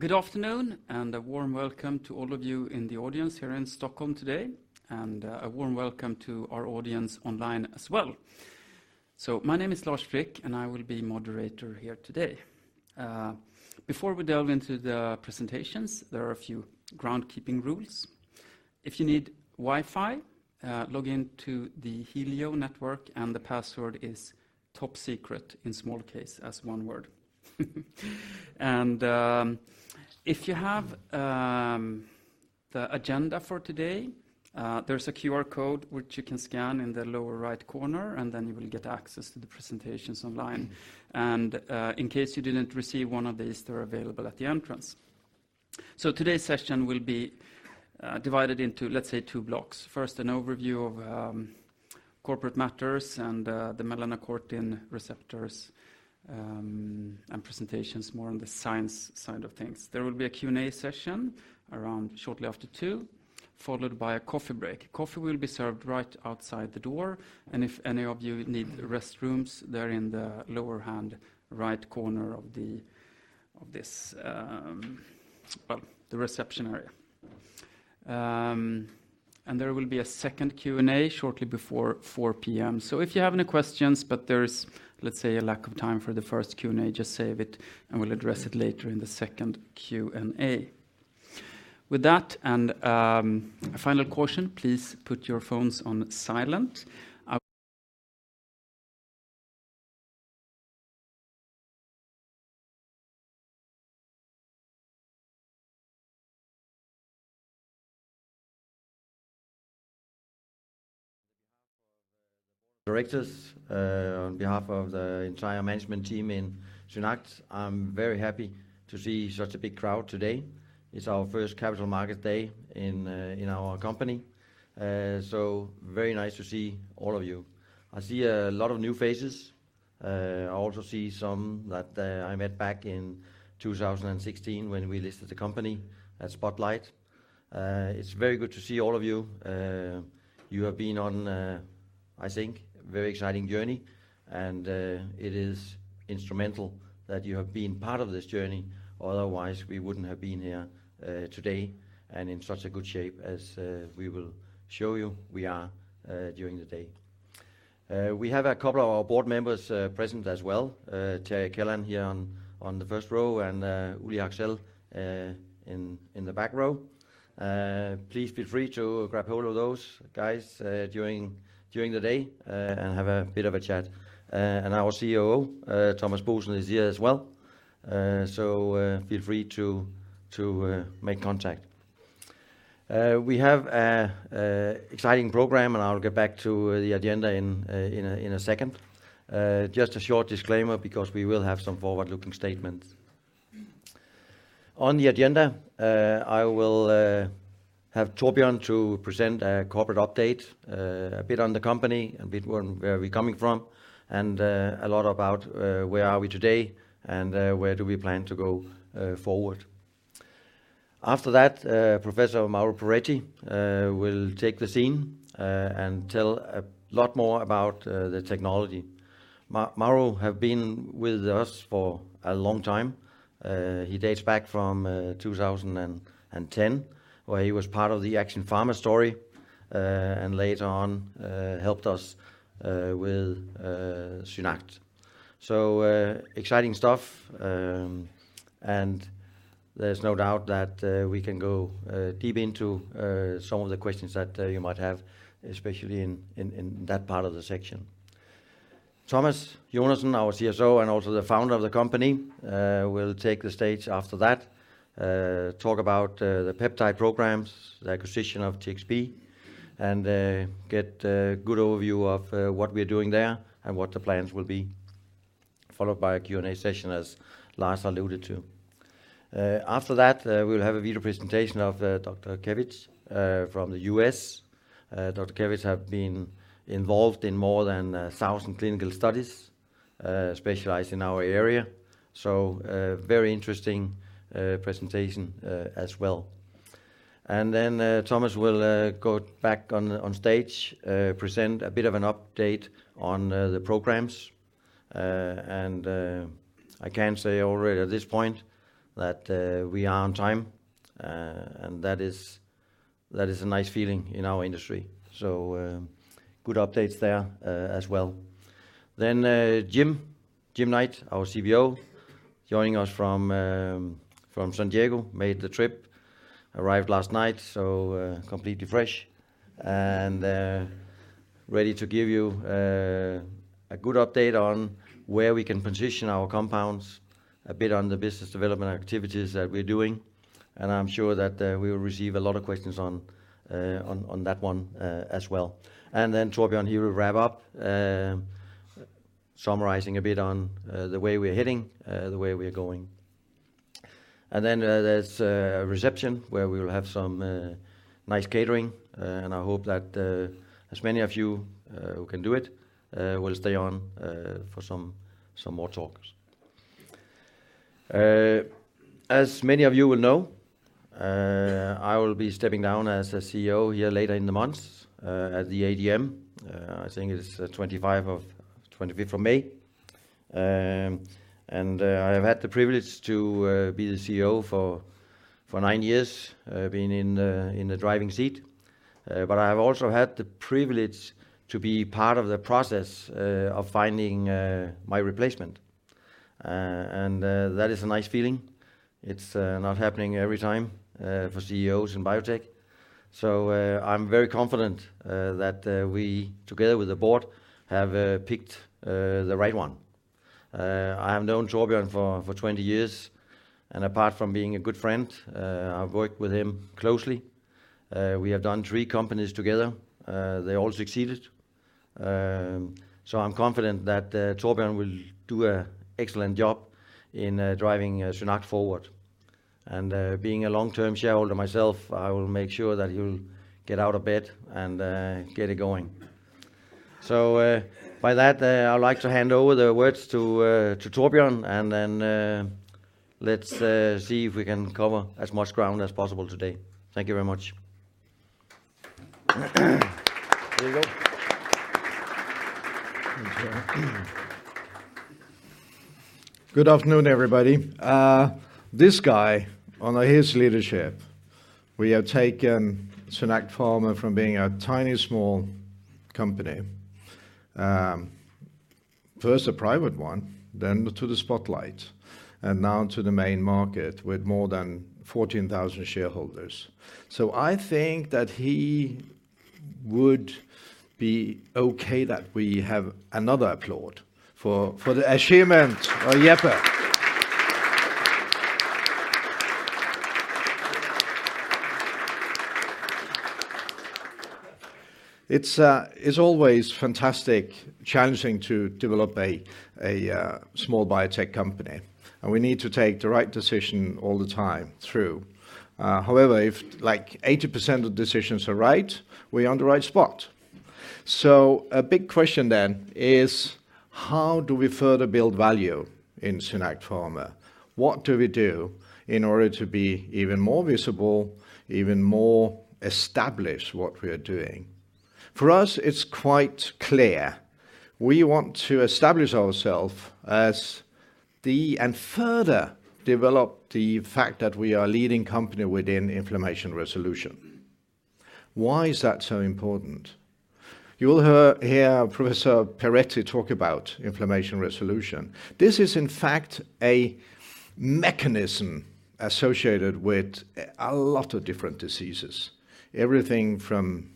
Good afternoon and a warm welcome to all of you in the audience here in Stockholm today, and a warm welcome to our audience online as well. My name is Lars Frick, and I will be moderator here today. Before we delve into the presentations, there are a few groundkeeping rules. If you need Wi-Fi, log in to the Helio network, and the password is topsecret in small case as one word. If you have the agenda for today, there's a QR code which you can scan in the lower right corner, and then you will get access to the presentations online. In case you didn't receive one of these, they're available at the entrance. Today's session will be divided into, let's say, two blocks. First, an overview of corporate matters and the melanocortin receptors and presentations more on the science side of things. There will be a Q&A session around shortly after 2:00 P.M., followed by a coffee break. Coffee will be served right outside the door, and if any of you need restrooms, they're in the lower hand right corner of this reception area. There will be a second Q&A shortly before 4:00 P.M. If you have any questions, but there is, let's say, a lack of time for the first Q&A, just save it, and we'll address it later in the second Q&A. With that, a final caution, please put your phones on silent. Directors, on behalf of the entire management team in SynAct, I'm very happy to see such a big crowd today. It's our first Capital Markets Day in our company. Very nice to see all of you. I see a lot of new faces. I also see some that I met back in 2016 when we listed the company as Spotlight. It's very good to see all of you. You have been on a, I think, very exciting journey, and it is instrumental that you have been part of this journey, otherwise we wouldn't have been here today and in such a good shape as we will show you we are during the day. We have a couple of our board members present as well, Tore Kvam here on the first row and Uli Hacksell in the back row. Please feel free to grab hold of those guys during the day and have a bit of a chat. Our COO Thomas Boesen is here as well. Feel free to make contact. We have a exciting program, and I'll get back to the agenda in a second. Just a short disclaimer because we will have some forward-looking statements. On the agenda, I will have Torbjørn to present a corporate update, a bit on the company, a bit on where we're coming from, and a lot about where are we today and where do we plan to go forward. After that, Professor Mauro Perretti will take the scene and tell a lot more about the technology. Mauro have been with us for a long time. He dates back from 2010, where he was part of the Action Pharma story, and later on helped us with SynAct. Exciting stuff, and there's no doubt that we can go deep into some of the questions that you might have, especially in that part of the section. Thomas Jonassen, our CSO, and also the founder of the company, will take the stage after that, talk about the peptide programs, the acquisition of TXP, and get a good overview of what we're doing there and what the plans will be, followed by a Q&A session, as Lars alluded to. After that, we'll have a video presentation of Dr. Alan Kivitz from the U.S. Dr. Alan Kivitz have been involved in more than 1,000 clinical studies, specialized in our area. Very interesting presentation as well. Thomas will go back on stage, present a bit of an update on the programs. I can say already at this point that we are on time, and that is a nice feeling in our industry. re as well. Jim Knight, our CBO, joining us from San Diego, made the trip, arrived last night, so completely fresh and ready to give you a good update on where we can position our compounds, a bit on the business development activities that we're doing, and I'm sure that we will receive a lot of questions on that one as well. Torbjörn will wrap up, summarizing a bit on the way we're heading, the way we're going. There's a reception where we will have some nice catering, and I hope that as many of you who can do it, will stay on for some more talks. As many of you will know, I will be stepping down as a CEO here later in the months, at the AGM. I think it's 25th of May. I have had the privilege to be the CEO for nine years, being in the driving seat. I have also had the privilege to be part of the process of finding my replacement. That is a nice feeling. It's not happening every time for CEOs in biotech. I'm very confident that we together with the board have picked the right one. I have known Torbjørn for 20 years, and apart from being a good friend, I've worked with him closely. We have done 3 companies together. They all succeeded. I'm confident that Torbjørn will do a excellent job in driving SynAct forward. Being a long-term shareholder myself, I will make sure that he'll get out of bed and get it going. By that, I would like to hand over the words to Torbjørn, let's see if we can cover as much ground as possible today. Thank you very much. Here you go. Thank you. Good afternoon, everybody. This guy, under his leadership, we have taken SynAct Pharma from being a tiny small company, first a private one, then to the Spotlight, and now to the main market with more than 14,000 shareholders. I think that he would be okay that we have another applaud for the achievement of Jeppe. It's always fantastic challenging to develop a small biotech company, and we need to take the right decision all the time through. However, if like 80% of decisions are right, we're on the right spot. A big question then is: How do we further build value in SynAct Pharma? What do we do in order to be even more visible, even more established what we are doing? For us, it's quite clear. We want to establish ourself as the... Further develop the fact that we are leading company within inflammation resolution. Why is that so important? You will hear Professor Perretti talk about inflammation resolution. This is in fact a mechanism associated with a lot of different diseases. Everything from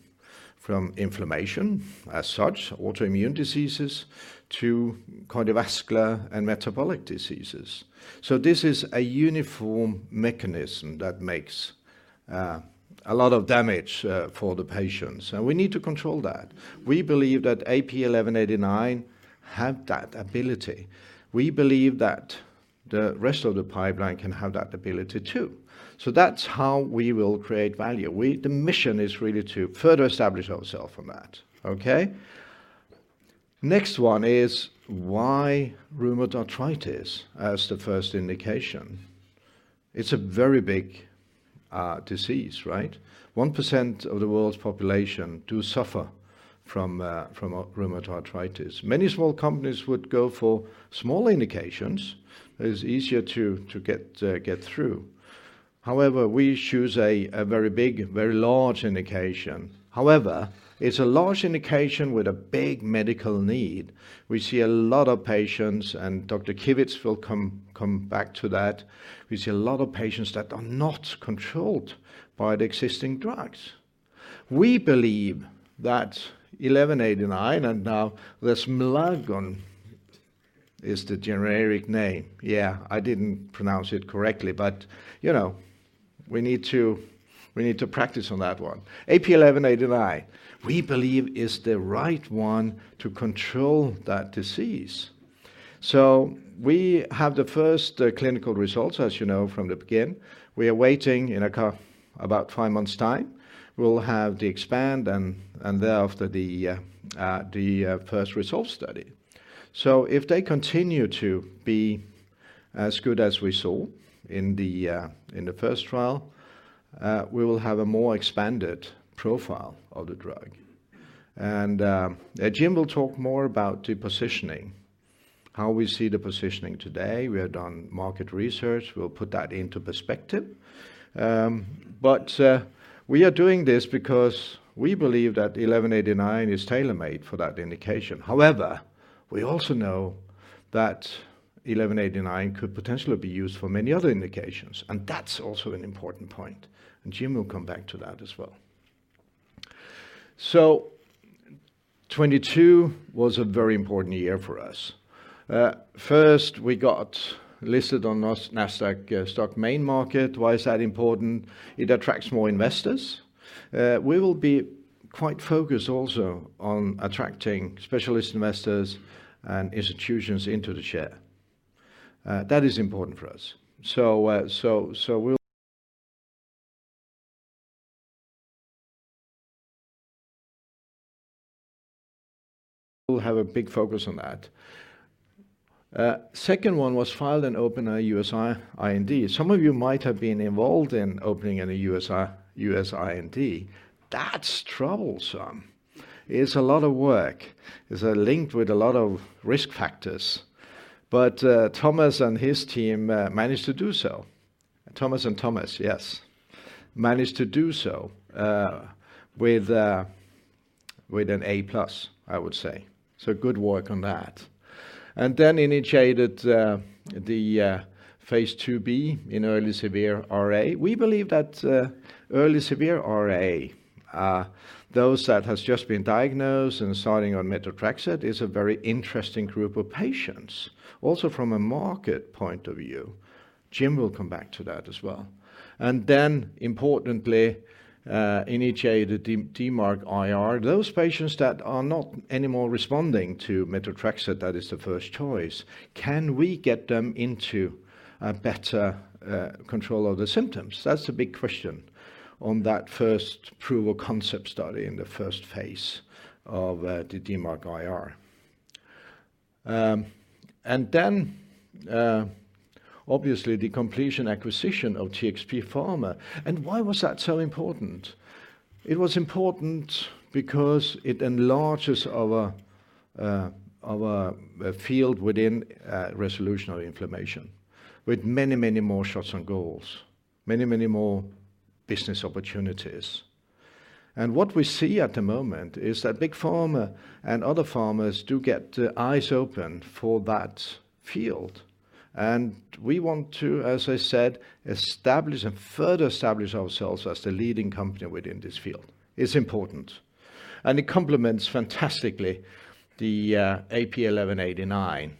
inflammation as such, autoimmune diseases, to cardiovascular and metabolic diseases. This is a uniform mechanism that makes a lot of damage for the patients, and we need to control that. We believe that AP1189 have that ability. We believe that the rest of the pipeline can have that ability too. That's how we will create value. The mission is really to further establish ourself on that. Okay? Next one is why rheumatoid arthritis as the first indication? It's a very big disease, right? 1% of the world's population do suffer from rheumatoid arthritis. Many small companies would go for small indications as easier to get through. However, we choose a very big, very large indication. However, it's a large indication with a big medical need. We see a lot of patients, and Dr. Alan Kivitz will come back to that. We see a lot of patients that are not controlled by the existing drugs. We believe that 1189 and now resomelagon is the generic name. Yeah, I didn't pronounce it correctly, but, you know, we need to practice on that one. AP1189, we believe is the right one to control that disease. We have the first clinical results, as you know from the BEGIN. We are waiting in about five months' time. We'll have the EXPAND and thereafter the first result study. If they continue to be as good as we saw in the first trial, we will have a more expanded profile of the drug. Jim will talk more about the positioning, how we see the positioning today. We have done market research. We'll put that into perspective. We are doing this because we believe that AP1189 is tailor-made for that indication. However, we also know that AP1189 could potentially be used for many other indications, and that's also an important point, and Jim will come back to that as well. 2022 was a very important year for us. First we got listed on Nasdaq stock main market. Why is that important? It attracts more investors. We will be quite focused also on attracting specialist investors and institutions into the share. That is important for us. We'll have a big focus on that. Second one was filed in open U.S., IND. Some of you might have been involved in opening an U.S., IND. That's troublesome. It's a lot of work. It's linked with a lot of risk factors. Thomas and his team managed to do so. Thomas and Thomas, yes, managed to do so with an A+, I would say. Good work on that. Initiated the Phase IIb in early severe RA. We believe that early severe RA, those that has just been diagnosed and starting on methotrexate is a very interesting group of patients. Also from a market point of view. Jim will come back to that as well. Importantly, initiated the DMARD-IR. Those patients that are not anymore responding to methotrexate, that is the first choice, can we get them into a better control of the symptoms? That's the big question on that first proof of concept study in the first phase of the DMARD-IR. Then, obviously the completion acquisitio`n of TxP Pharma. Why was that so important? It was important because it enlarges our field within resolution of inflammation with many, many more shots on goals, many, many more business opportunities. What we see at the moment is that Big Pharma and other pharmas do get their eyes open for that field. We want to, as I said, establish and further establish ourselves as the leading company within this field. It's important. It complements fantastically the AP1189.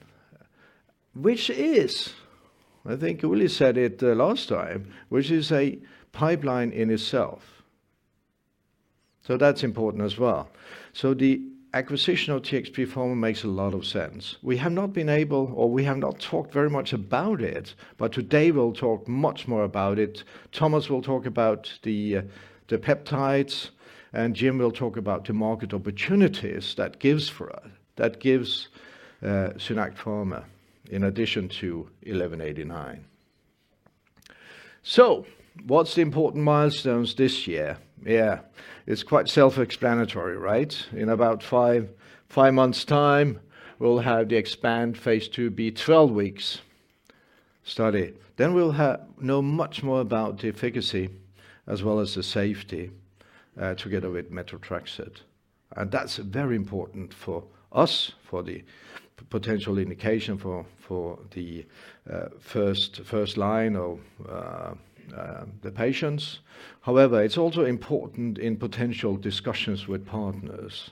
Which is, I think Willy said it last time, which is a pipeline in itself. That's important as well. The acquisition of TxP Pharma makes a lot of sense. We have not been able or we have not talked very much about it, but today we'll talk much more about it. Thomas will talk about the peptides, and Jim will talk about the market opportunities that gives for us, that gives SynAct Pharma in addition to AP1189. What's the important milestones this year? Yeah. It's quite self-explanatory, right? In about 5 months' time, we'll have the EXPAND Phase IIb, 12 weeks study. We'll know much more about the efficacy as well as the safety together with methotrexate. That's very important for us, for the potential indication for the first line of the patients. However, it's also important in potential discussions with partners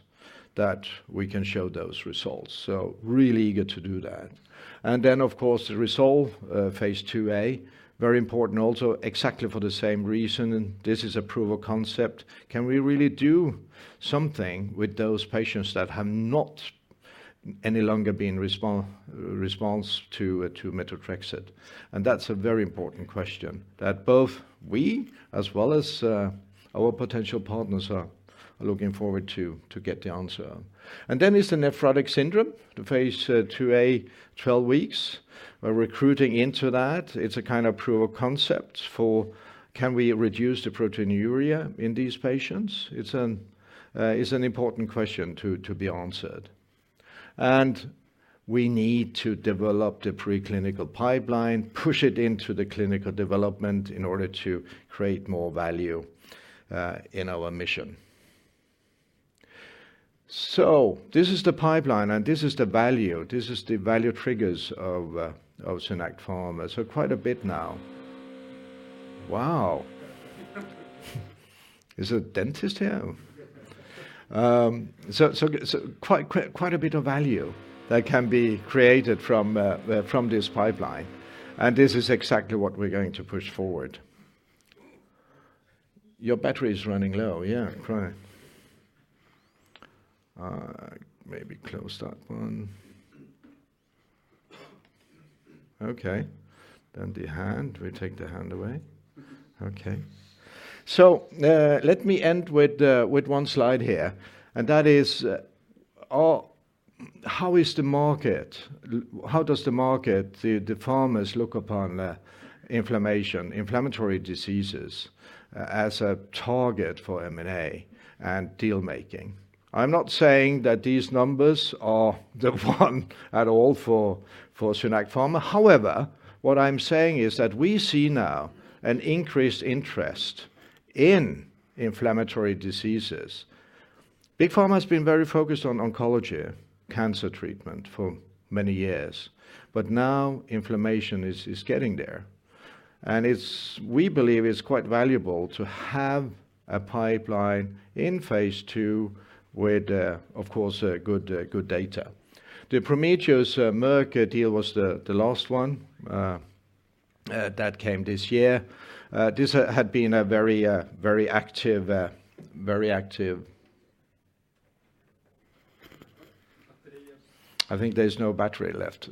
that we can show those results. Really eager to do that. Then of course, the RESOLVE Phase IIa, very important also exactly for the same reason. This is a proof of concept. Can we really do something with those patients that have not any longer been response to methotrexate? That's a very important question that both we as well as our potential partners are looking forward to get the answer. Then it's the nephrotic syndrome, the Phase IIa, 12 weeks. We're recruiting into that. It's a kind of proof of concept for can we reduce the proteinuria in these patients. It's an important question to be answered. We need to develop the preclinical pipeline, push it into the clinical development in order to create more value in our mission. This is the pipeline, and this is the value. This is the value triggers of SynAct Pharma. Quite a bit now. Wow. Is a dentist here? Quite a bit of value that can be created from this pipeline. This is exactly what we're going to push forward. Your battery is running low. Yeah. Right. Maybe close that one. Okay. The hand, we take the hand away. Okay. Let me end with one slide here, and that is, oh, how is the market? How does the market, the pharmas look upon inflammation, inflammatory diseases as a target for M&A and deal making? I'm not saying that these numbers are the one at all for SynAct Pharma. What I'm saying is that we see now an increased interest in inflammatory diseases. Big Pharma has been very focused on oncology, cancer treatment for many years, now inflammation is getting there. We believe it's quite valuable to have a pipeline in Phase II with, of course, good data. The Prometheus Merck deal was the last one that came this year. This had been a very active. Batteries. I think there's no battery left.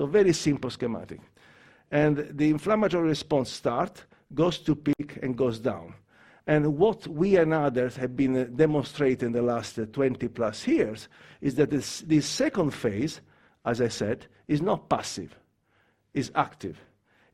Okay. Very simple schematic. The inflammatory response start, goes to peak, and goes down. What we and others have been demonstrating the last 20+ years is that this second phase, as I said, is not passive, is active.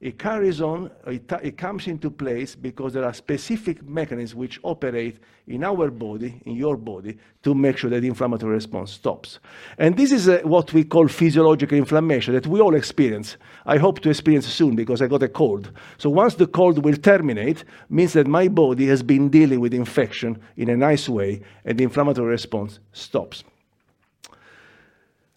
It carries on. It comes into place because there are specific mechanisms which operate in our body, in your body, to make sure that inflammatory response stops. This is what we call physiological inflammation that we all experience, I hope to experience soon because I got a cold. Once the cold will terminate, means that my body has been dealing with infection in a nice way, and the inflammatory response stops.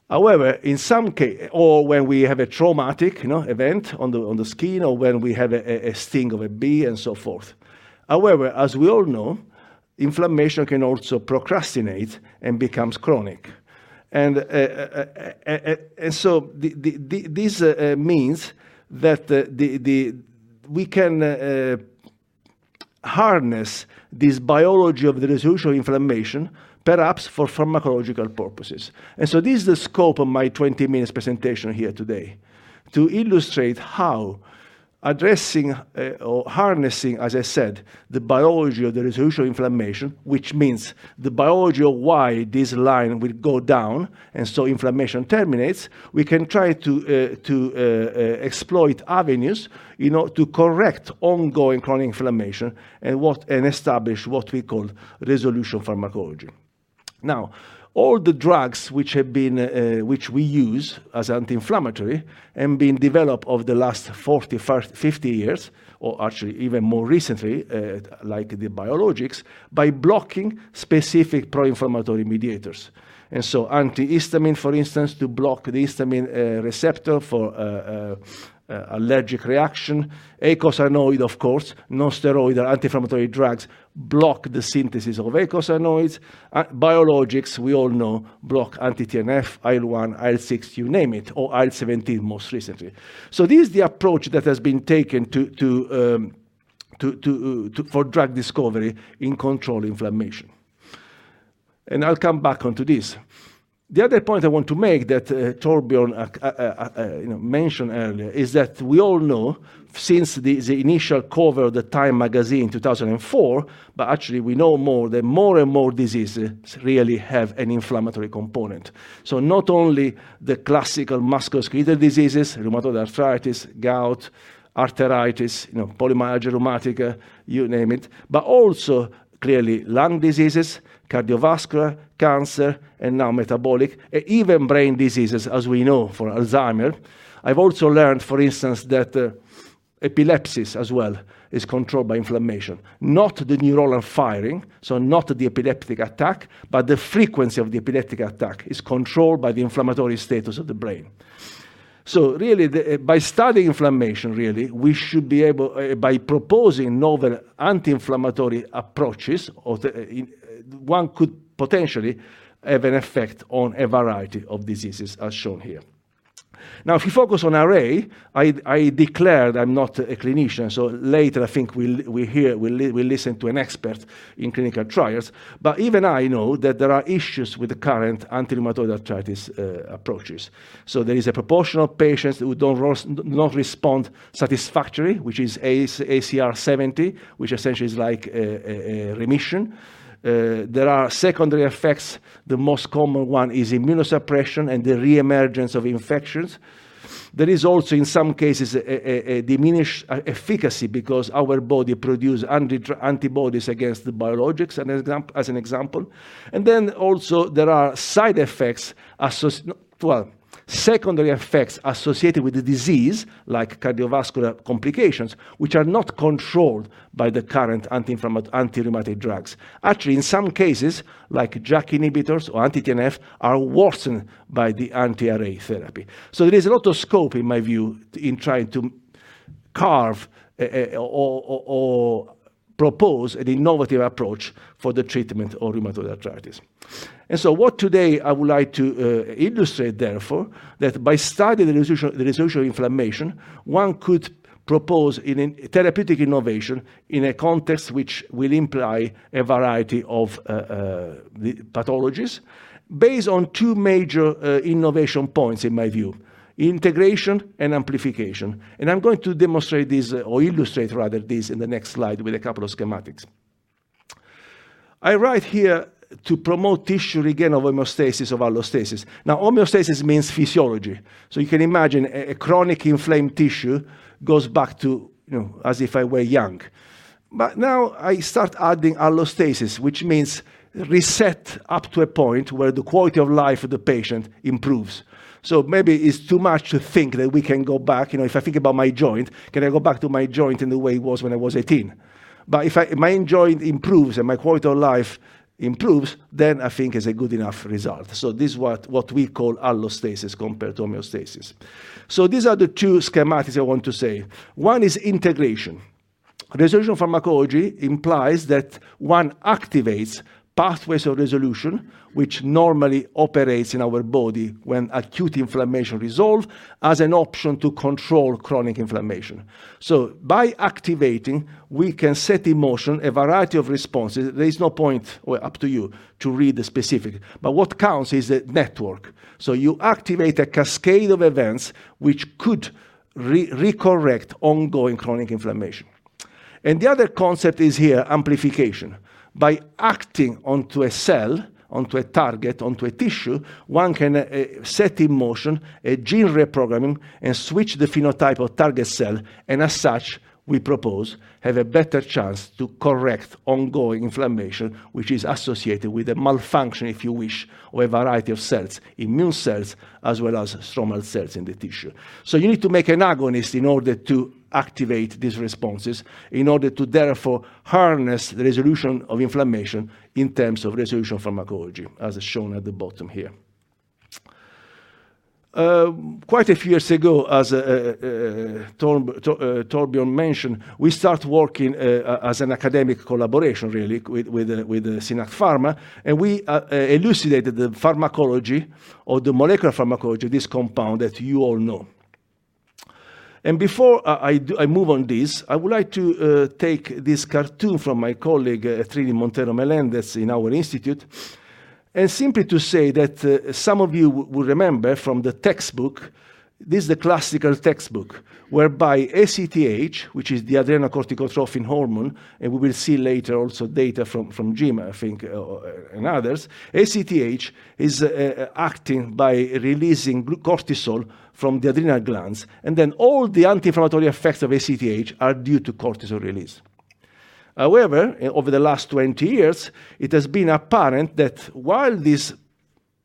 However, in some or when we have a traumatic, you know, event on the skin or when we have a sting of a bee and so forth. However, as we all know, inflammation can also procrastinate and becomes chronic. This means that the we can harness this biology of the resolution inflammation perhaps for pharmacological purposes. This is the scope of my 20 minutes presentation here today, to illustrate how addressing or harnessing, as I said, the biology of the resolution inflammation, which means the biology of why this line will go down and so inflammation terminates, we can try to exploit avenues, you know, to correct ongoing chronic inflammation and establish what we call resolution pharmacology. All the drugs which have been which we use as anti-inflammatory and been developed over the last 40, 50 years or actually even more recently, like the biologics, by blocking specific pro-inflammatory mediators. Antihistamine, for instance, to block the histamine receptor for allergic reaction. Eicosanoid, of course, non-steroidal anti-inflammatory drugs block the synthesis of eicosanoids. Biologics, we all know block anti-TNF, IL-1, IL-6, you name it, or IL-17 most recently. This is the approach that has been taken for drug discovery in controlled inflammation. I'll come back onto this. The other point I want to make that Torbjörn, you know, mentioned earlier is that we all know since the initial cover of the Time magazine in 2004, but actually we know more, that more and more diseases really have an inflammatory component. Not only the classical musculoskeletal diseases, rheumatoid arthritis, gout, arteritis, you know, polymyalgia rheumatica, you name it. Also clearly lung diseases, cardiovascular, cancer, and now metabolic, even brain diseases as we know for Alzheimer. I've also learned, for instance, that epilepsy as well is controlled by inflammation, not the neuronal firing, so not the epileptic attack, but the frequency of the epileptic attack is controlled by the inflammatory status of the brain. Really by studying inflammation really, we should be able by proposing novel anti-inflammatory approaches one could potentially have an effect on a variety of diseases as shown here. If you focus on RA, I declared I'm not a clinician, so later I think we'll, we hear, we'll listen to an expert in clinical trials. Even I know that there are issues with the current anti-rheumatoid arthritis approaches. There is a proportion of patients who don't not respond satisfactorily, which is ACR70, which essentially is like a remission. There are secondary effects. The most common one is immunosuppression and the re-emergence of infections. There is also, in some cases, a diminished efficacy because our body produce antibodies against the biologics, as an example. Also there are side effects, well, secondary effects associated with the disease like cardiovascular complications, which are not controlled by the current anti-rheumatic drugs. Actually, in some cases like JAK inhibitors or anti-TNF are worsened by the anti-RA therapy. There is a lot of scope, in my view, in trying to carve a or propose an innovative approach for the treatment of rheumatoid arthritis. What today I would like to illustrate, therefore, that by studying the resolution inflammation, one could propose in a therapeutic innovation in a context which will imply a variety of the pathologies based on two major innovation points in my view: integration and amplification. I'm going to demonstrate this or illustrate rather this in the next slide with a couple of schematics. I write here to promote tissue regain of homeostasis, of allostasis. Homeostasis means physiology. You can imagine a chronic inflamed tissue goes back to, you know, as if I were young. Now I start adding allostasis, which means reset up to a point where the quality of life of the patient improves. Maybe it's too much to think that we can go back. You know, if I think about my joint, can I go back to my joint in the way it was when I was 18? If my joint improves and my quality of life improves, then I think it's a good enough result. This is what we call allostasis compared to homeostasis. These are the two schematics I want to say. One is integration. Resolution pharmacology implies that one activates pathways of resolution which normally operates in our body when acute inflammation resolve as an option to control chronic inflammation. By activating, we can set in motion a variety of responses. There is no point, well up to you, to read the specific, what counts is the network. You activate a cascade of events which could re-correct ongoing chronic inflammation. The other concept is here amplification. By acting onto a cell, onto a target, onto a tissue, one can set in motion a gene reprogramming and switch the phenotype of target cell. As such, we propose, have a better chance to correct ongoing inflammation which is associated with a malfunction, if you wish, of a variety of cells, immune cells as well as stromal cells in the tissue. You need to make an agonist in order to activate these responses, in order to therefore harness the resolution of inflammation in terms of resolution pharmacology, as is shown at the bottom here. Quite a few years ago, as Torbjörn mentioned, we start working as an academic collaboration really with SynAct Pharma, and we elucidated the pharmacology or the molecular pharmacology of this compound that you all know. Before I move on this, I would like to take this cartoon from my colleague Trini Montero-Melendez in our institute, simply to say that some of you will remember from the textbook, this is the classical textbook, whereby ACTH, which is the adrenocorticotropic hormone, and we will see later also data from Jim, I think, and others. ACTH is acting by releasing cortisol from the adrenal glands, and then all the anti-inflammatory effects of ACTH are due to cortisol release. However, over the last 20 years, it has been apparent that while this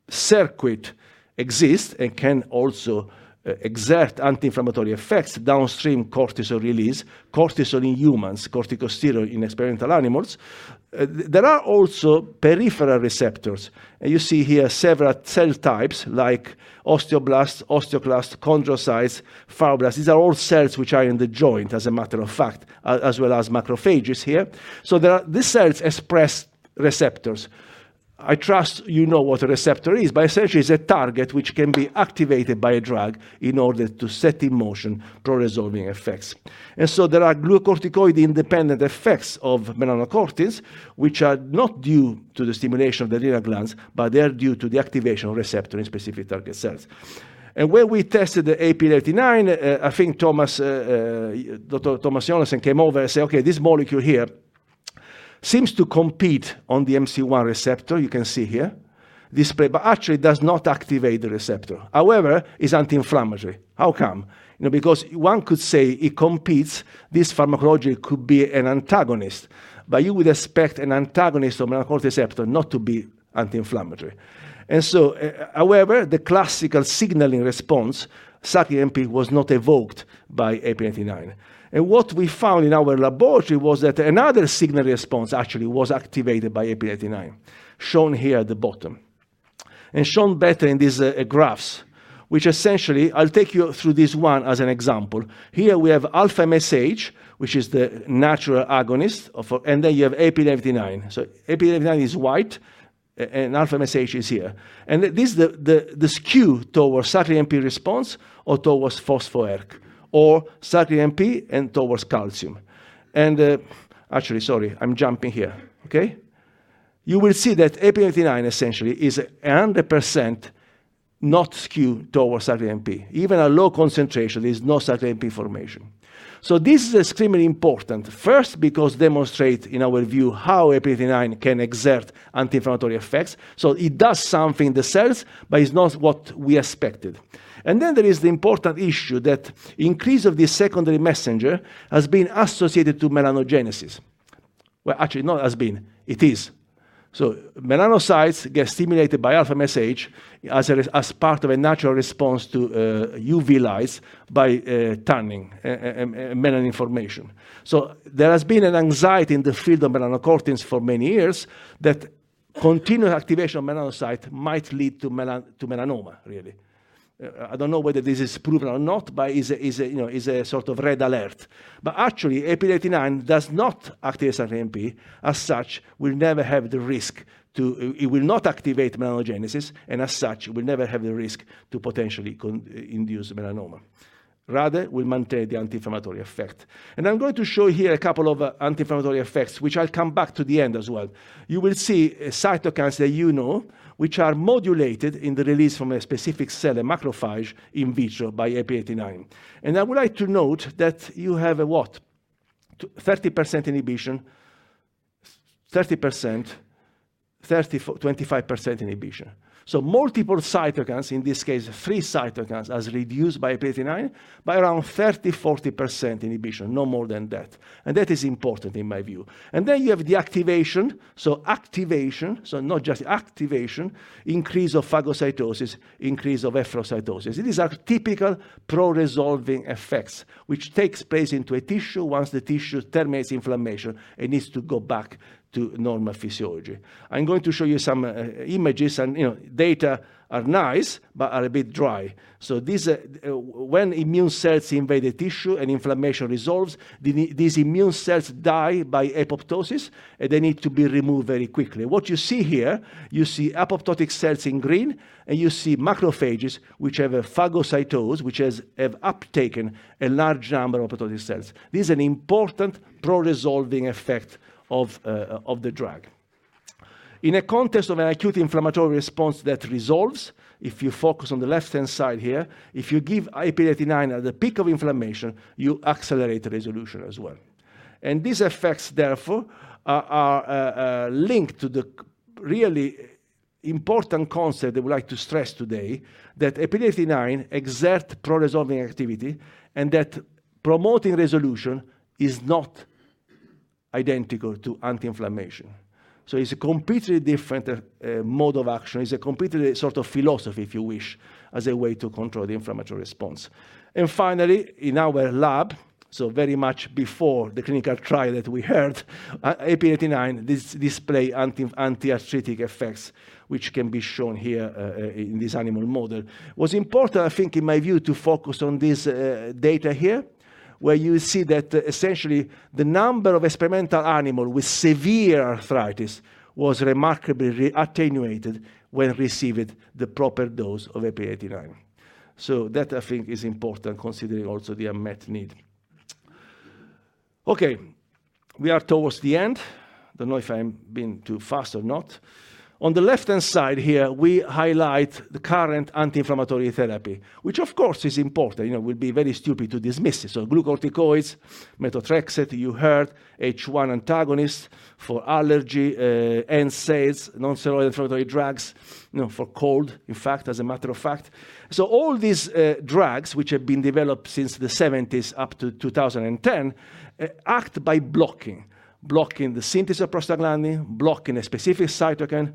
circuit exists and can also exert anti-inflammatory effects downstream cortisol release, cortisol in humans, corticosteroid in experimental animals, there are also peripheral receptors. You see here several cell types like osteoblasts, osteoclast, chondrocytes, fibroblasts. These are all cells which are in the joint, as a matter of fact, as well as macrophages here. These cells express receptors. I trust you know what a receptor is, but essentially it's a target which can be activated by a drug in order to set in motion pro-resolving effects. There are glucocorticoid-independent effects of melanocortins which are not due to the stimulation of the adrenal glands, but they are due to the activation of receptor in specific target cells. When we tested the AP1189, I think Dr. Thomas Jonassen came over and said, "Okay, this molecule here seems to compete on the MC1 receptor," you can see here, "this play, but actually does not activate the receptor." However, it's anti-inflammatory. How come?" You know, because one could say it competes, this pharmacology could be an antagonist, but you would expect an antagonist of melanocortin receptor not to be anti-inflammatory. However, the classical signaling response, cyclic AMP, was not evoked by AP1189. What we found in our laboratory was that another signal response actually was activated by AP1189, shown here at the bottom, and shown better in these graphs, which essentially. I'll take you through this one as an example. Here we have α-MSH, which is the natural agonist of. Then you have AP1189. AP1189 is white and α-MSH is here. This the skew towards cyclic AMP response or towards phospho-ERK or cyclic AMP and towards calcium. Actually, sorry, I'm jumping here. Okay? You will see that AP1189 essentially is 100% not skewed towards cyclic AMP. Even a low concentration, there's no cyclic AMP formation. This is extremely important, first because demonstrate in our view how AP1189 can exert anti-inflammatory effects. It does something in the cells, but it's not what we expected. There is the important issue that increase of this secondary messenger has been associated to melanogenesis. Well, actually not has been, it is. Melanocytes get stimulated by α-MSH as a, as part of a natural response to UV lights by tanning, melanin formation. There has been an anxiety in the field of melanocortins for many years that continual activation of melanocyte might lead to melanoma, really. I don't know whether this is proven or not, but is a, you know, is a sort of red alert. Actually, AP1189 does not act as an AMP, as such will never have the risk to. It will not activate melanogenesis, and as such will never have the risk to potentially induce melanoma. Rather, will maintain the anti-inflammatory effect. I'm going to show here a couple of anti-inflammatory effects, which I'll come back to the end as well. You will see cytokines that you know which are modulated in the release from a specific cell, a macrophage, in vitro by AP1189. I would like to note that you have a what? 30% inhibition, 30%, 25% inhibition. Multiple cytokines, in this case 3 cytokines, as reduced by AP1189 by around 30%-40% inhibition, no more than that. That is important in my view. You have the activation, Activation, increase of phagocytosis, increase of efferocytosis. These are typical pro-resolving effects, which takes place into a tissue once the tissue terminates inflammation and needs to go back to normal physiology. I'm going to show you some images and, you know, data are nice but are a bit dry. These are when immune cells invade a tissue and inflammation resolves, these immune cells die by apoptosis, and they need to be removed very quickly. What you see here, you see apoptotic cells in green, and you see macrophages which have uptaken a large number of apoptotic cells. This is an important pro-resolving effect of the drug. In a context of an acute inflammatory response that resolves, if you focus on the left-hand side here, if you give AP1189 at the peak of inflammation, you accelerate the resolution as well. These effects, therefore, are linked to the really important concept that we like to stress today that AP1189 exert pro-resolving activity, and that promoting resolution is not identical to anti-inflammation. It's a completely different mode of action. It's a completely sort of philosophy, if you wish, as a way to control the inflammatory response. Finally, in our lab, very much before the clinical trial that we heard, AP1189 display antiarthritic effects which can be shown here in this animal model. What's important, I think, in my view, to focus on this data here, where you see that essentially the number of experimental animal with severe arthritis was remarkably attenuated when received the proper dose of AP1189. That I think is important considering also the unmet need. Okay, we are towards the end. Don't know if I'm being too fast or not. On the left-hand side here, we highlight the current anti-inflammatory therapy, which of course is important. You know, it would be very stupid to dismiss this. Glucocorticoids, methotrexate, you heard H1 antagonist for allergy, NSAIDs, non-steroidal inflammatory drugs, you know, for cold, in fact, as a matter of fact. All these drugs which have been developed since the seventies up to 2010, act by blocking. Blocking the synthesis of prostaglandin, blocking a specific cytokine,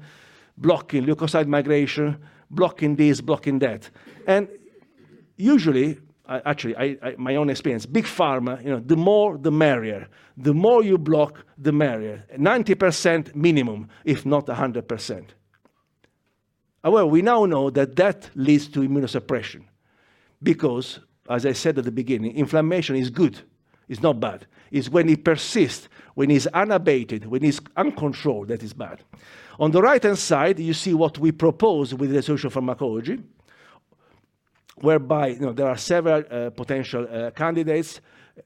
blocking leukocyte migration, blocking this, blocking that. Usually, I actually, my own experience, big pharma, you know, the more the merrier. The more you block, the merrier. 90% minimum, if not 100%. However, we now know that that leads to immunosuppression because, as I said at the beginning, inflammation is good. It's not bad. It's when it persists, when it's unabated, when it's uncontrolled, that is bad. On the right-hand side, you see what we propose with the resolution pharmacology, whereby, you know, there are several potential candidates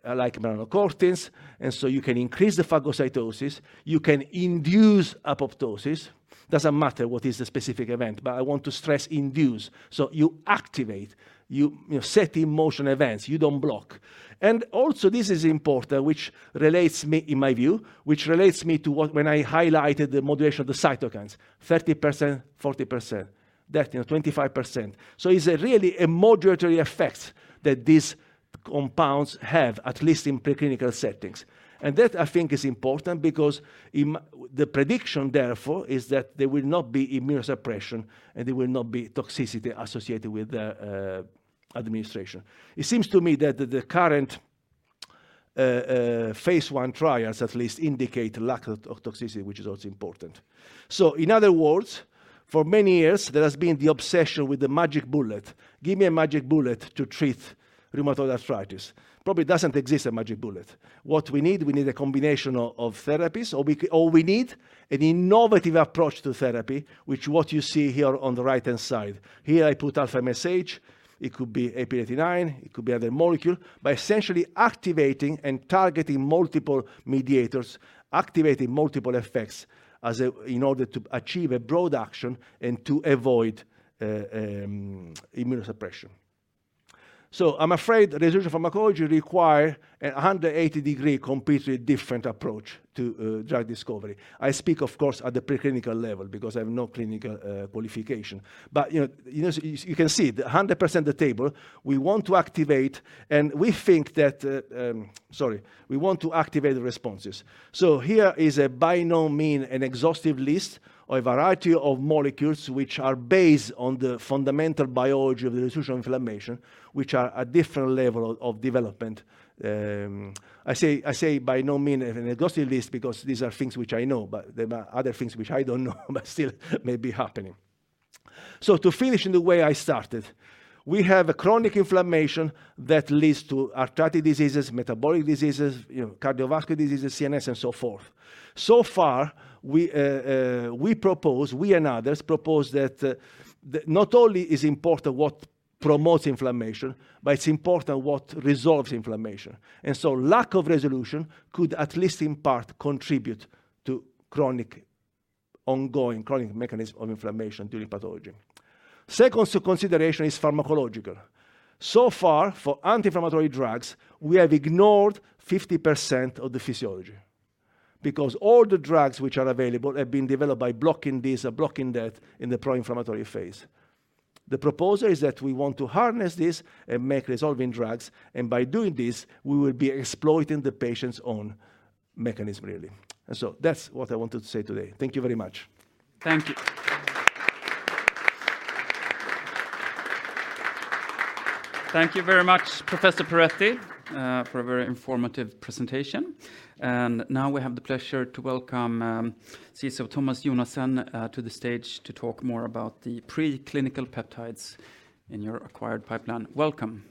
like melanocortins. You can increase the phagocytosis, you can induce apoptosis. Doesn't matter what is the specific event, but I want to stress induce. You activate, you set in motion events, you don't block. This is important, in my view, which relates me to what when I highlighted the moderation of the cytokines, 30%, 40%, that, you know, 25%. It's a really a moderatory effect that these compounds have, at least in preclinical settings. That, I think, is important because the prediction, therefore, is that there will not be immunosuppression, and there will not be toxicity associated with the administration. It seems to me that the current Phase I trials at least indicate lack of toxicity, which is also important. For many years, there has been the obsession with the magic bullet. Give me a magic bullet to treat rheumatoid arthritis. Probably doesn't exist, a magic bullet. What we need, we need a combination of therapies, or we need an innovative approach to therapy, which what you see here on the right-hand side. Here I put α-MSH. It could be AP 89, it could be other molecule. By essentially activating and targeting multiple mediators, activating multiple effects as a, in order to achieve a broad action and to avoid immunosuppression. I'm afraid resolution pharmacology require an 180-degree completely different approach to drug discovery. I speak, of course, at the preclinical level because I have no clinical qualification. You know, you can see the 100% the table, we want to activate. We think that. Sorry, we want to activate the responses. Here is by no mean an exhaustive list of a variety of molecules which are based on the fundamental biology of the resolution of inflammation, which are at different level of development. I say by no mean an exhaustive list because these are things which I know, but there are other things which I don't know but still may be happening. To finish in the way I started, we have a chronic inflammation that leads to arthritic diseases, metabolic diseases, you know, cardiovascular diseases, CNS, and so forth. Far, we propose, we and others propose that not only is important what promotes inflammation, but it's important what resolves inflammation. Lack of resolution could, at least in part, contribute to ongoing chronic mechanism of inflammation during pathology. Second consideration is pharmacological. So far, for anti-inflammatory drugs, we have ignored 50% of the physiology because all the drugs which are available have been developed by blocking this or blocking that in the pro-inflammatory phase. The proposal is that we want to harness this and make resolving drugs, and by doing this, we will be exploiting the patient's own mechanism, really. That's what I wanted to say today. Thank you very much. Thank you. Thank you very much, Professor Perretti, for a very informative presentation. Now we have the pleasure to welcome CSO Thomas Jonassen to the stage to talk more about the preclinical peptides in your acquired pipeline. Welcome.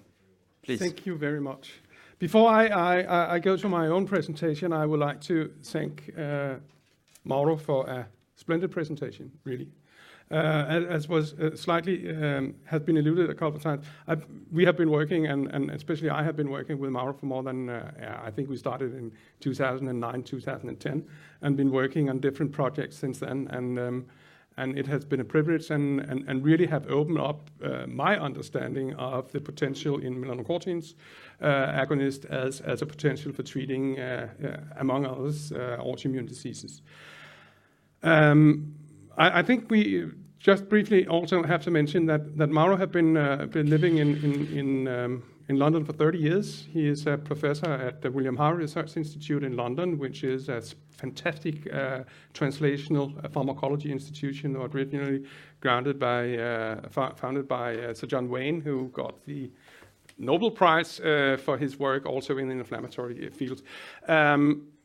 Please. Thank you very much. Before I go to my own presentation, I would like to thank Mauro for a splendid presentation really. As was slightly alluded a couple times, we have been working and especially I have been working with Mauro for more than I think we started in 2009, 2010, and been working on different projects since then. It has been a privilege and really have opened up my understanding of the potential in melanocortins agonist as a potential for treating among others autoimmune diseases. I think we just briefly also have to mention that Mauro had been living in London for 30 years. He is a professor at the William Harvey Research Institute in London, which is a fantastic translational pharmacology institution originally founded by Sir John Vane, who got the Nobel Prize for his work also in the inflammatory field.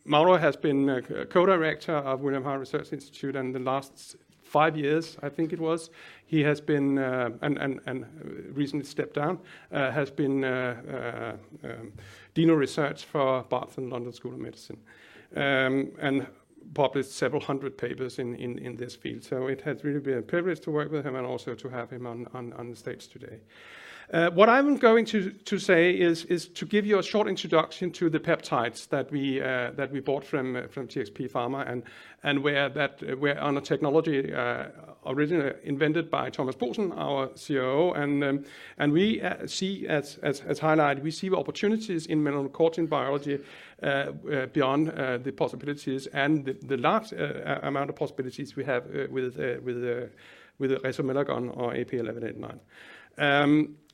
Mauro has been a co-director of William Harvey Research Institute, and the last five years, I think it was, he has been and recently stepped down, has been dean of research for Barts and London School of Medicine, and published several hundred papers in this field. It has really been a privilege to work with him and also to have him on the stage today. What I'm going to say is to give you a short introduction to the peptides that we bought from TxP Pharma and where that where on a technology originally invented by Thomas Poulsen, our COO. We see as highlighted, we see opportunities in melanocortin biology beyond the possibilities and the large amount of possibilities we have with the Resomelagon or AP1189.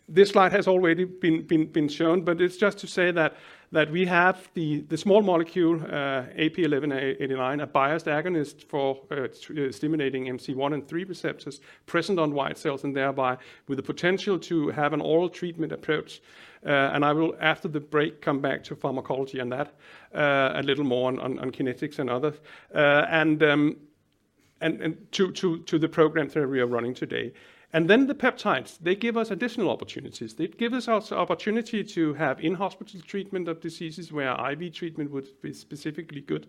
This slide has already been shown, but it's just to say that we have the small molecule AP1189, a biased agonist for stimulating MC1 and 3 receptors present on white cells and thereby with the potential to have an oral treatment approach. And I will, after the break, come back to pharmacology and that, a little more on kinetics and others. To the program that we are running today. The peptides, they give us additional opportunities. They give us also opportunity to have in-hospital treatment of diseases where IV treatment would be specifically good.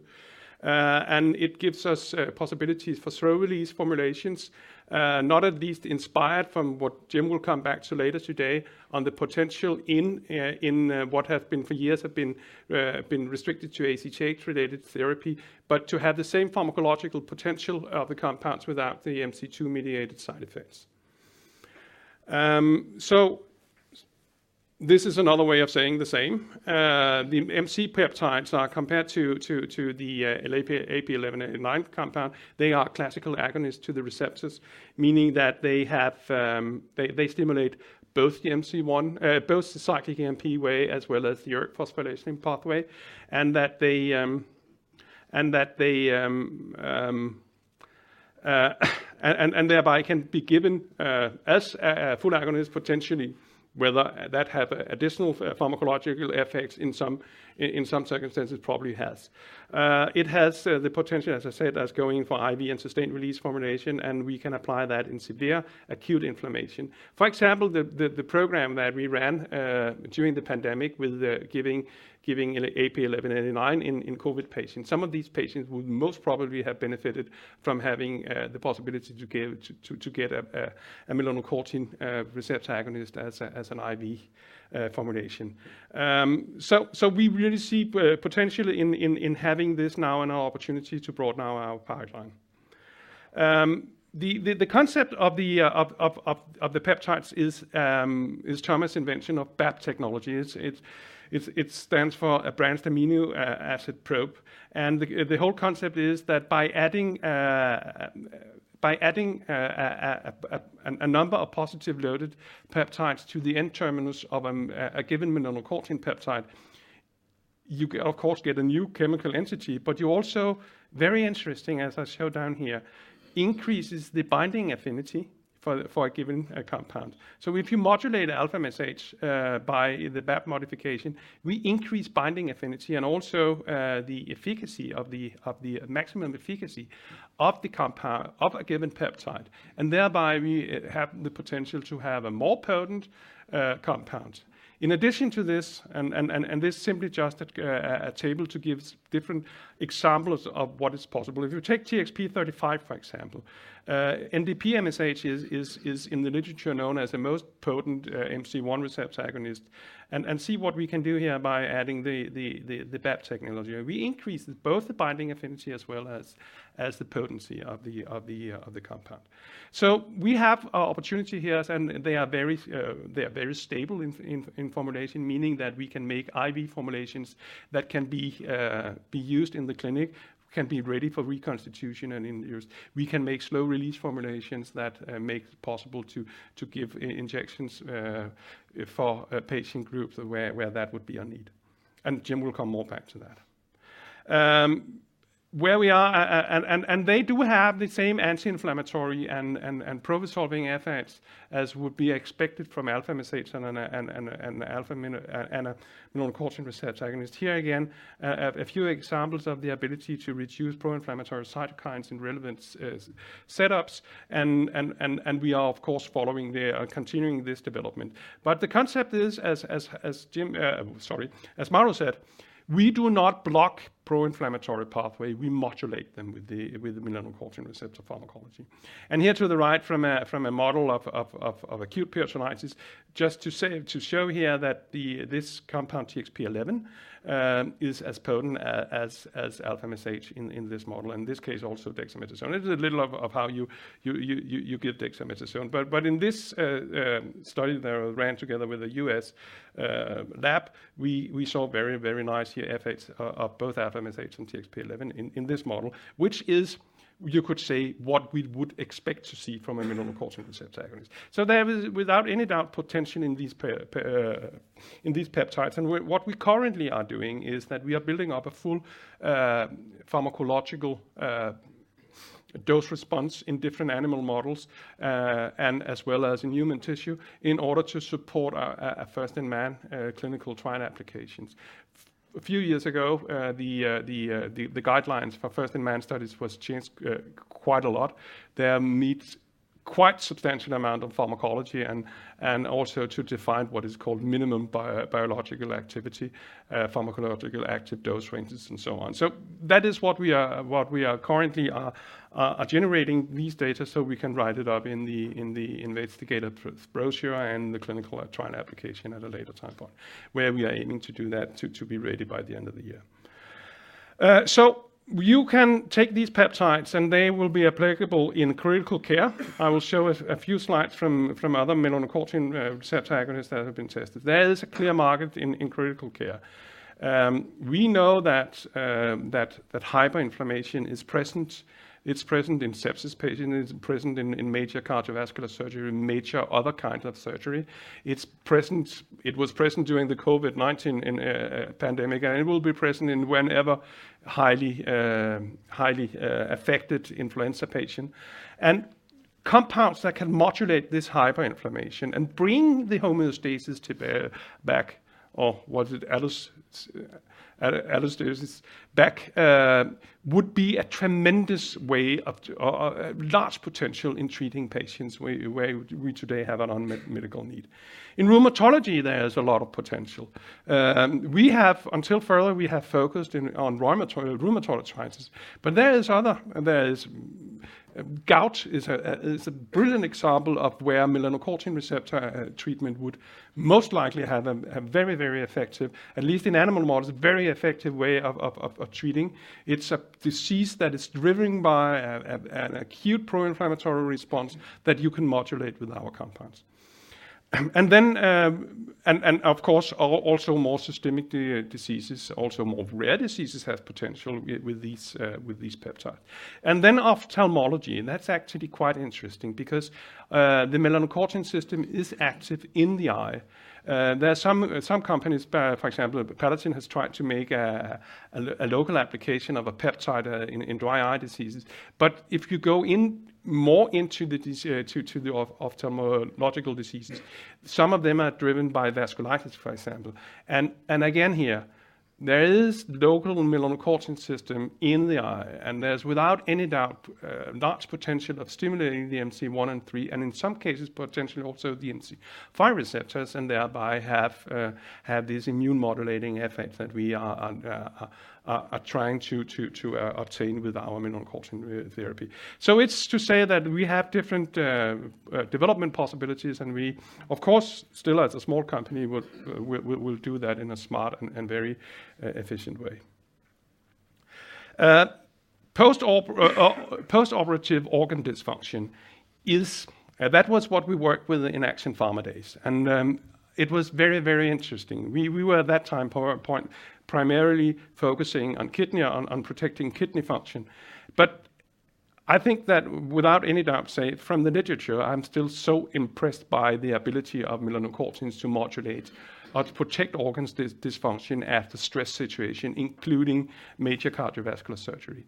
It gives us possibilities for slow-release formulations, not at least inspired from what Jim will come back to later today on the potential in what has been for years been restricted to ACTH-related therapy, but to have the same pharmacological potential of the compounds without the MC2-mediated side effects. This is another way of saying the same. The MC peptides are compared to the AP1189 compound. They are classical agonist to the receptors, meaning that they stimulate both the MC1, both the cyclic AMP way as well as the ERK phosphorylation pathway and thereby can be given as a full agonist potentially, whether that have additional pharmacological effects in some circumstances probably has. It has the potential, as I said, as going for IV and sustained release formulation, and we can apply that in severe acute inflammation. For example, the program that we ran during the pandemic with the giving AP1189 in COVID patients. Some of these patients would most probably have benefited from having the possibility to get a melanocortin receptor agonist as an IV formulation. We really see potentially in having this now and our opportunity to broaden our pipeline. The concept of the peptides is Thomas' invention of BAP technology. It stands for a Branched Amino Acid Probe, and the whole concept is that by adding a number of positive loaded peptides to the N-terminus of a given melanocortin peptide, you of course, get a new chemical entity. You also, very interesting, as I show down here, increases the binding affinity for a given compound. If you modulate α-MSH by the BAP modification, we increase binding affinity and also the efficacy of the maximum efficacy of the compound, of a given peptide, and thereby we have the potential to have a more potent compound. In addition to this is simply just a table to give different examples of what is possible. If you take TXP-35, for example, NDP-MSH is in the literature known as the most potent MC1 receptor agonist and see what we can do here by adding the BAP technology. We increase both the binding affinity as well as the potency of the compound. We have an opportunity here, and they are very stable in formulation, meaning that we can make IV formulations that can be used in the clinic, can be ready for reconstitution and in use. We can make slow-release formulations that make possible to give injections for patient groups where that would be a need, and Jim will come more back to that. Where we are and they do have the same anti-inflammatory and pro-solving effects as would be expected from alpha-MSH and a melanocortin receptor agonist. Here again, a few examples of the ability to reduce pro-inflammatory cytokines in relevant setups and we are of course continuing this development. The concept is as Jim, sorry, as Mauro said, we do not block pro-inflammatory pathway, we modulate them with the melanocortin receptor pharmacology. Here to the right from a model of acute peritonitis, just to say, to show here that this compound TXP-11, is as potent as α-MSH in this model, in this case also dexamethasone. This is a little of how you, you give dexamethasone. In this study that I ran together with the U.S. lab, we saw very nice here effects of both α-MSH and TXP-11 in this model, which is, you could say, what we would expect to see from a melanocortin receptor agonist. There is without any doubt potential in these peptides. What we currently are doing is that we are building up a full pharmacological dose response in different animal models and as well as in human tissue in order to support a first-in-man clinical trial applications. A few years ago, the guidelines for first-in-man studies was changed quite a lot. They meet quite substantial amount of pharmacology and also to define what is called minimum biological activity, pharmacological active dose ranges, and so on. That is what we are currently generating these data, so we can write it up in the investigator brochure and the clinical trial application at a later time point, where we are aiming to do that to be ready by the end of the year. So you can take these peptides, and they will be applicable in critical care. I will show a few slides from other melanocortin receptor agonists that have been tested. There is a clear market in critical care. We know that hyperinflammation is present. It's present in sepsis patients, it is present in major cardiovascular surgery, in major other kinds of surgery. It was present during the COVID-19 pandemic, and it will be present in whenever highly affected influenza patients. Compounds that can modulate this hyperinflammation and bring the homeostasis to bear back, or was it allostasis back, would be a tremendous way of large potential in treating patients where we today have an unmet medical need. In rheumatology, there is a lot of potential. We have until further we have focused in, on rheumatoid arthritis, but there is other, there is gout is a, is a brilliant example of where melanocortin receptor treatment would most likely have a very, very effective, at least in animal models, very effective way of treating. It's a disease that is driven by an acute pro-inflammatory response that you can modulate with our compounds. Then, of course, also more systemic diseases, also more rare diseases have potential with these peptides. Ophthalmology, and that's actually quite interesting because the melanocortin system is active in the eye. There are some companies, for example, Palatin has tried to make a local application of a peptide in dry eye diseases. If you go in more into the ophthalmological diseases, some of them are driven by vasculitis, for example. Again, here, there is local melanocortin system in the eye, and there's without any doubt, large potential of stimulating the MC 1 and 3, and in some cases, potentially also the MC 5 receptors, and thereby have these immune modulating effects that we are trying to obtain with our melanocortin therapy. It's to say that we have different development possibilities, and we, of course, still as a small company, will do that in a smart and very efficient way. Post-operative organ dysfunction is. That was what we worked with in Action Pharma days. It was very, very interesting. We were at that time, PowerPoint, primarily focusing on kidney, on protecting kidney function. I think that without any doubt, say, from the literature, I'm still so impressed by the ability of melanocortins to modulate or to protect organs dysfunction after stress situation, including major cardiovascular surgery.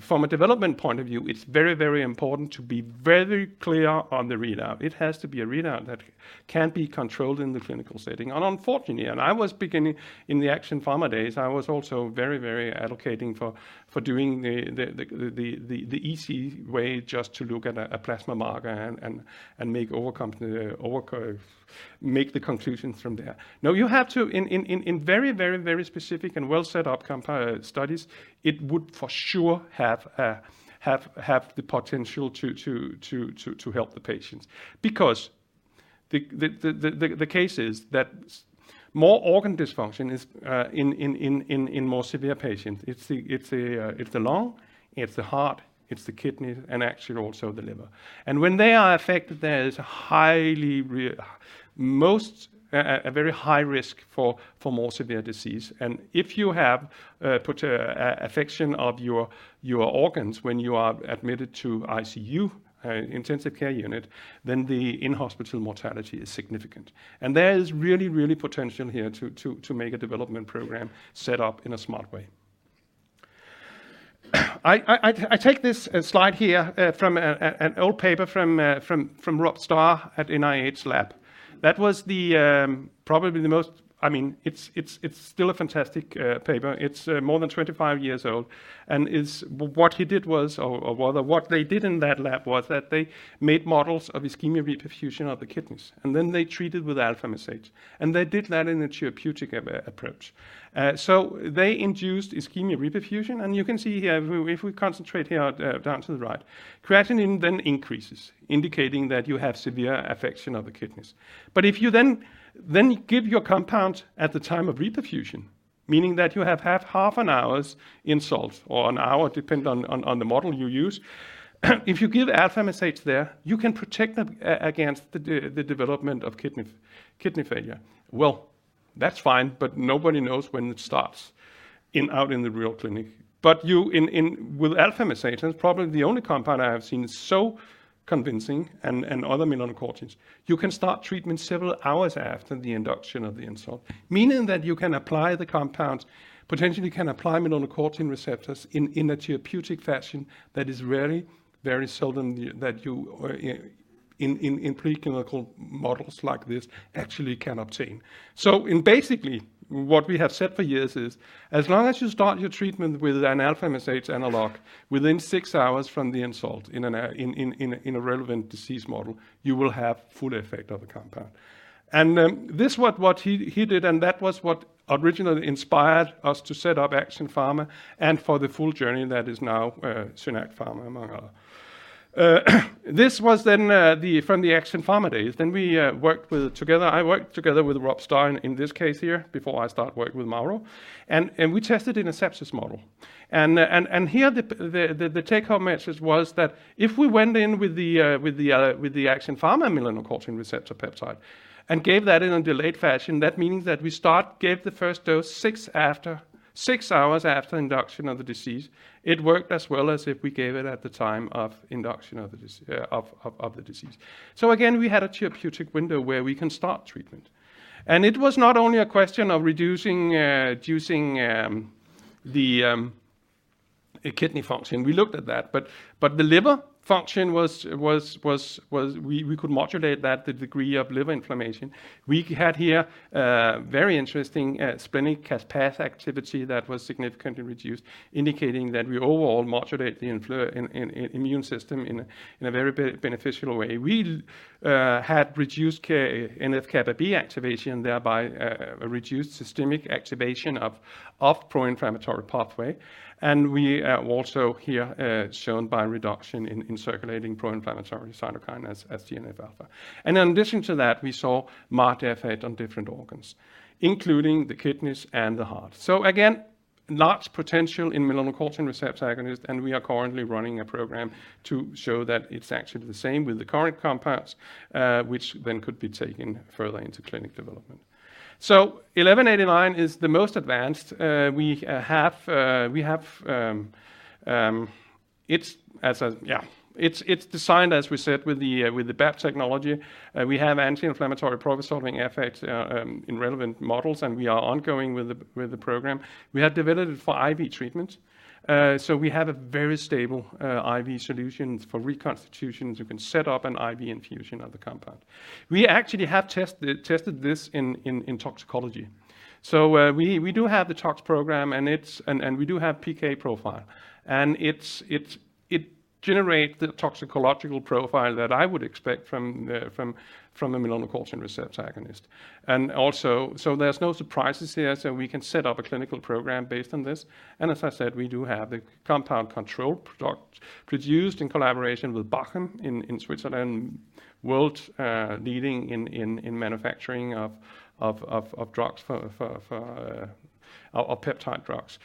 From a development point of view, it's very important to be very clear on the readout. It has to be a readout that can be controlled in the clinical setting. Unfortunately, I was beginning in the Action Pharma days, I was also very advocating for doing the easy way just to look at a plasma marker and make all company, make the conclusions from there. Now you have to in very, very, very specific and well set up studies, it would for sure have the potential to help the patients because the case is that more organ dysfunction is in more severe patients. It's the lung, it's the heart, it's the kidney, and actually also the liver. When they are affected, there is highly a very high risk for more severe disease. If you have put a affection of your organs when you are admitted to ICU, intensive care unit, then the in-hospital mortality is significant. There is really potential here to make a development program set up in a smart way. I take this slide here from an old paper from Rob Staar at NIH lab. Probably the most, I mean, it's still a fantastic paper. It's more than 25 years old, what he did was or rather what they did in that lab was that they made models of ischemia-reperfusion of the kidneys, and then they treated with α-MSH, and they did that in a therapeutic approach. They induced ischemia-reperfusion, and you can see here if we concentrate here down to the right, creatinine then increases, indicating that you have severe affection of the kidneys. If you then give your compound at the time of reperfusion, meaning that you have had half an hour's insult or an hour, depending on the model you use, if you give α-MSH there, you can protect them against the development of kidney failure. That's fine, but nobody knows when it starts out in the real clinic. You with α-MSH, and it's probably the only compound I have seen so convincing and other melanocortins, you can start treatment several hours after the induction of the insult, meaning that you can apply the compounds, potentially can apply melanocortin receptors in a therapeutic fashion that is very seldomly that you or in preclinical models like this actually can obtain. In basically, what we have said for years is, as long as you start your treatment with an α-MSH analog within 6 hours from the insult in a relevant disease model, you will have full effect of the compound. This what he did, and that was what originally inspired us to set up Action Pharma and for the full journey that is now SynAct Pharma, among other. This was then from the Action Pharma days. We worked together with Rob Staar in this case here before I start working with Mauro, and we tested in a sepsis model. Here the take home message was that if we went in with the Action Pharma melanocortin receptor peptide and gave that in a delayed fashion, that means that we gave the first dose 6 after, 6 hours after induction of the disease, it worked as well as if we gave it at the time of induction of the disease. Again, we had a therapeutic window where we can start treatment. It was not only a question of reducing the kidney function, we looked at that, but the liver function was, we could modulate that, the degree of liver inflammation. We had here a very interesting splenic caspase activity that was significantly reduced, indicating that we overall modulate the immune system in a very beneficial way. We had reduced NF-κB activation, thereby a reduced systemic activation of pro-inflammatory pathway. We also here shown by reduction in circulating pro-inflammatory cytokines as TNF-alpha. In addition to that, we saw marked effect on different organs, including the kidneys and the heart. Again, large potential in melanocortin receptor agonist, and we are currently running a program to show that it's actually the same with the current compounds, which then could be taken further into clinic development. 1189 is the most advanced. We have. It's designed, as we said, with the BAP technology. We have anti-inflammatory pro-solving effects in relevant models, and we are ongoing with the program. We have developed it for IV treatment, so we have a very stable IV solution for reconstitutions. You can set up an IV infusion of the compound. We actually have tested this in toxicology. We do have the tox program, and we do have PK profile. It generate the toxicological profile that I would expect from a melanocortin receptor agonist. Also, there's no surprises here, we can set up a clinical program based on this. As I said, we do have the compound control product produced in collaboration with Bachem in Switzerland, world leading in manufacturing of drugs for peptide drugs.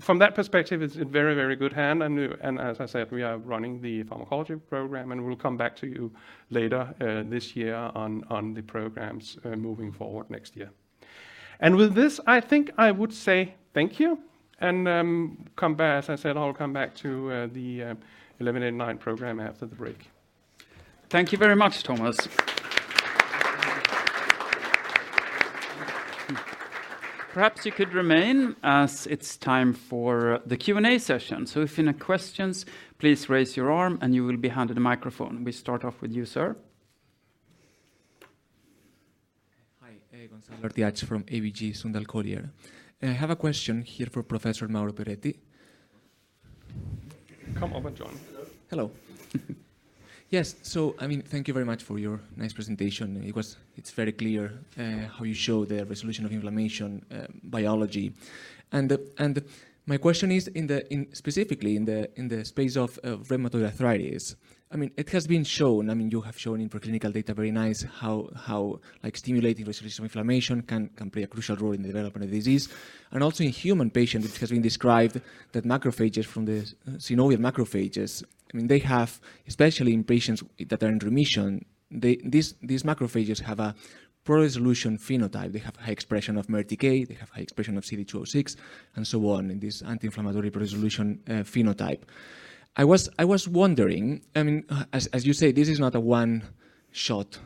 From that perspective, it's a very, very good hand. As I said, we are running the pharmacology program, and we'll come back to you later this year on the programs moving forward next year. With this, I think I would say thank you and come back. As I said, I'll come back to the 1189 program after the break. Thank you very much, Thomas. Perhaps you could remain as it's time for the Q&A session. If any questions, please raise your arm, and you will be handed a microphone. We start off with you, sir. Hi. Gonzalo Arteaga from ABG Sundal Collier. I have a question here for Professor Mauro Perretti. Come up and join. Hello. Hello. Yes. I mean, thank you very much for your nice presentation. It's very clear how you show the resolution of inflammation biology. My question is in the space of rheumatoid arthritis, I mean, it has been shown, I mean, you have shown in preclinical data very nice how like stimulating resolution of inflammation can play a crucial role in the development of disease. Also in human patients, it has been described that macrophages from the synovial macrophages, I mean, they have, especially in patients that are in remission, these macrophages have a pro-resolution phenotype. They have high expression of MERTK, they have high expression of CD206, and so on in this anti-inflammatory pro-resolution phenotype. I was wondering, I mean, as you say, this is not a one-shot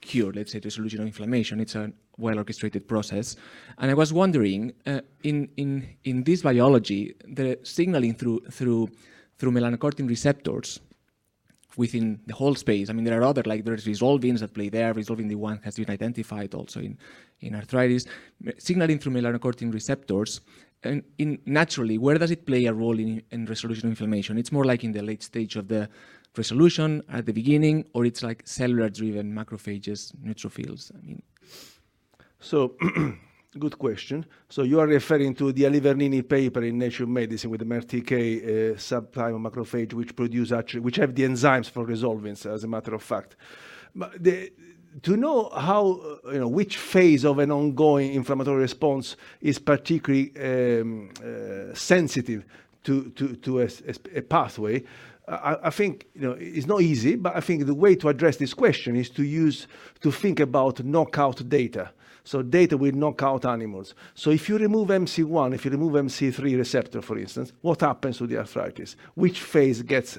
cure, let's say, to resolution inflammation. It's a well-orchestrated process. I was wondering in this biology, the signaling through melanocortin receptors within the whole space, I mean, there are other like there's resolvins that play there. Resolvin D1 has been identified also in arthritis. Signaling through melanocortin receptors and in naturally, where does it play a role in resolution inflammation? It's more like in the late stage of the resolution at the beginning, or it's like cellular-driven macrophages, neutrophils, I mean. Good question. You are referring to the Oliver Nini paper in Nature Medicine with the MERTK subtype of macrophage, which actually have the enzymes for resolvins, as a matter of fact. To know how, you know, which phase of an ongoing inflammatory response is particularly sensitive to a pathway, I think, you know, it's not easy. I think the way to address this question is to think about knockout data with knockout animals. If you remove MC1, if you remove MC3 receptor, for instance, what happens to the arthritis? Which phase gets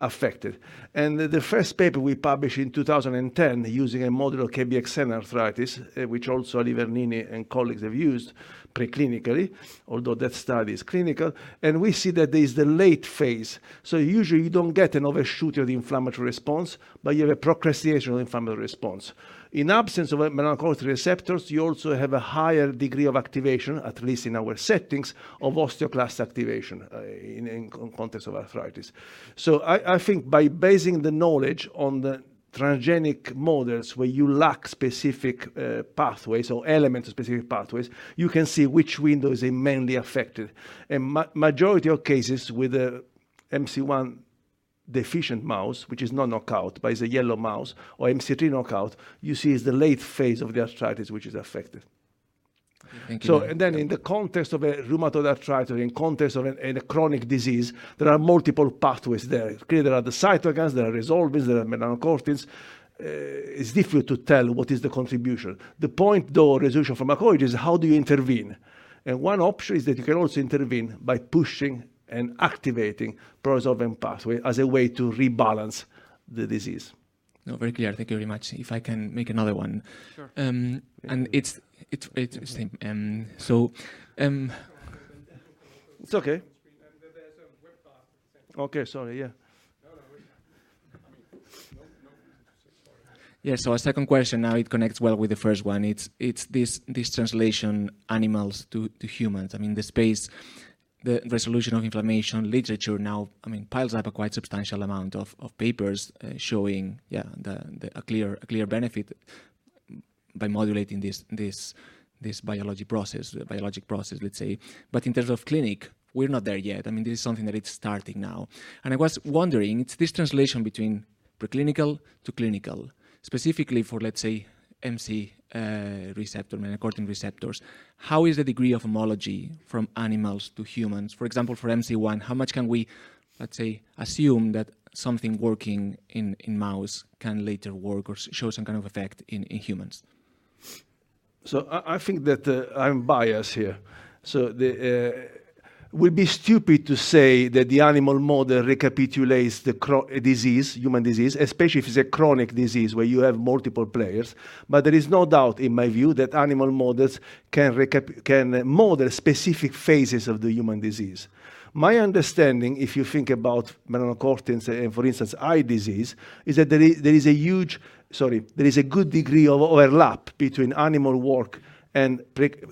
affected? The first paper we published in 2010 using a model of K/BxN arthritis, which also Oliver Nini and colleagues have used pre-clinically, although that study is clinical, and we see that there's the late phase. Usually, you don't get an overshoot of the inflammatory response, but you have a procrastination of inflammatory response. In absence of a melanocortin receptors, you also have a higher degree of activation, at least in our settings, of osteoclast activation, in context of arthritis. I think by basing the knowledge on the transgenic models where you lack specific pathways or elements of specific pathways, you can see which window is mainly affected. A majority of cases with a MC1-deficient mouse, which is not knockout but is a yellow mouse or MC3 knockout, you see is the late phase of the arthritis which is affected. Thank you. In the context of a rheumatoid arthritis, in a chronic disease, there are multiple pathways there. It's clear there are the cytokines, there are resolvins, there are melanocortins. It's difficult to tell what is the contribution. The point, though, resolution pharmacology is how do you intervene? One option is that you can also intervene by pushing and activating pro-resolving pathway as a way to rebalance the disease. No, very clear. Thank you very much. If I can make another one. Sure. It's same. It's okay. There's a whip fast at the same time. Okay. Sorry. Yeah. No, no. Whip fast. I mean. No, no. Sorry. Yeah. A second question now. It connects well with the first one. It's this translation animals to humans. I mean, the inflammation resolution literature now, I mean, piles up a quite substantial amount of papers, showing, yeah, a clear benefit by modulating this biology process, biologic process, let's say. In terms of clinic, we're not there yet. I mean, this is something that it's starting now. I was wondering, it's this translation between preclinical to clinical, specifically for, let's say, MC receptor, melanocortin receptors. How is the degree of homology from animals to humans? For example, for MC1, how much can we, let's say, assume that something working in mouse can later work or show some kind of effect in humans? I think that I'm biased here. Would be stupid to say that the animal model recapitulates a disease, human disease, especially if it's a chronic disease where you have multiple players. There is no doubt in my view that animal models can model specific phases of the human disease. My understanding, if you think about melanocortins in, for instance, eye disease, is that there is a huge... Sorry. There is a good degree of overlap between animal work and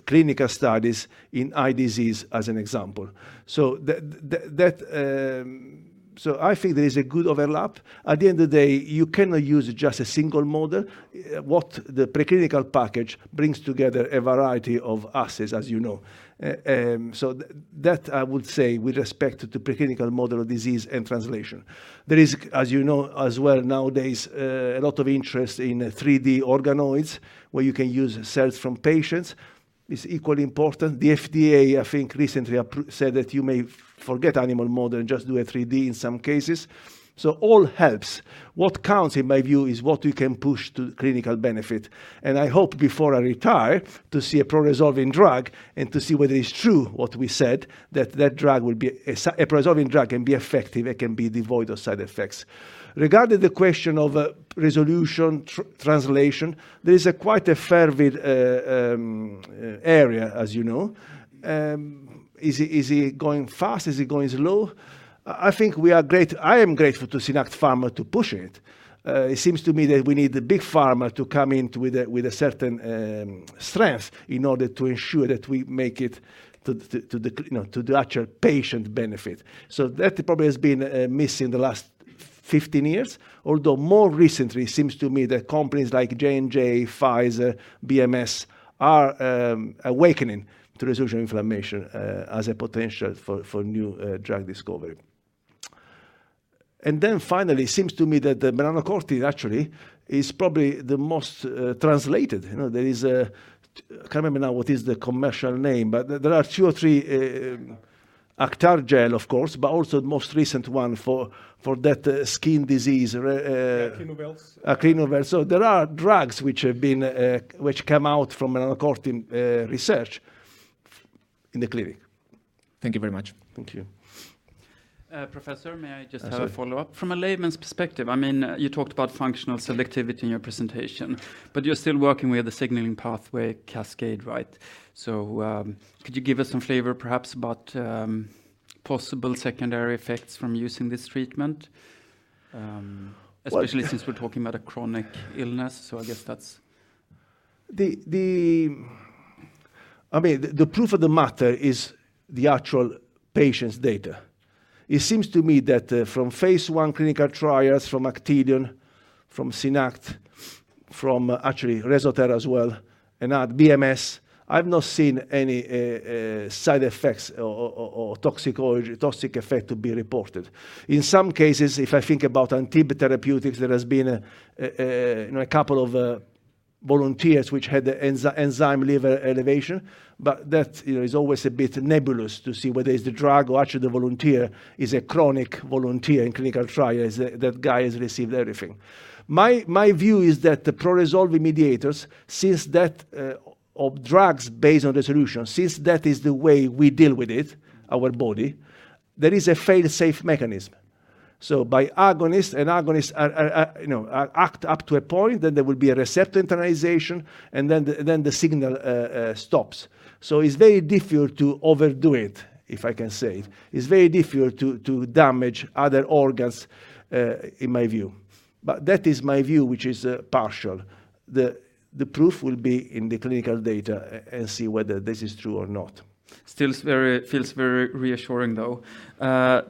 clinical studies in eye disease as an example. I think there is a good overlap. At the end of the day, you cannot use just a single model. The preclinical package brings together a variety of assays, as you know. That I would say with respect to preclinical model of disease and translation. There is, as you know as well nowadays, a lot of interest in 3D organoids, where you can use cells from patients. It's equally important. The FDA, I think, recently said that you may forget animal model and just do a 3D in some cases. All helps. What counts in my view is what we can push to clinical benefit. I hope before I retire to see a pro-resolving drug and to see whether it's true what we said, that drug will be a pro-resolving drug can be effective, it can be devoid of side effects. Regarding the question of resolution translation, there is a quite a fervid area, as you know. Is it going fast? Is it going slow? I think we are I am grateful to SynAct Pharma to push it. It seems to me that we need the big pharma to come in with a, with a certain strength in order to ensure that we make it to the, to the, you know, to the actual patient benefit. That probably has been missing the last 15 years. Although more recently, it seems to me that companies like J&J, Pfizer, BMS are awakening to resolution inflammation as a potential for new drug discovery. Finally, it seems to me that the melanocortin actually is probably the most translated. You know, there is I can't remember now what is the commercial name, but there are 2 or 3 Acthar. Acthar Gel, of course, but also the most recent one for that, skin disease. Acrinovals. Acrinovals. There are drugs which have been, which come out from melanocortin, research in the clinic. Thank you very much. Thank you. Professor, may I just have a follow-up? Sure. From a layman's perspective, I mean, you talked about functional selectivity in your presentation, but you're still working with the signaling pathway cascade, right? Could you give us some flavor perhaps about possible secondary effects from using this treatment? Well-... especially since we're talking about a chronic illness, so I guess that's... I mean, the proof of the matter is the actual patients' data. It seems to me that, from Phase I clinical trials from Action Pharma, from SynAct, from actually ResoTher as well, and now BMS, I've not seen any side effects or toxicology, toxic effect to be reported. In some cases, if I think about anti-B therapeutics, there has been a, you know, a couple of volunteers which had enzyme liver elevation, but that, you know, is always a bit nebulous to see whether it's the drug or actually the volunteer is a chronic volunteer in clinical trials. That guy has received everything. My view is that the pro-resolving mediators, since that or drugs based on resolution, since that is the way we deal with it, our body, there is a fail-safe mechanism. By agonist, an agonist, you know, act up to a point, then there will be a receptor internalization, and then the signal stops. It's very difficult to overdo it, if I can say. It's very difficult to damage other organs in my view. That is my view, which is partial. The proof will be in the clinical data and see whether this is true or not. Still feels very reassuring though.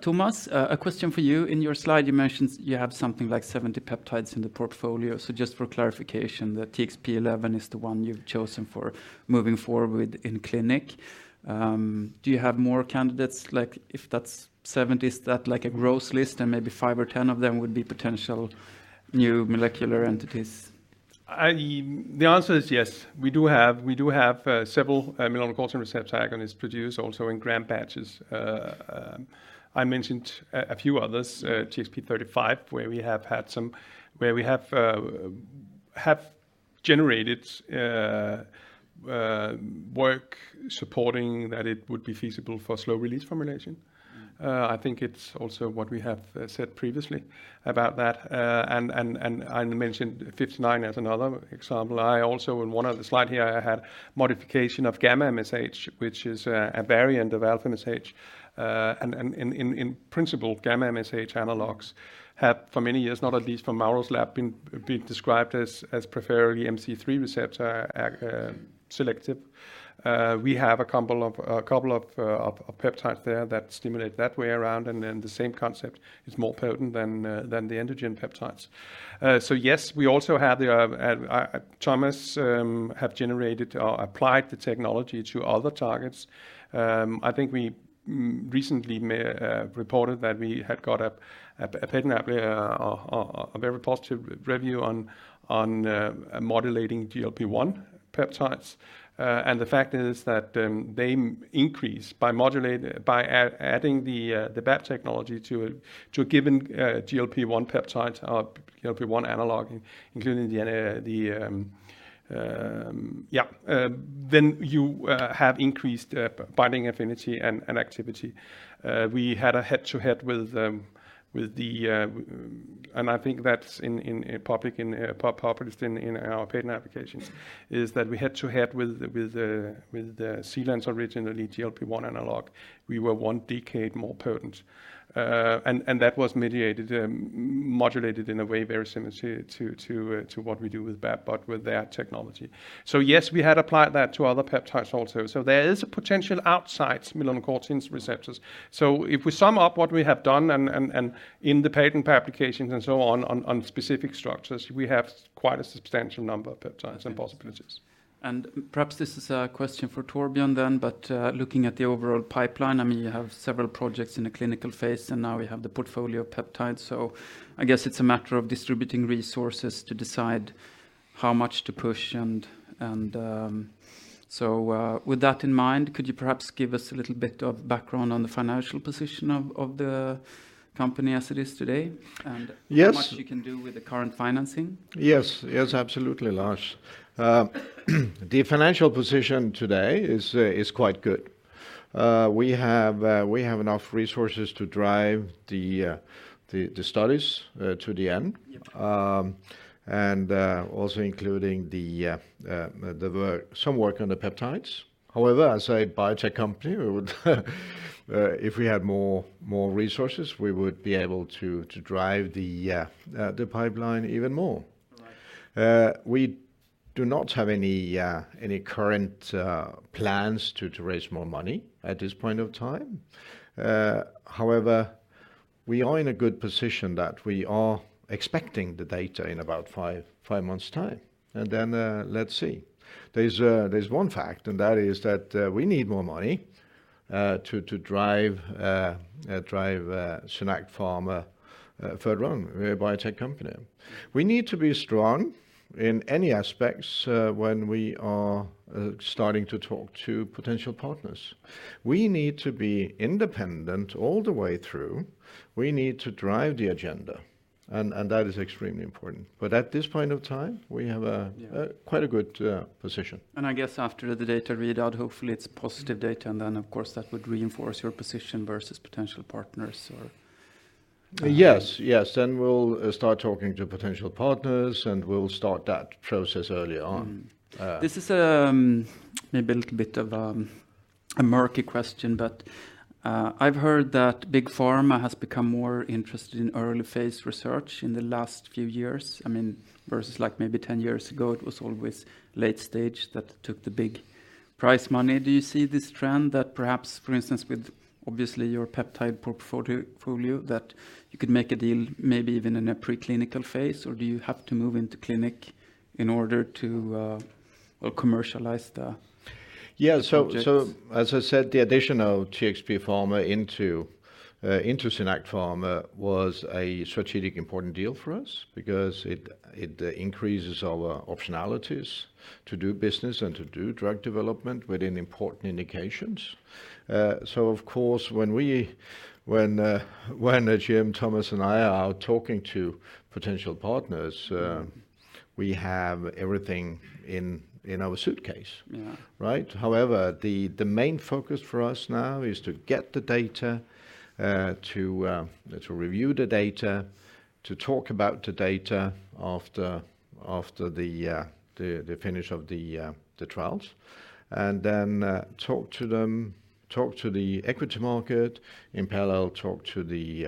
Tomas, a question for you. In your slide, you mentioned you have something like 70 peptides in the portfolio. Just for clarification, the TXP-11 is the one you've chosen for moving forward with in clinic. Do you have more candidates? Like if that's 70, is that like a gross list and maybe 5 or 10 of them would be potential new molecular entities? The answer is yes. We do have several melanocortin receptor agonists produced also in gram batches. I mentioned a few others, TXP-35, where we have had where we have. Have generated work supporting that it would be feasible for slow-release formulation. I think it's also what we have said previously about that. I mentioned 59 as another example. I also, in one of the slide here, I had modification of γ-MSH, which is a variant of α-MSH. In principle, γ-MSH analogs have for many years, not at least from Mauro's lab, been described as preferably MC3 receptor selective. We have a couple of peptides there that stimulate that way around, and then the same concept is more potent than the endogen peptides. Yes, we also have the Thomas have generated or applied the technology to other targets. I think we recently reported that we had got a patent app or a very positive re-review on modulating GLP-1 peptides. The fact is that they increase by modulating, by adding the BAP technology to a given GLP-1 peptide or GLP-1 analog, including the. You have increased binding affinity and activity. We had a head-to-head with the. I think that's in public, in published in our patent applications, is that we head-to-head with the Zealand's originally GLP-1 analog. We were one decade more potent. That was mediated, modulated in a way very similar to what we do with BAP, but with their technology. Yes, we had applied that to other peptides also. There is a potential outside melanocortin receptors. If we sum up what we have done and in the patent applications and so on specific structures, we have quite a substantial number of peptides and possibilities. Perhaps this is a question for Thorbjørn then, but, looking at the overall pipeline, I mean, you have several projects in the clinical phase, and now we have the portfolio of peptides. I guess it's a matter of distributing resources to decide how much to push and... With that in mind, could you perhaps give us a little bit of background on the financial position of the company as it is today and- Yes how much you can do with the current financing? Yes. Yes, absolutely, Lars. The financial position today is quite good. We have enough resources to drive the studies to the end. Yep. Also including the work, some work on the peptides. However, as a biotech company, we would if we had more resources, we would be able to drive the pipeline even more. Right. We do not have any current plans to raise more money at this point of time. However, we are in a good position that we are expecting the data in about 5 months' time. Then, let's see. There's one fact, and that is that we need more money to drive SynAct Pharma further on. We're a biotech company. We need to be strong in any aspects when we are starting to talk to potential partners. We need to be independent all the way through. We need to drive the agenda and that is extremely important. At this point of time, we have. Yeah ...a quite a good, position. I guess after the data readout, hopefully it's positive data, and then, of course, that would reinforce your position versus potential partners or... Yes. We'll start talking to potential partners, and we'll start that process early on. Mm-hmm. Uh. This is maybe a little bit of a murky question, but I've heard that Big Pharma has become more interested in early-phase research in the last few years. I mean, versus like maybe 10 years ago, it was always late stage that took the big price money. Do you see this trend that perhaps, for instance, with obviously your peptide portfolio, that you could make a deal maybe even in a preclinical phase? Or do you have to move into clinic in order to commercialize the projects? As I said, the addition of TxP Pharma into SynAct Pharma was a strategic important deal for us because it increases our optionalities to do business and to do drug development within important indications. Of course, when Jim, Thomas, and I are out talking to potential partners. Mm-hmm ...we have everything in our suitcase. Yeah. Right? However, the main focus for us now is to get the data, to review the data, to talk about the data after the finish of the trials, then talk to the equity market, in parallel, talk to the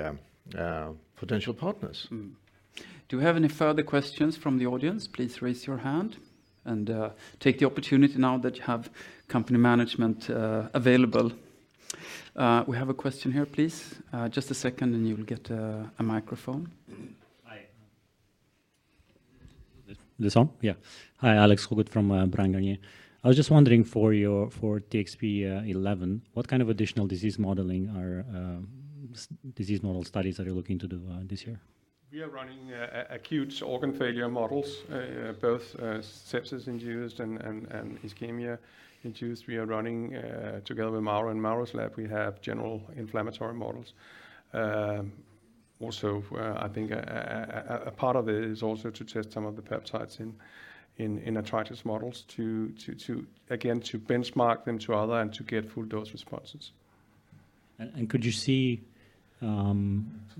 potential partners. Mm-hmm. Do we have any further questions from the audience? Please raise your hand and, take the opportunity now that you have company management, available. We have a question here, please. Just a second, and you will get, a microphone. Hi. This on? Hi, Alex Holst from Carnegie Brain Ganglion. I was just wondering for your, for TXP-11, what kind of additional disease model studies are you looking to do this year? We are running acute organ failure models, both sepsis induced and ischemia induced. We are running together with Mauro in Mauro's lab, we have general inflammatory models. Also, I think a part of it is also to test some of the peptides in arthritis models to again, to benchmark them to other and to get full dose responses. Could you see,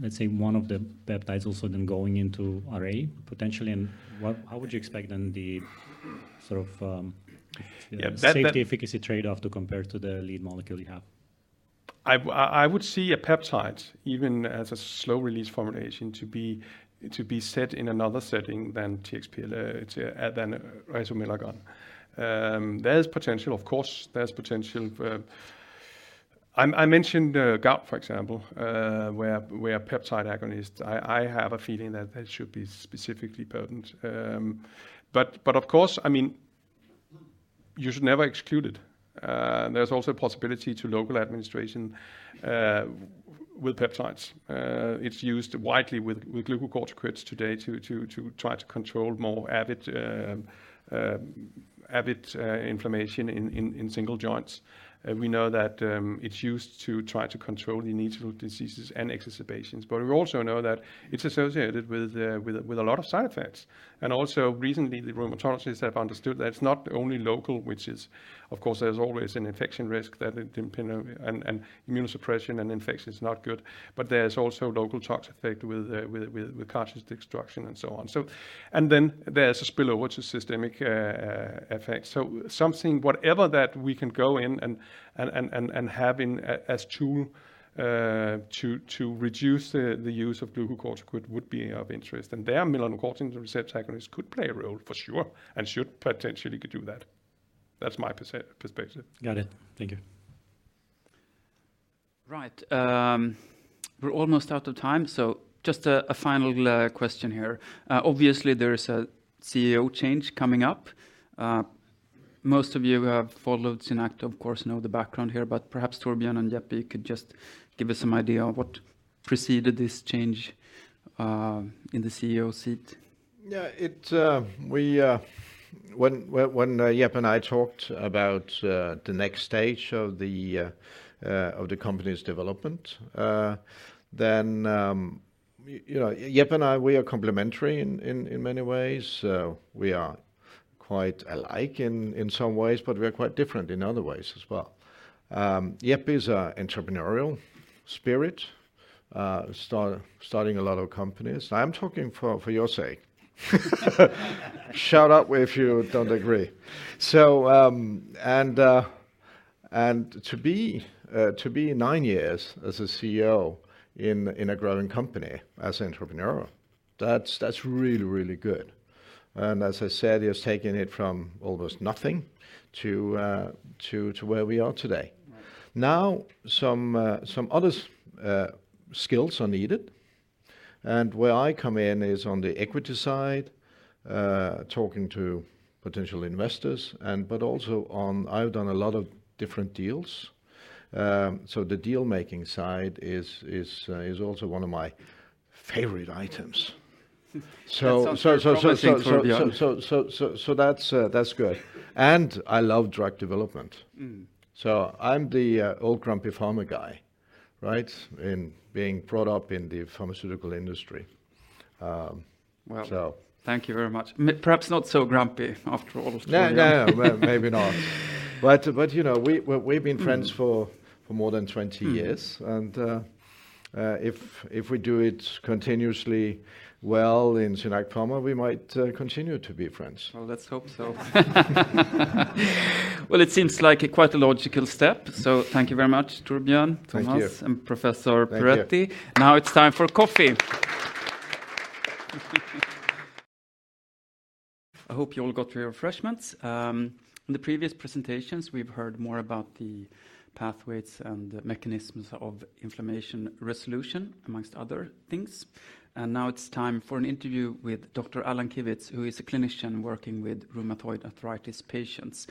let's say, one of the peptides also then going into RA potentially, how would you expect then the sort of... Yeah, that. Safety efficacy trade-off to compare to the lead molecule you have? I would see a peptide even as a slow release formulation to be set in another setting than TXP than resomelagon. There is potential, of course, there's potential for. I mentioned gout, for example, where peptide agonist, I have a feeling that that should be specifically potent. Of course, I mean, you should never exclude it. There's also a possibility to local administration with peptides. It's used widely with glucocorticoids today to try to control more avid inflammation in single joints. We know that it's used to try to control the need for diseases and exacerbations, but we also know that it's associated with a lot of side effects. Also, recently, the rheumatologists have understood that it's not only local, which is, of course, there's always an infection risk that it didn't, you know, and immunosuppression and infection is not good, but there's also local toxic effect with, with cartilage destruction and so on. Then there's a spillover, which is systemic effect. Something, whatever that we can go in and, and, and have as tool to reduce the use of glucocorticoid would be of interest. And there melanocortin in the research agonist could play a role for sure, and should potentially could do that. That's my perspective. Got it. Thank you. Right. We're almost out of time, so just a final question here. Obviously, there is a CEO change coming up. Most of you who have followed SynAct, of course, know the background here, but perhaps Thorbjørn and Jeppe could just give us some idea of what preceded this change in the CEO seat. When Jeppe and I talked about the next stage of the company's development, then, you know, Jeppe and I, we are complementary in many ways. We are quite alike in some ways, but we're quite different in other ways as well. Jeppe is a entrepreneurial spirit, starting a lot of companies. I'm talking for your sake. Shout out if you don't agree. And to be nine years as a CEO in a growing company as entrepreneur, that's really, really good. As I said, he has taken it from almost nothing to where we are today. Right. Now, some other, skills are needed, and where I come in is on the equity side, talking to potential investors and but also on I've done a lot of different deals. The deal-making side is also one of my favorite items. That's, that's good. I love drug development. Mm-hmm. I'm the old grumpy pharma guy, right? In being brought up in the pharmaceutical industry. Well, thank you very much. Perhaps not so grumpy after all, Thorbjørn. Yeah, yeah. Well, maybe not. You know, we've been friends for more than 20 years, and if we do it continuously well in SynAct Pharma, we might continue to be friends. Well, let's hope so. Well, it seems like quite a logical step. Thank you very much, Thorbjørn. Thank you. and Professor Peretti. Thank you. Now it's time for coffee. I hope you all got your refreshments. In the previous presentations, we've heard more about the pathways and mechanisms of inflammation resolution, amongst other things. Now it's time for an interview with Dr. Alan Kivitz, who is a clinician working with rheumatoid arthritis patients.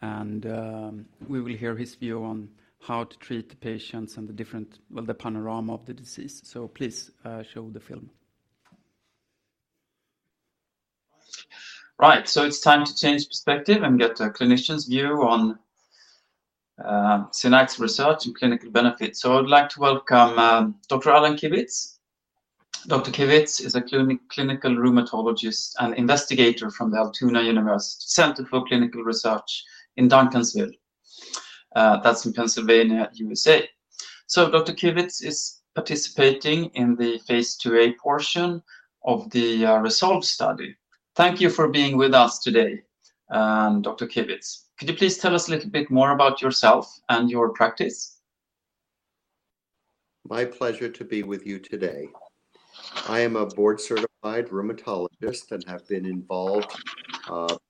We will hear his view on how to treat the patients and the different, well, the panorama of the disease. Please show the film. Right. It's time to change perspective and get a clinician's view on SynAct's research and clinical benefits. I would like to welcome Dr. Alan Kivitz. Dr. Kivitz is a clinical rheumatologist and investigator from the Altoona Center for Clinical Research in Duncansville. That's in Pennsylvania, USA. Dr. Kivitz is participating in the Phase IIa portion of the RESOLVE study. Thank you for being with us today, Dr. Kivitz. Could you please tell us a little bit more about yourself and your practice? My pleasure to be with you today. I am a board-certified rheumatologist and have been involved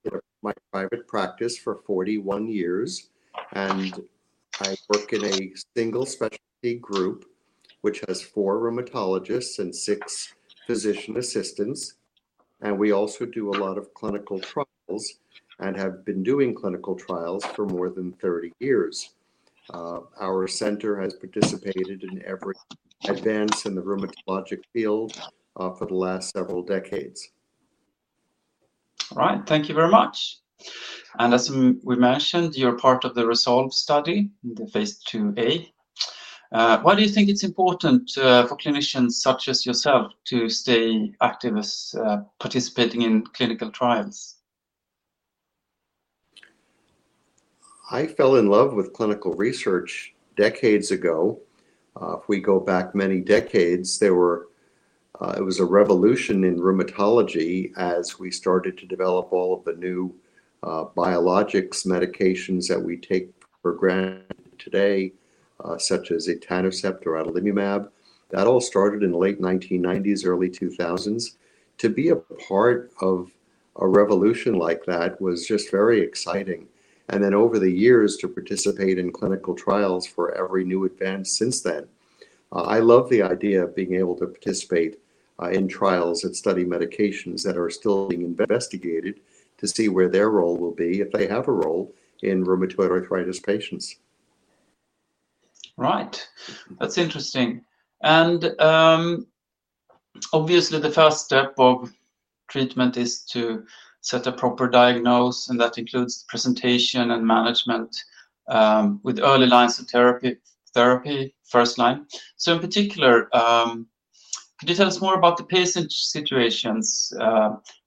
with my private practice for 41 years. I work in a single specialty group, which has four rheumatologists and six physician assistants. We also do a lot of clinical trials and have been doing clinical trials for more than 30 years. Our center has participated in every advance in the rheumatologic field for the last several decades. All right. Thank you very much. As we mentioned, you're part of the RESOLVE study, the Phase IIa. Why do you think it's important for clinicians such as yourself to stay active as participating in clinical trials? I fell in love with clinical research decades ago. If we go back many decades, it was a revolution in rheumatology as we started to develop all of the new biologics medications that we take for granted today, such as etanercept or adalimumab. That all started in the late 1990s, early 2000s. To be a part of a revolution like that was just very exciting, and then over the years to participate in clinical trials for every new advance since then. I love the idea of being able to participate in trials and study medications that are still being investigated to see where their role will be, if they have a role, in rheumatoid arthritis patients. Right. That's interesting. Obviously the first step of treatment is to set a proper diagnosis, and that includes the presentation and management with early lines of therapy first line. In particular, could you tell us more about the patient situations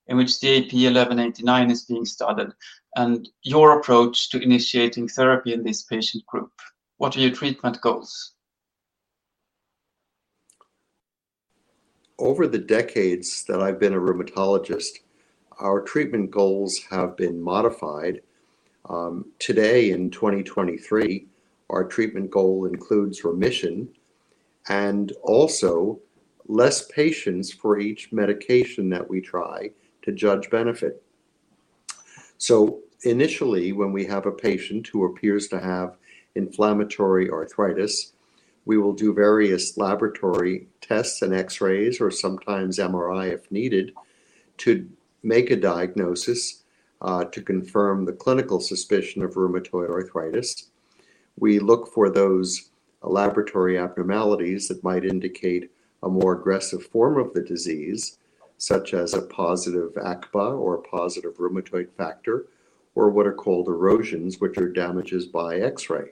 in which the AP1189 is being studied and your approach to initiating therapy in this patient group? What are your treatment goals? Over the decades that I've been a rheumatologist, our treatment goals have been modified. Today in 2023, our treatment goal includes remission and also less patients for each medication that we try to judge benefit. Initially, when we have a patient who appears to have inflammatory arthritis, we will do various laboratory tests and X-rays or sometimes MRI if needed to make a diagnosis to confirm the clinical suspicion of rheumatoid arthritis. We look for those laboratory abnormalities that might indicate a more aggressive form of the disease, such as a positive ACPA or a positive rheumatoid factor or what are called erosions, which are damages by X-ray.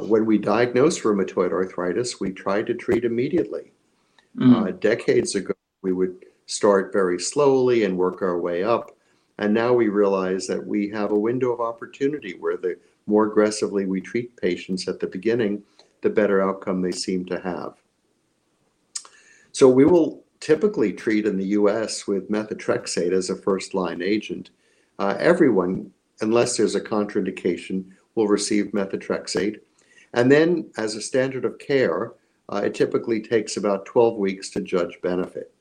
When we diagnose rheumatoid arthritis, we try to treat immediately. Mm. Decades ago, we would start very slowly and work our way up, and now we realize that we have a window of opportunity where the more aggressively we treat patients at the beginning, the better outcome they seem to have. We will typically treat in the U.S. with methotrexate as a first-line agent. Everyone, unless there's a contraindication, will receive methotrexate. As a standard of care, it typically takes about 12 weeks to judge benefit.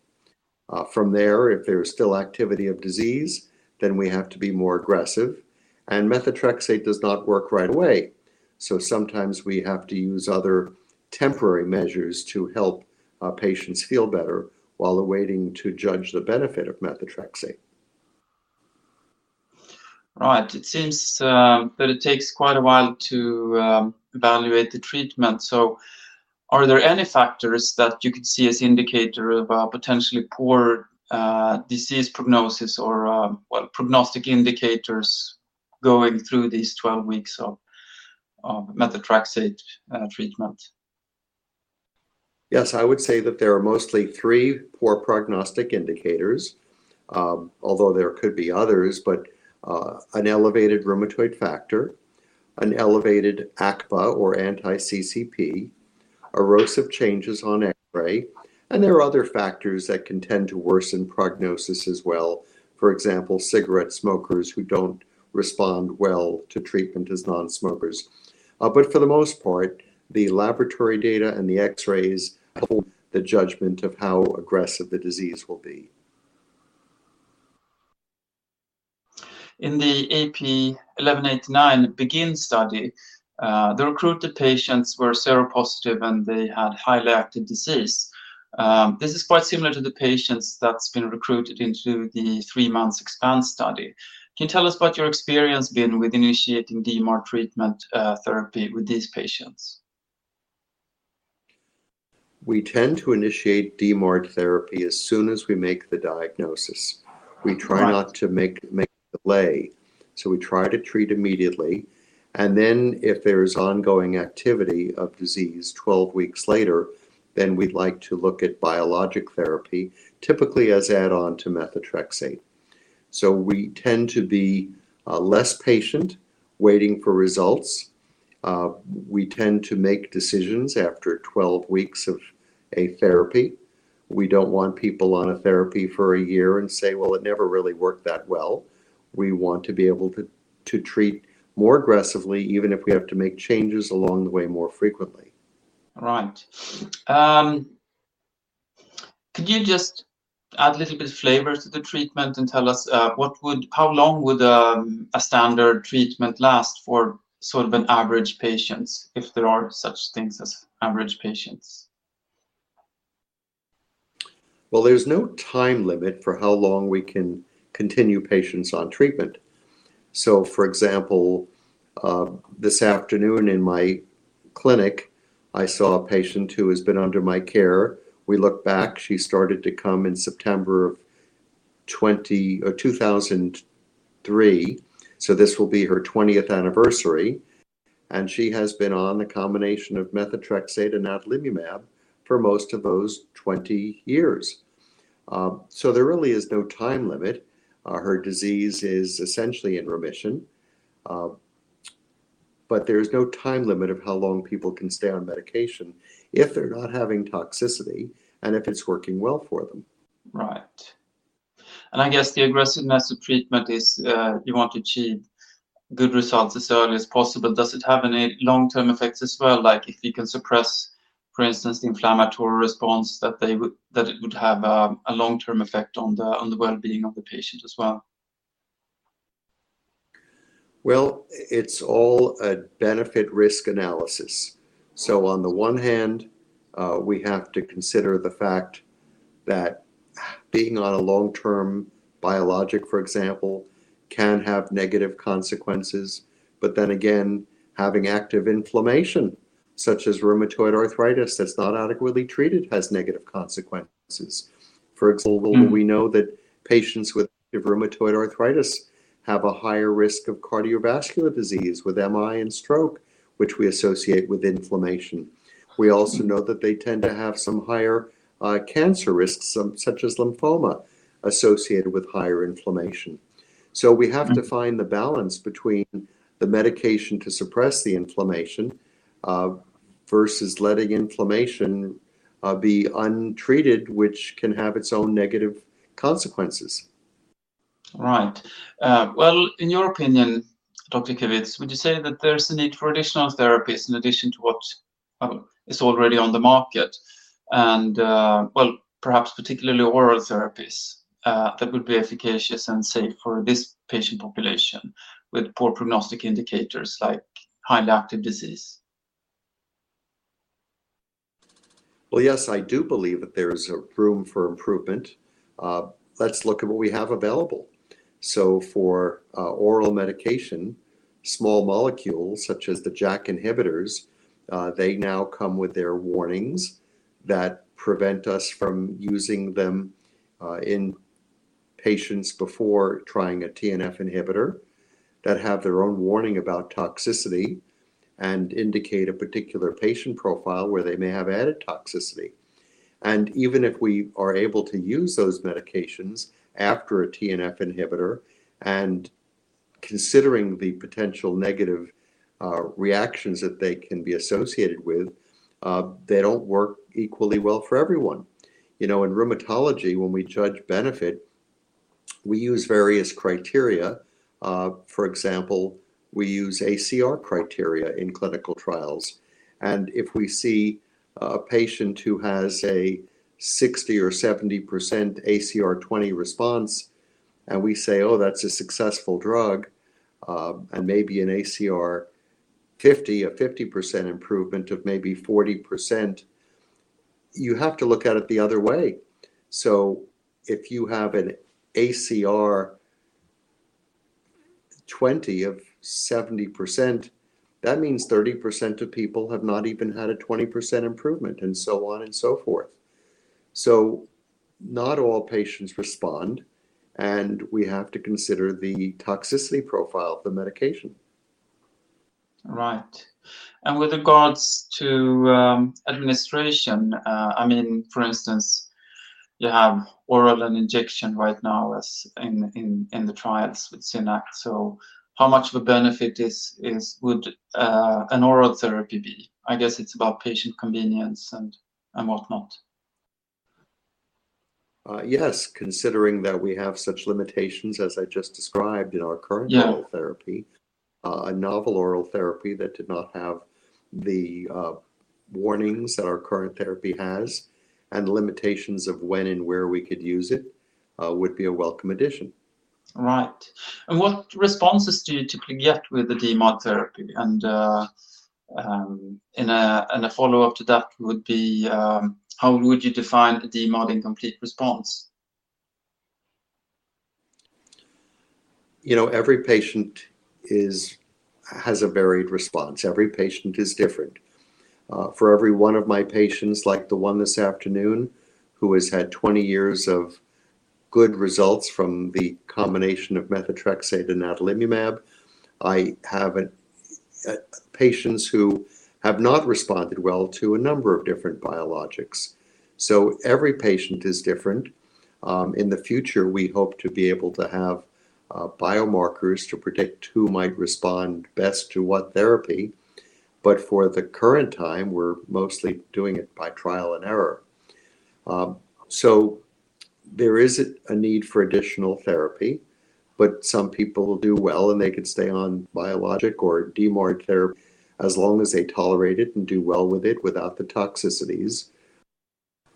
From there, if there's still activity of disease, we have to be more aggressive. Methotrexate does not work right away. Sometimes we have to use other temporary measures to help our patients feel better while they're waiting to judge the benefit of methotrexate. Right. It seems that it takes quite a while to evaluate the treatment. Are there any factors that you could see as indicator of a potentially poor disease prognosis or, well, prognostic indicators going through these 12 weeks of methotrexate treatment? Yes, I would say that there are mostly three poor prognostic indicators, although there could be others, but an elevated rheumatoid factor, an elevated ACPA or anti-CCP, erosive changes on X-ray, and there are other factors that can tend to worsen prognosis as well. For example, cigarette smokers who don't respond well to treatment as non-smokers. For the most part, the laboratory data and the X-rays hold the judgment of how aggressive the disease will be. In the AP-1189 BEGIN study, the recruited patients were seropositive, and they had highly active disease. This is quite similar to the patients that's been recruited into the three-month EXPAND study. Can you tell us what your experience been with initiating DMARD treatment, therapy with these patients? We tend to initiate DMARD therapy as soon as we make the diagnosis. Right. We try not to make delay. We try to treat immediately, and if there is ongoing activity of disease 12 weeks later, we'd like to look at biologic therapy, typically as add-on to methotrexate. We tend to be less patient waiting for results. We tend to make decisions after 12 weeks of a therapy. We don't want people on a therapy for a year and say, "Well, it never really worked that well." We want to be able to treat more aggressively, even if we have to make changes along the way more frequently. Right. Could you just add a little bit of flavor to the treatment and tell us how long would a standard treatment last for sort of an average patients if there are such things as average patients? There's no time limit for how long we can continue patients on treatment. For example, this afternoon in my clinic, I saw a patient who has been under my care. We look back, she started to come in September of 2003, so this will be her 20th anniversary, and she has been on the combination of methotrexate and adalimumab for most of those 20 years. There really is no time limit. Her disease is essentially in remission. There's no time limit of how long people can stay on medication if they're not having toxicity and if it's working well for them. Right. I guess the aggressiveness of treatment is, you want to achieve good results as early as possible. Does it have any long-term effects as well, like if you can suppress, for instance, the inflammatory response, that it would have a long-term effect on the, on the well-being of the patient as well? It's all a benefit-risk analysis. On the one hand, we have to consider the fact that being on a long-term biologic, for example, can have negative consequences, but then again, having active inflammation such as rheumatoid arthritis that's not adequately treated has negative consequences. For example... Mm-hmm we know that patients with rheumatoid arthritis have a higher risk of cardiovascular disease with MI and stroke, which we associate with inflammation. We also know that they tend to have some higher cancer risks, some such as lymphoma, associated with higher inflammation. Mm-hmm... to find the balance between the medication to suppress the inflammation, versus letting inflammation be untreated, which can have its own negative consequences. Right. Well, in your opinion, Dr. Kivitz, would you say that there's a need for additional therapies in addition to what is already on the market and, well, perhaps particularly oral therapies that would be efficacious and safe for this patient population with poor prognostic indicators like high active disease? Well, yes, I do believe that there is a room for improvement. Let's look at what we have available. For oral medication, small molecules such as the JAK inhibitors, they now come with their warnings that prevent us from using them in patients before trying a TNF inhibitor that have their own warning about toxicity and indicate a particular patient profile where they may have added toxicity. Even if we are able to use those medications after a TNF inhibitor and considering the potential negative reactions that they can be associated with, they don't work equally well for everyone. You know, in rheumatology, when we judge benefit, we use various criteria. For example, we use ACR criteria in clinical trials. If we see a patient who has a 60% or 70% ACR20 response, we say, "Oh, that's a successful drug." Maybe an ACR50, a 50% improvement of maybe 40%, you have to look at it the other way. If you have an ACR20 of 70%, that means 30% of people have not even had a 20% improvement, so on and so forth. Not all patients respond. We have to consider the toxicity profile of the medication. Right. With regards to, administration, I mean, for instance, you have oral and injection right now as in the trials with SynAct. How much of a benefit is would an oral therapy be? I guess it's about patient convenience and whatnot. Yes. Considering that we have such limitations as I just described in our. Yeah... oral therapy, a novel oral therapy that did not have the warnings that our current therapy has and the limitations of when and where we could use it, would be a welcome addition. Right. What responses do you typically get with the DMARD therapy? In a follow-up to that would be, how would you define a DMARD incomplete response? You know, every patient has a varied response. Every patient is different. For every one of my patients, like the one this afternoon, who has had 20 years of good results from the combination of methotrexate and adalimumab, I have patients who have not responded well to a number of different biologics. Every patient is different. In the future, we hope to be able to have biomarkers to predict who might respond best to what therapy. For the current time, we're mostly doing it by trial and error. There is a need for additional therapy, but some people do well, and they could stay on biologic or DMARD therapy as long as they tolerate it and do well with it without the toxicities.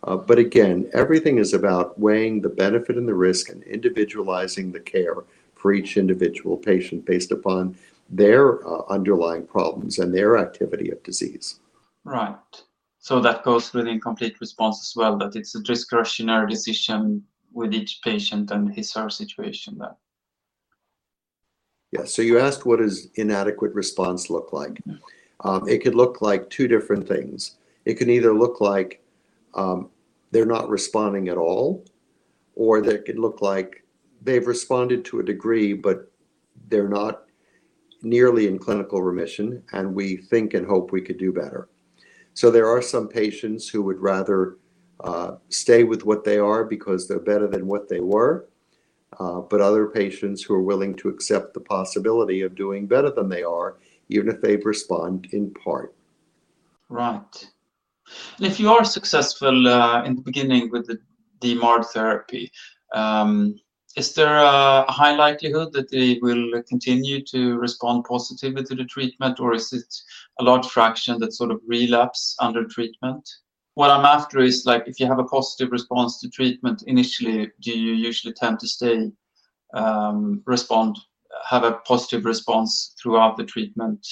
Again, everything is about weighing the benefit and the risk and individualizing the care for each individual patient based upon their underlying problems and their activity of disease. Right. That goes with incomplete response as well, that it's a discretionary decision with each patient and his or her situation then. Yeah. You asked what does inadequate response look like? Mm-hmm. It could look like two different things. It can either look like, they're not responding at all, or they could look like they've responded to a degree but they're not nearly in clinical remission, and we think and hope we could do better. There are some patients who would rather, stay with what they are because they're better than what they were, but other patients who are willing to accept the possibility of doing better than they are even if they've respond in part. Right. If you are successful, in the beginning with the DMARD therapy, is there a high likelihood that they will continue to respond positively to the treatment or is it a large fraction that sort of relapse under treatment? What I'm after is, like, if you have a positive response to treatment initially, do you usually tend to stay, respond, have a positive response throughout the treatment,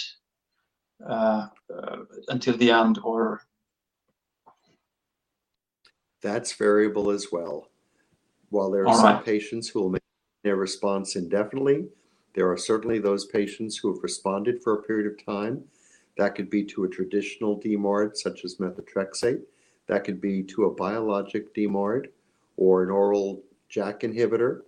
until the end or? That's variable as well. All right. While there are some patients who will maintain their response indefinitely, there are certainly those patients who have responded for a period of time. That could be to a traditional DMARD such as methotrexate, that could be to a biologic DMARD or an oral JAK inhibitor.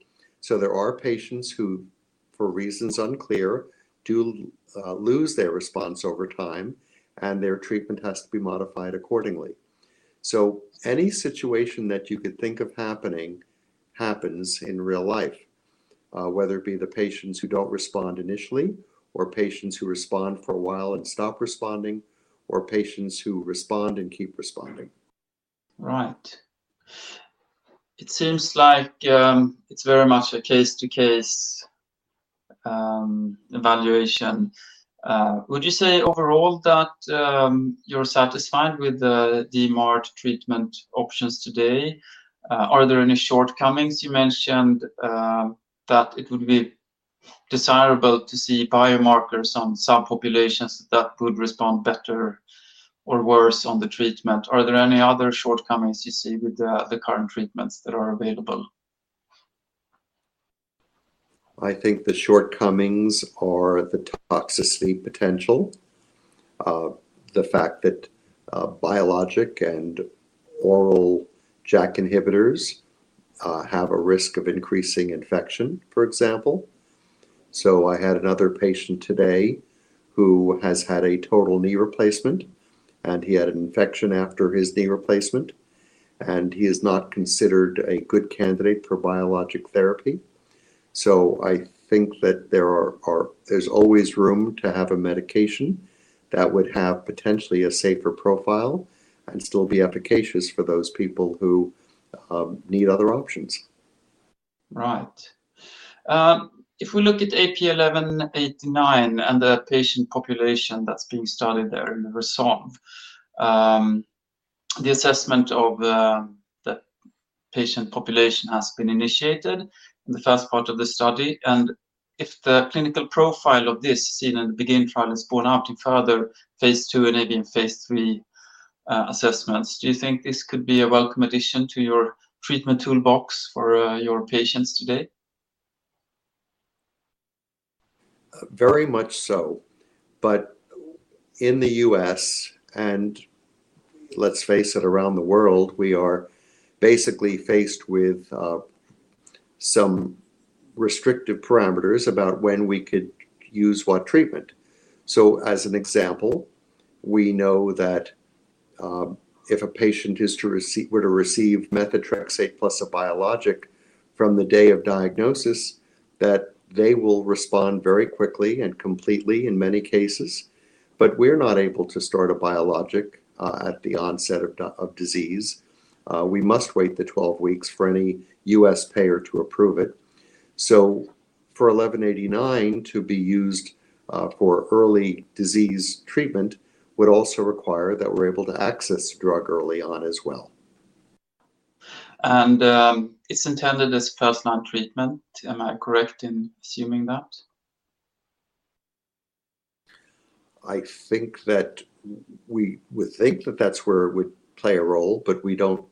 There are patients who, for reasons unclear, do lose their response over time, and their treatment has to be modified accordingly. Any situation that you could think of happening happens in real life, whether it be the patients who don't respond initially or patients who respond for a while and stop responding or patients who respond and keep responding. Right. It seems like, it's very much a case to case evaluation. Would you say overall that you're satisfied with the DMARD treatment options today? Are there any shortcomings? You mentioned that it would be desirable to see biomarkers on some populations that would respond better or worse on the treatment. Are there any other shortcomings you see with the current treatments that are available? I think the shortcomings are the toxicity potential of the fact that biologic and oral JAK inhibitors have a risk of increasing infection, for example. I had another patient today who has had a total knee replacement, and he had an infection after his knee replacement, and he is not considered a good candidate for biologic therapy. I think that there's always room to have a medication that would have potentially a safer profile and still be efficacious for those people who need other options. Right. If we look at AP1189 and the patient population that's being studied there in RESOLVE, the assessment of the patient population has been initiated in the first part of the study. If the clinical profile of this seen in the BEGIN trial is born out in further Phase II and even Phase III assessments, do you think this could be a welcome addition to your treatment toolbox for your patients today? Very much so. In the U.S., and let's face it around the world, we are basically faced with some restrictive parameters about when we could use what treatment. As an example, we know that if a patient were to receive methotrexate plus a biologic from the day of diagnosis, that they will respond very quickly and completely in many cases. We're not able to start a biologic at the onset of disease. We must wait the 12 weeks for any U.S. payer to approve it. For 1189 to be used for early disease treatment would also require that we're able to access the drug early on as well. It's intended as first-line treatment. Am I correct in assuming that? I think that we would think that that's where it would play a role, but we don't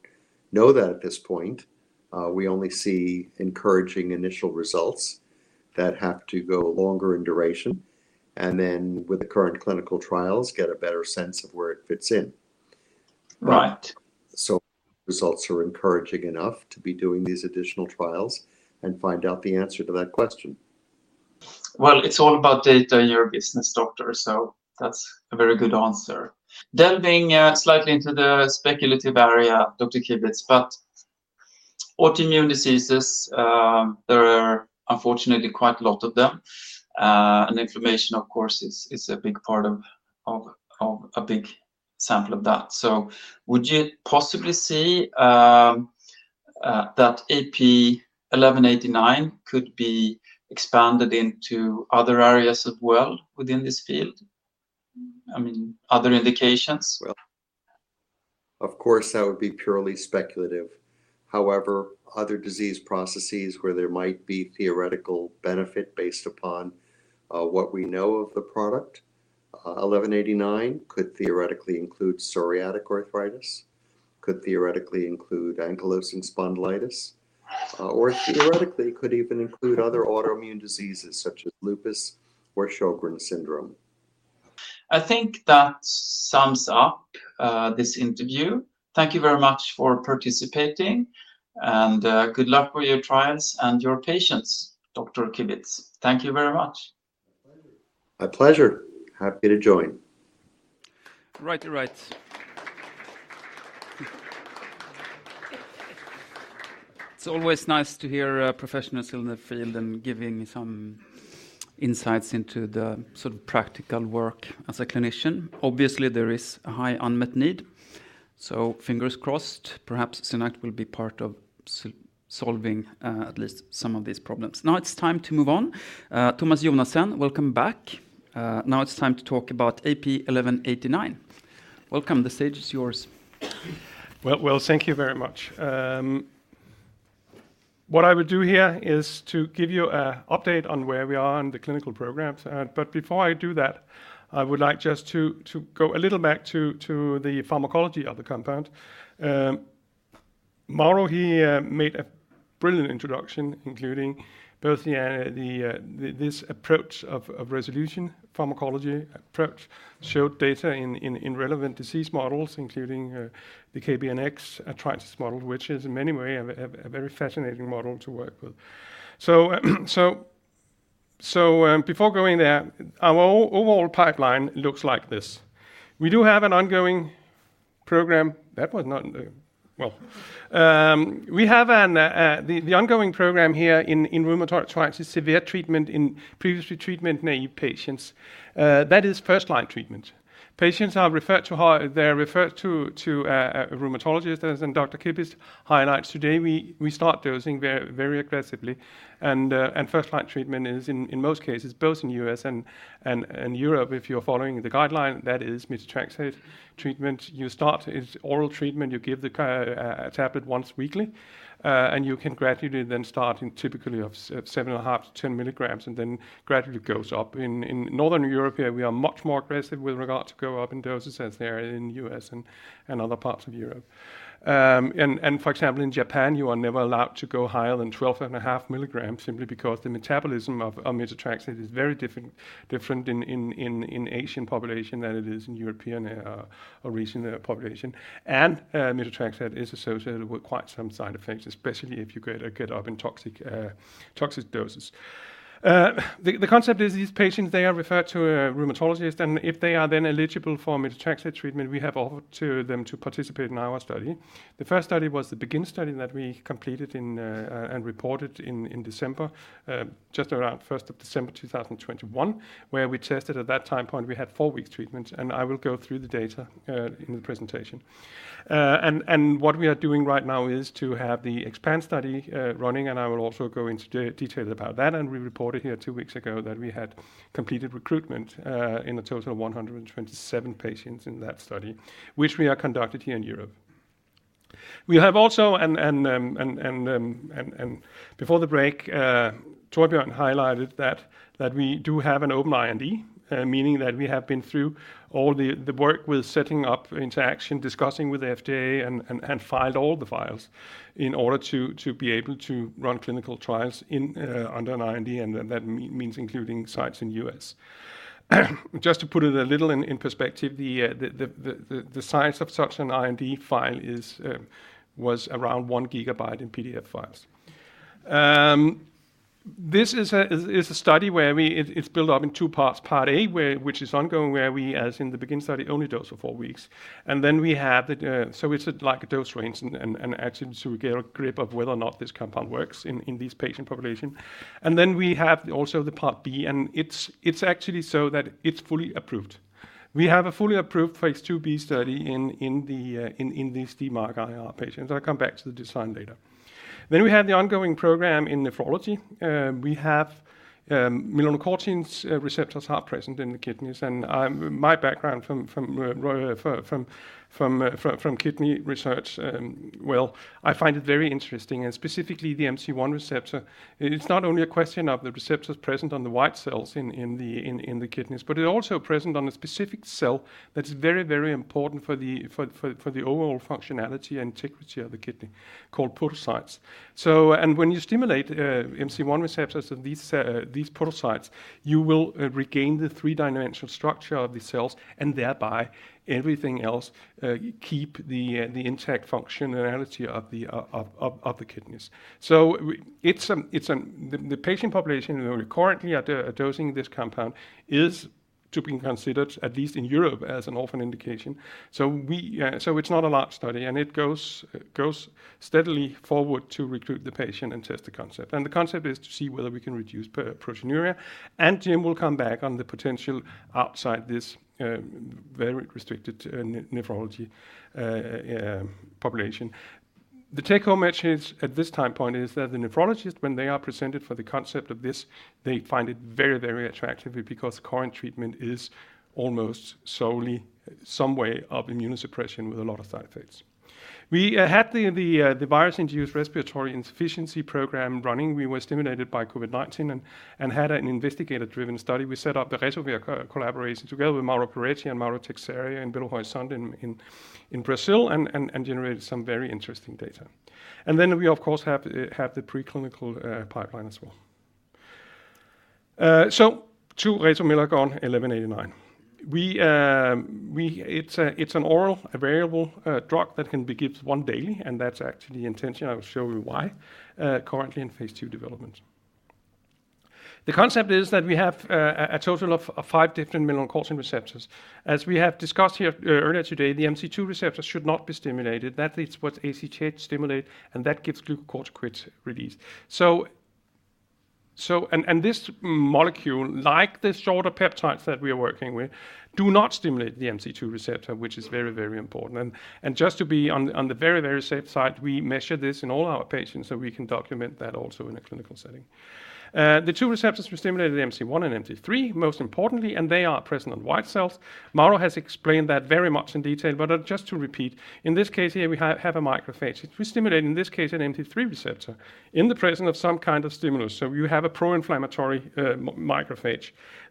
know that at this point. We only see encouraging initial results that have to go longer in duration and then with the current clinical trials get a better sense of where it fits in. Right. Results are encouraging enough to be doing these additional trials and find out the answer to that question. Well, it's all about data in your business, doctor, so that's a very good answer. Delving slightly into the speculative area, Dr. Kivitz, but autoimmune diseases, there are unfortunately quite a lot of them. Inflammation, of course, is a big part of a big sample of that. Would you possibly see that AP1189 could be expanded into other areas as well within this field? I mean, other indications where- Of course, that would be purely speculative. However, other disease processes where there might be theoretical benefit based upon, what we know of the product, 1189 could theoretically include psoriatic arthritis, could theoretically include ankylosing spondylitis, or theoretically could even include other autoimmune diseases such as lupus or Sjögren's syndrome. I think that sums up, this interview. Thank you very much for participating, and, good luck with your trials and your patients, Dr. Kivitz. Thank you very much. My pleasure. Happy to join. Righty right. It's always nice to hear professionals in the field giving some insights into the sort of practical work as a clinician. Obviously, there is a high unmet need. Fingers crossed. Perhaps SynAct will be part of solving at least some of these problems. Now it's time to move on. Thomas Jonassen, welcome back. Now it's time to talk about AP1189. Welcome. The stage is yours. Well, thank you very much. What I will do here is to give you a update on where we are in the clinical programs. Before I do that, I would like just to go a little back to the pharmacology of the compound. Mauro, he made a brilliant introduction, including both this approach of resolution pharmacology approach, showed data in relevant disease models, including the K/BxN arthritis model, which is in many way a very fascinating model to work with. Before going there, our overall pipeline looks like this. That was not in the... Well. We have the ongoing program here in rheumatoid arthritis, severe treatment in previously treatment-naive patients. That is first-line treatment. Patients are referred to. They're referred to rheumatologists, as then Dr. Alan Kivitz highlights today. We start dosing very, very aggressively and first-line treatment is in most cases, both in the U.S. and Europe, if you're following the guideline, that is methotrexate treatment. You start, it's oral treatment. You give a tablet once weekly, and you can gradually then start in typically of seven and a half to 10 milligrams, and then gradually goes up. In Northern Europe here, we are much more aggressive with regard to go up in doses as they are in U.S. and other parts of Europe. For example, in Japan, you are never allowed to go higher than 12.5 milligrams simply because the metabolism of methotrexate is very different in Asian population than it is in European or recent population. Methotrexate is associated with quite some side effects, especially if you get up in toxic doses. The concept is these patients, they are referred to a rheumatologist, and if they are then eligible for methotrexate treatment, we have offered to them to participate in our study. The first study was the BEGIN study that we completed and reported in December, just around December 1st, 2021, where we tested at that time point, we had four weeks treatment, and I will go through the data in the presentation. What we are doing right now is to have the EXPAND study running, and I will also go into detail about that. We reported here two weeks ago that we had completed recruitment in a total of 127 patients in that study, which we are conducted here in Europe. We have also before the break, Torbjørn highlighted that we do have an open IND, meaning that we have been through all the work with setting up interaction, discussing with the FDA and filed all the files in order to be able to run clinical trials in under an IND and that means including sites in U.S. Just to put it a little in perspective, the size of such an IND file is around 1 GB in PDF files. This is a study where it's built up in two parts. Part A, which is ongoing, where we, as in the BEGIN study, only dose for four weeks. We have the. It's like a dose range and action, so we get a grip of whether or not this compound works in this patient population. We have also the part B. It's actually so that it's fully approved. We have a fully approved Phase IIb study in the in these DMARD-IR patients. I'll come back to the design later. We have the ongoing program in nephrology. We have melanocortins receptors are present in the kidneys. My background from kidney research, well, I find it very interesting, and specifically the MC1 receptor. It's not only a question of the receptors present on the white cells in the kidneys, but it also present on a specific cell that's very, very important for the overall functionality and integrity of the kidney called podocytes. When you stimulate MC1 receptors in these podocytes, you will regain the three-dimensional structure of the cells and thereby everything else, keep the intact functionality of the kidneys. It's the patient population we are currently at dosing this compound is to being considered at least in Europe as an orphan indication. It's not a large study, and it goes steadily forward to recruit the patient and test the concept. The concept is to see whether we can reduce proteinuria. Jim will come back on the potential outside this very restricted nephrology population. The take home message at this time point is that the nephrologist, when they are presented for the concept of this, they find it very, very attractive because current treatment is almost solely some way of immunosuppression with a lot of side effects. We had the virus-induced respiratory insufficiency program running. We were stimulated by COVID-19 and had an investigator-driven study. We set up the RESOMAIR co-collaboration together with Mauro Perretti and Mauro Teixeira and Bill Hoy-Sundin in Brazil and generated some very interesting data. We of course have the preclinical pipeline as well. So to resomelagon 1189. It's an oral available drug that can be given one daily, and that's actually the intention. I will show you why. Currently in Phase II development. The concept is that we have a total of 5 different mineralocorticoid receptors. As we have discussed here earlier today, the MC2 receptors should not be stimulated. That is what ACTH stimulate, and that gives glucocorticoid release. This molecule, like the shorter peptides that we are working with, do not stimulate the MC2 receptor, which is very, very important. Just to be on the very, very safe side, we measure this in all our patients, so we can document that also in a clinical setting. The two receptors we stimulate are the MC1 and MC3, most importantly, and they are present on white cells. Mauro has explained that very much in detail. Just to repeat, in this case here, we have a macrophage. If we stimulate, in this case, an MC3 receptor in the presence of some kind of stimulus, you have a pro-inflammatory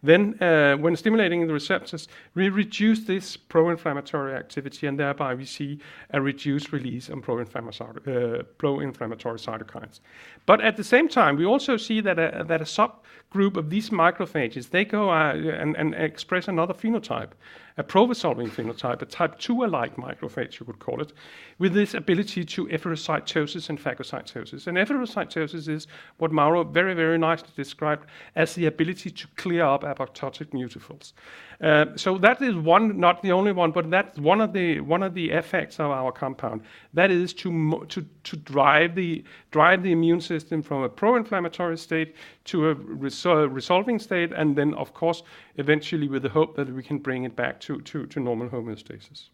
macrophage. When stimulating the receptors, we reduce this pro-inflammatory activity, thereby we see a reduced release in pro-inflammatory cytokines. At the same time, we also see that a subgroup of these macrophages, they go out and express another phenotype, a pro-resolving phenotype, a type two alike macrophage you could call it, with this ability to efferocytosis and phagocytosis. Efferocytosis is what Mauro very nicely described as the ability to clear up apoptotic neutrophils. That is one, not the only one, but that's one of the effects of our compound. That is to drive the immune system from a pro-inflammatory state to a resolving state, and then of course eventually with the hope that we can bring it back to normal homeostasis.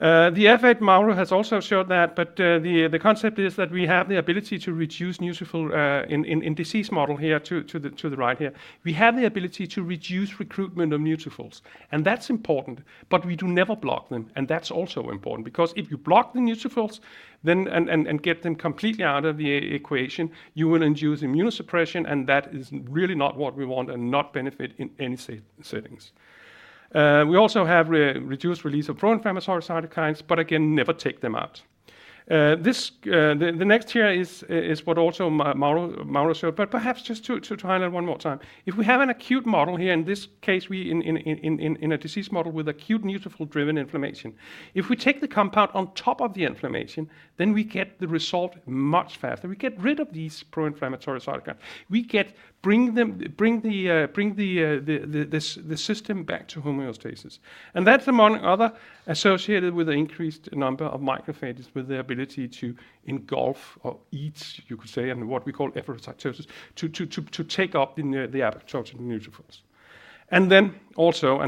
The effect Mauro has also showed that, but the concept is that we have the ability to reduce neutrophil in disease model here to the right here. We have the ability to reduce recruitment of neutrophils, and that's important. We do never block them, and that's also important because if you block the neutrophils, then get them completely out of the equation, you will induce immunosuppression, and that is really not what we want and not benefit in any settings. We also have reduced release of pro-inflammatory cytokines. Again, never take them out. This the next here is what also Mauro showed. Perhaps just to try that one more time. If we have an acute model here, in this case, we in a disease model with acute neutrophil driven inflammation, if we take the compound on top of the inflammation, then we get the result much faster. We get rid of these pro-inflammatory cytokine. Bring them, bring the system back to homeostasis, and that's among other associated with the increased number of macrophages with the ability to engulf or eat, you could say, and what we call efferocytosis, to take up the apoptotic neutrophils.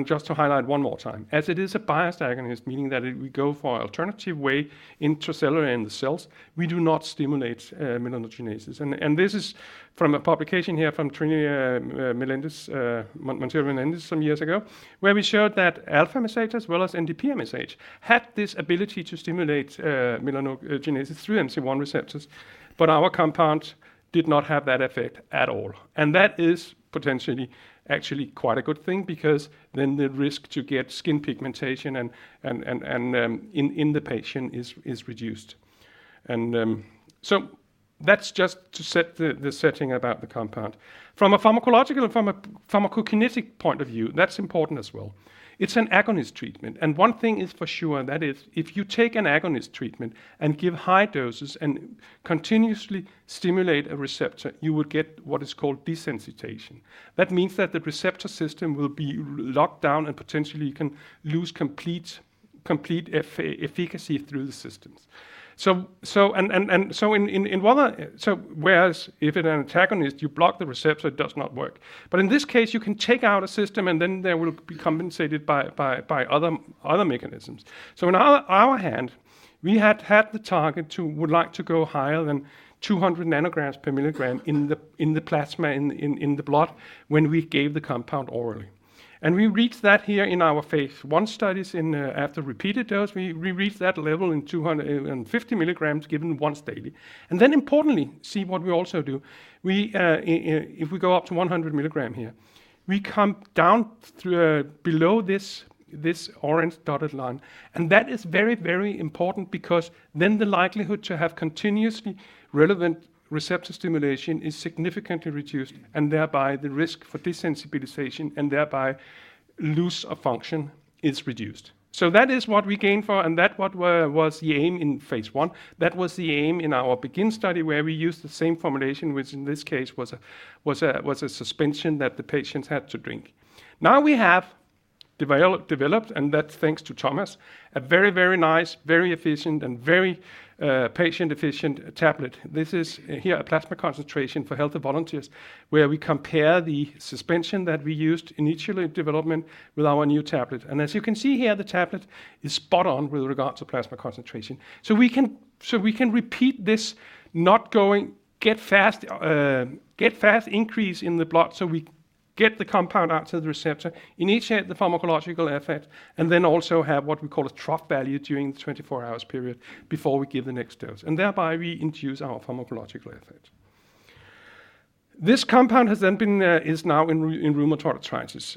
Just to highlight one more time, as it is a biased agonist, meaning that we go for alternative way intracellular in the cells, we do not stimulate melanogenesis. This is from a publication here from Trini Montero-Melendez some years ago, where we showed that α-MSH as well as NDP-MSH had this ability to stimulate melanogenesis through MC1 receptors, but our compound did not have that effect at all. That is potentially actually quite a good thing because then the risk to get skin pigmentation and in the patient is reduced. So that's just to set the setting about the compound. From a pharmacological, from a pharmacokinetic point of view, that's important as well. It's an agonist treatment, and one thing is for sure, that is if you take an agonist treatment and give high doses and continuously stimulate a receptor, you will get what is called desensitization. That means that the receptor system will be locked down and potentially you can lose complete efficacy through the systems. Whereas if in an antagonist you block the receptor, it does not work. In this case, you can take out a system and then there will be compensated by other mechanisms. In our hand, we had the target to would like to go higher than 200 ng milligram in the plasma in the blood when we gave the compound orally. We reached that here in our Phase I studies after repeated dose, we reached that level in 250 mg given once daily. Importantly, see what we also do, we, if we go up to 100 mg here, we come down through below this orange dotted line, and that is very, very important because then the likelihood to have continuously relevant receptor stimulation is significantly reduced and thereby the risk for desensitization and thereby lose of function is reduced. That is what we gain for, and that what was the aim in Phase I. That was the aim in our BEGIN study, where we used the same formulation, which in this case was a suspension that the patients had to drink. Now we have Developed, that's thanks to Thomas. A very, very nice, very efficient, and very patient efficient tablet. This is here a plasma concentration for healthy volunteers where we compare the suspension that we used in each development with our new tablet. As you can see here, the tablet is spot on with regards to plasma concentration. We can repeat this not going get fast, get fast increase in the blood so we get the compound out to the receptor. In each have the pharmacological effect then also have what we call a trough value during the 24 hours period before we give the next dose, thereby we infuse our pharmacological effect. This compound has then been, is now in rheumatoid arthritis.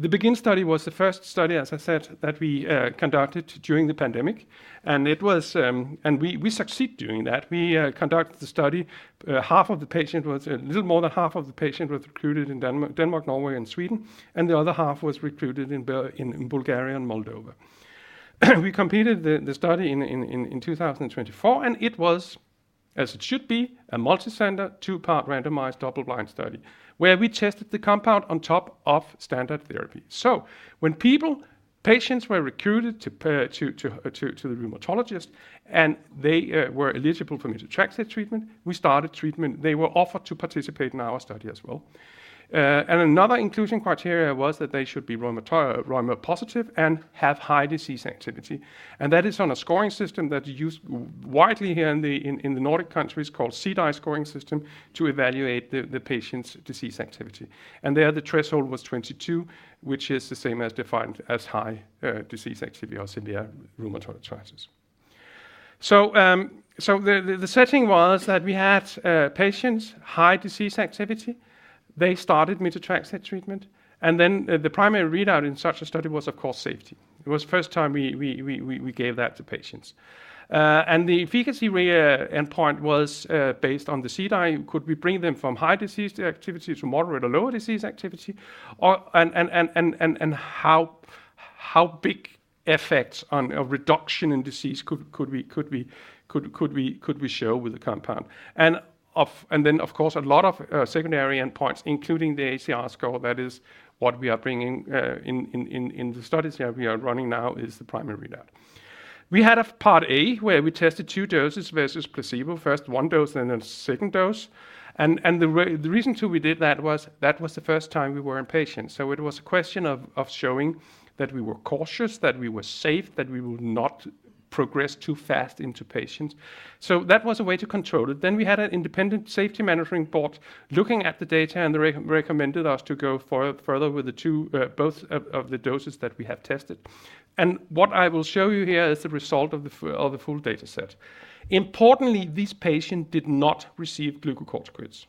The BEGIN study was the first study, as I said, that we conducted during the pandemic and it was, we succeed doing that. We conducted the study. Half of the patient was, a little more than half of the patient was recruited in Denmark, Norway and Sweden, and the other half was recruited in Bulgaria and Moldova. We completed the study in 2024 and it was as it should be, a multicenter, two-part randomized double blind study where we tested the compound on top of standard therapy. When people, patients were recruited to the rheumatologist and they were eligible for methotrexate treatment, we started treatment. They were offered to participate in our study as well. Another inclusion criteria was that they should be Rheuma positive and have high disease activity and that is on a scoring system that is used widely here in the Nordic countries called CDAI scoring system to evaluate the patient's disease activity. There the threshold was 22 which is the same as defined as high disease activity as in the rheumatoid arthritis. The setting was that we had patients, high disease activity. They started methotrexate treatment. The primary readout in such a study was of course safety. It was first time we gave that to patients. The efficacy endpoint was based on the CDAI. Could we bring them from high disease activity to moderate or low disease activity or and how big effects on a reduction in disease could we show with the compound? Then of course a lot of secondary endpoints including the ACR score, that is what we are bringing in the studies here we are running now is the primary readout. We had a Part A where we tested two doses versus placebo, first 1 dose and then second dose. The reason to we did that was that was the first time we were in patients. It was a question of showing that we were cautious, that we were safe, that we would not progress too fast into patients. That was a way to control it. We had an independent safety monitoring board looking at the data and they recommended us to go further with the two, both of the doses that we had tested. What I will show you here is the result of the full data set. Importantly, this patient did not receive glucocorticoids.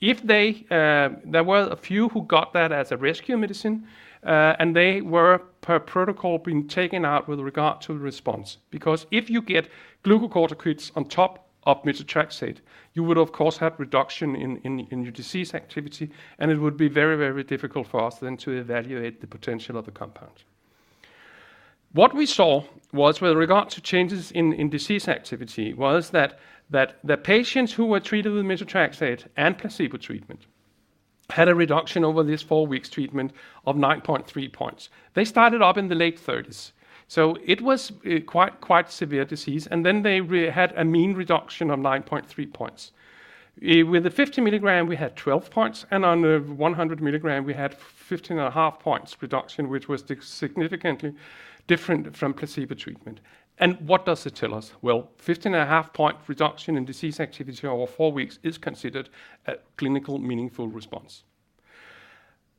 If they, there were a few who got that as a rescue medicine, and they were per protocol being taken out with regard to the response because if you get glucocorticoids on top of methotrexate you would of course have reduction in your disease activity and it would be very, very difficult for us then to evaluate the potential of the compound. What we saw was with regard to changes in disease activity was that the patients who were treated with methotrexate and placebo treatment had a reduction over this four weeks treatment of 9.3 points. They started up in the late 30s so it was quite severe disease and then they had a mean reduction of 9.3 points. With the 50 mg we had 12 points and on the 100 mg we had 15.5 points reduction which was significantly different from placebo treatment. What does it tell us? Well, 15.5 point reduction in disease activity over four weeks is considered a clinical meaningful response.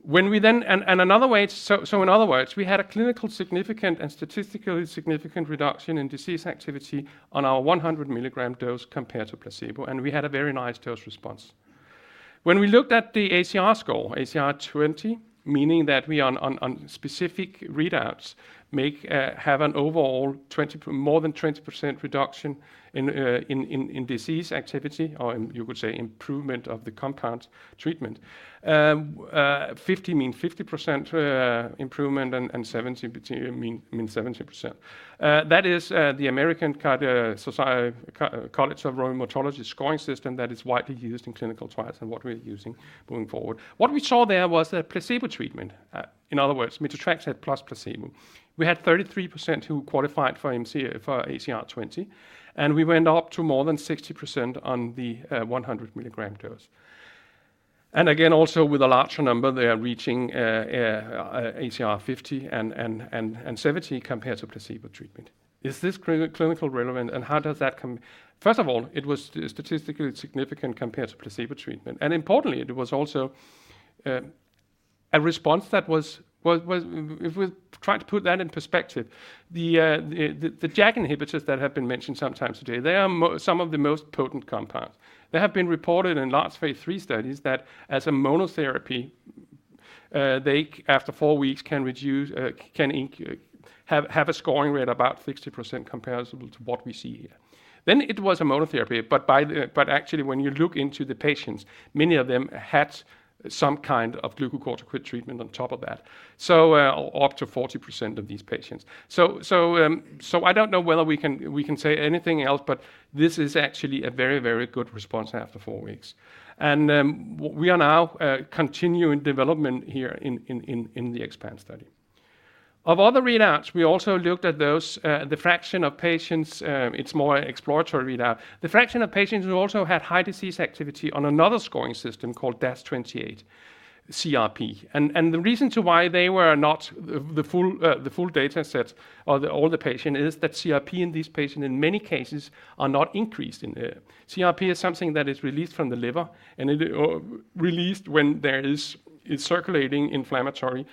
When we then and another way to so in other words we had a clinical significant and statistically significant reduction in disease activity on our 100 mg dose compared to placebo and we had a very nice dose response. When we looked at the ACR score, ACR20 meaning that we on specific readouts make have an overall 20, more than 20% reduction in disease activity or you could say improvement of the compound treatment. 50 mean 50% improvement and 70 mean 70%. That is the American College of Rheumatology scoring system that is widely used in clinical trials and what we're using moving forward. What we saw there was a placebo treatment, in other words, methotrexate plus placebo. We had 33% who qualified for MC, for ACR20 and we went up to more than 60% on the 100 mg dose. Again also with a larger number they are reaching ACR50 and 70 compared to placebo treatment. Is this clinical relevant? First of all, it was statistically significant compared to placebo treatment and importantly it was also a response that was if we try to put that in perspective, the JAK inhibitors that have been mentioned sometimes today, they are some of the most potent compounds. They have been reported in large Phase III studies that as a monotherapy, they after four weeks can reduce, can have a scoring rate about 60% comparable to what we see here. It was a monotherapy but actually when you look into the patients many of them had some kind of glucocorticoid treatment on top of that so up to 40% of these patients. I don't know whether we can, we can say anything else but this is actually a very, very good response after four weeks. We are now continuing development here in the EXPAND study. Of other readouts, we also looked at those, the fraction of patients. It's more exploratory readout. The fraction of patients who also had high disease activity on another scoring system called DAS28-CRP. The reason to why they were not the full data sets or all the patient is that CRP in this patient in many cases are not increased in. CRP is something that is released from the liver and it, released when there is circulating inflammatory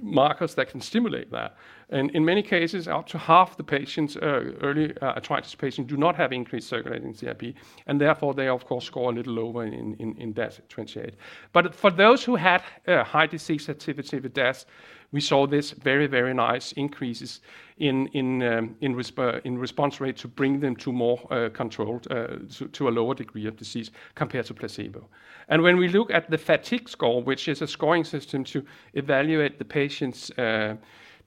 markers that can stimulate that. In many cases, up to half the patients, early arthritis patients do not have increased circulating CRP, and therefore they of course score a little lower in DAS28. For those who had a high disease activity with DAS, we saw this very, very nice increases in response rate to bring them to more controlled, to a lower degree of disease compared to placebo. When we look at the fatigue score, which is a scoring system to evaluate the patient's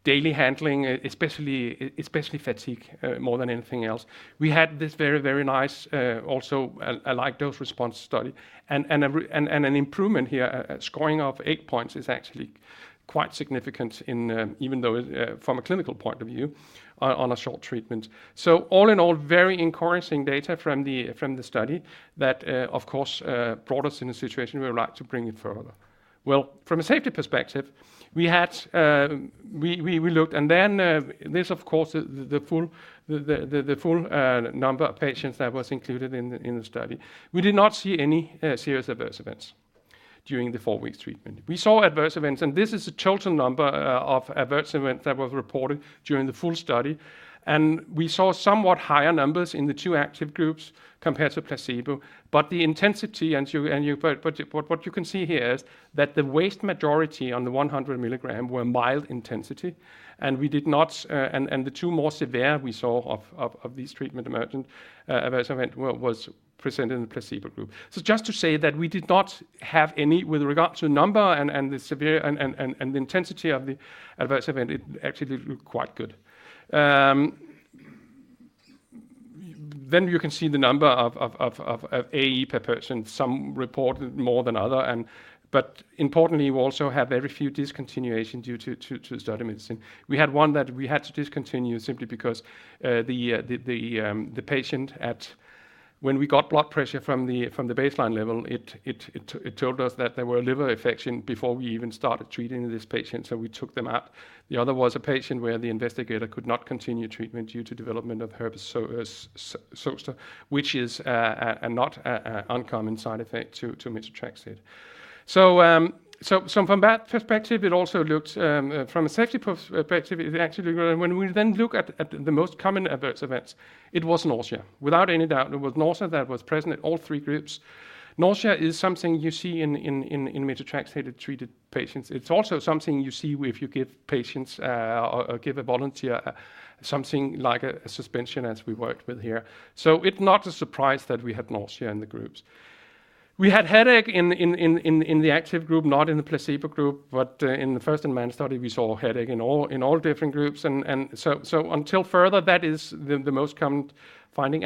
daily handling, especially fatigue more than anything else, we had this very, very nice also a high dose response study and an improvement here at scoring of eight points is actually quite significant in even though from a clinical point of view, on a short treatment. All in all, very encouraging data from the study that of course brought us in a situation we would like to bring it further. Well, from a safety perspective, we had, we looked and then this of course is the full number of patients that was included in the study. We did not see any serious adverse events during the four-week treatment. We saw adverse events, and this is a total number of adverse event that was reported during the full study. We saw somewhat higher numbers in the two active groups compared to placebo. The intensity and what you can see here is that the vast majority on the 100 mg were mild intensity and the two more severe we saw of this treatment emergent adverse event was presented in the placebo group. Just to say that we did not have any with regard to number and the severe and the intensity of the adverse event, it actually looked quite good. You can see the number of AE per person. Some reported more than other and but importantly, we also have very few discontinuation due to study medicine. We had one that we had to discontinue simply because the patient when we got blood pressure from the baseline level, it told us that there were a liver infection before we even started treating this patient, so we took them out. The other was a patient where the investigator could not continue treatment due to development of herpes zoster, which is a not uncommon side effect to methotrexate. From that perspective, it also looked from a safety perspective, it actually when we then look at the most common adverse events, it was nausea. Without any doubt, it was nausea that was present in all three groups. Nausea is something you see in methotrexate-treated patients. It's also something you see if you give patients or give a volunteer something like a suspension as we worked with here. It's not a surprise that we had nausea in the groups. We had headache in the active group, not in the placebo group. In the first and main study, we saw headache in all different groups. So until further, that is the most common finding.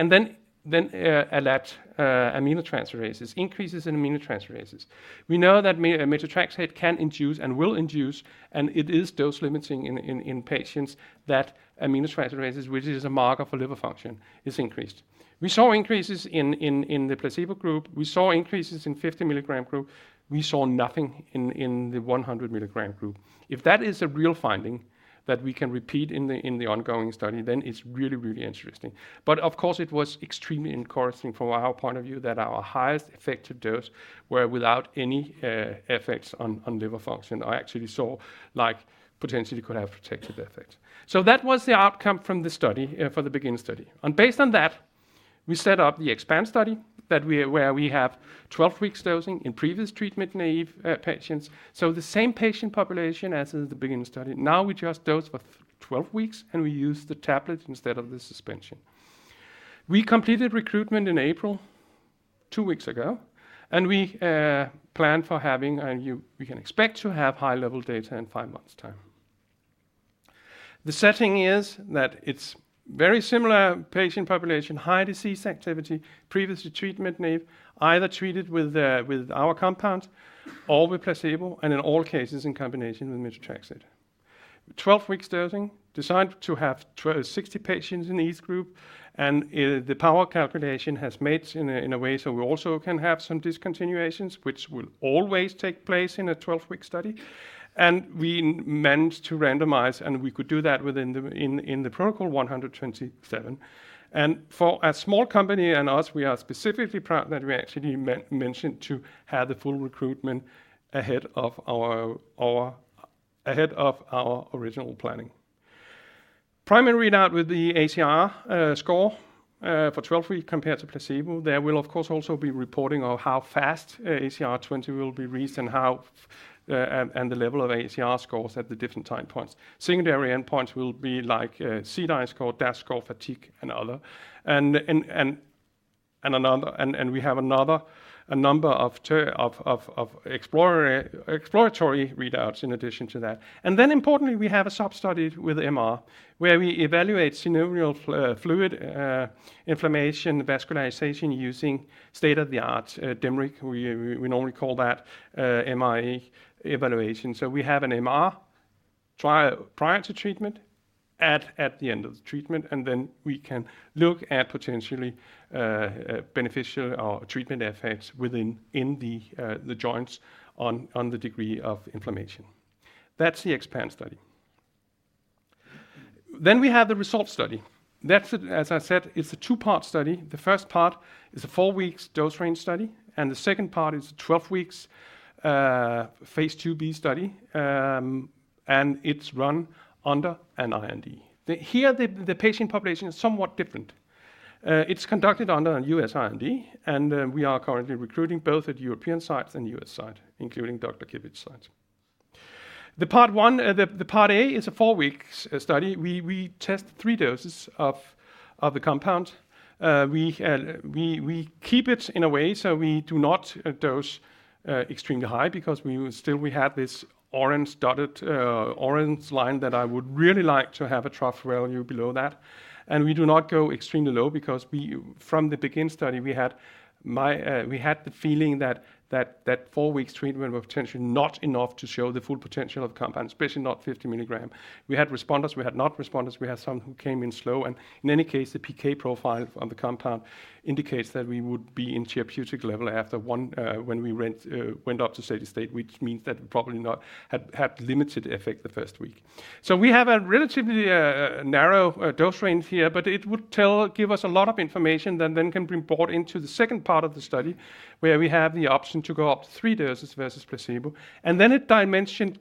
Then ALAT, aminotransferases, increases in aminotransferases. We know that methotrexate can induce and will induce, and it is dose limiting in patients that aminotransferases, which is a marker for liver function, is increased. We saw increases in the placebo group. We saw increases in 50 milligram group. We saw nothing in the 100 mg group. If that is a real finding that we can repeat in the ongoing study, then it's really interesting. Of course it was extremely encouraging from our point of view that our highest effective dose were without any effects on liver function. I actually saw like potentially could have protected effect. That was the outcome from the study for the BEGIN study. Based on that, we set up the EXPAND study where we have 12 weeks dosing in previous treatment-naive patients. The same patient population as in the BEGIN study. Now we just dose for 12 weeks and we use the tablets instead of the suspension. We completed recruitment in April, two weeks ago, and we plan for having, we can expect to have high level data in five months' time. The setting is that it's very similar patient population, high disease activity, previously treatment-naive, either treated with our compound or with placebo, and in all cases in combination with methotrexate. 12 weeks dosing, designed to have 60 patients in each group, and, the power calculation has made in a, in a way so we also can have some discontinuations, which will always take place in a 12-week study. We meant to randomize, and we could do that within the protocol 127. For a small company and us, we are specifically proud that we actually managed to have the full recruitment ahead of our original planning. Primary readout with the ACR score, for 12 week compared to placebo. There will of course also be reporting of how fast ACR20 will be reached and the level of ACR scores at the different time points. Secondary endpoints will be like CDAI score, DAS score, fatigue and other. we have a number of exploratory readouts in addition to that. importantly, we have a sub study with MR where we evaluate synovial fluid inflammation, the vascularization using state-of-the-art MRI. We normally call that MR evaluation. we have an MRI prior to treatment at the end of the treatment, and then we can look at potentially beneficial or treatment effects within the joints on the degree of inflammation. That's the EXPAND study. We have the RESOLVE study. That's as I said, it's a two-part study. The first part is a four weeks dose range study, and the second part is a 12 weeks Phase IIb study, and it's run under an IND. Here, the patient population is somewhat different. It's conducted under a US IND, and we are currently recruiting both at European sites and US site, including Dr. Kivitz's sites. The Part 1, the Part A is a four weeks study. We test three doses of the compound. We keep it in a way, so we do not dose extremely high because we still have this orange dotted orange line that I would really like to have a trough value below that. We do not go extremely low because from the BEGIN study, we had the feeling that four weeks treatment was potentially not enough to show the full potential of compound, especially not 50 mg. We had responders, we had not responders, we had some who came in slow. In any case, the PK profile of the compound indicates that we would be in therapeutic level after 1, when we went up to steady state, which means that probably not had limited effect the 1st week. We have a relatively narrow dose range here, but it would give us a lot of information that then can be brought into the 2nd part of the study, where we have the option to go up to three doses versus placebo. Then it dimension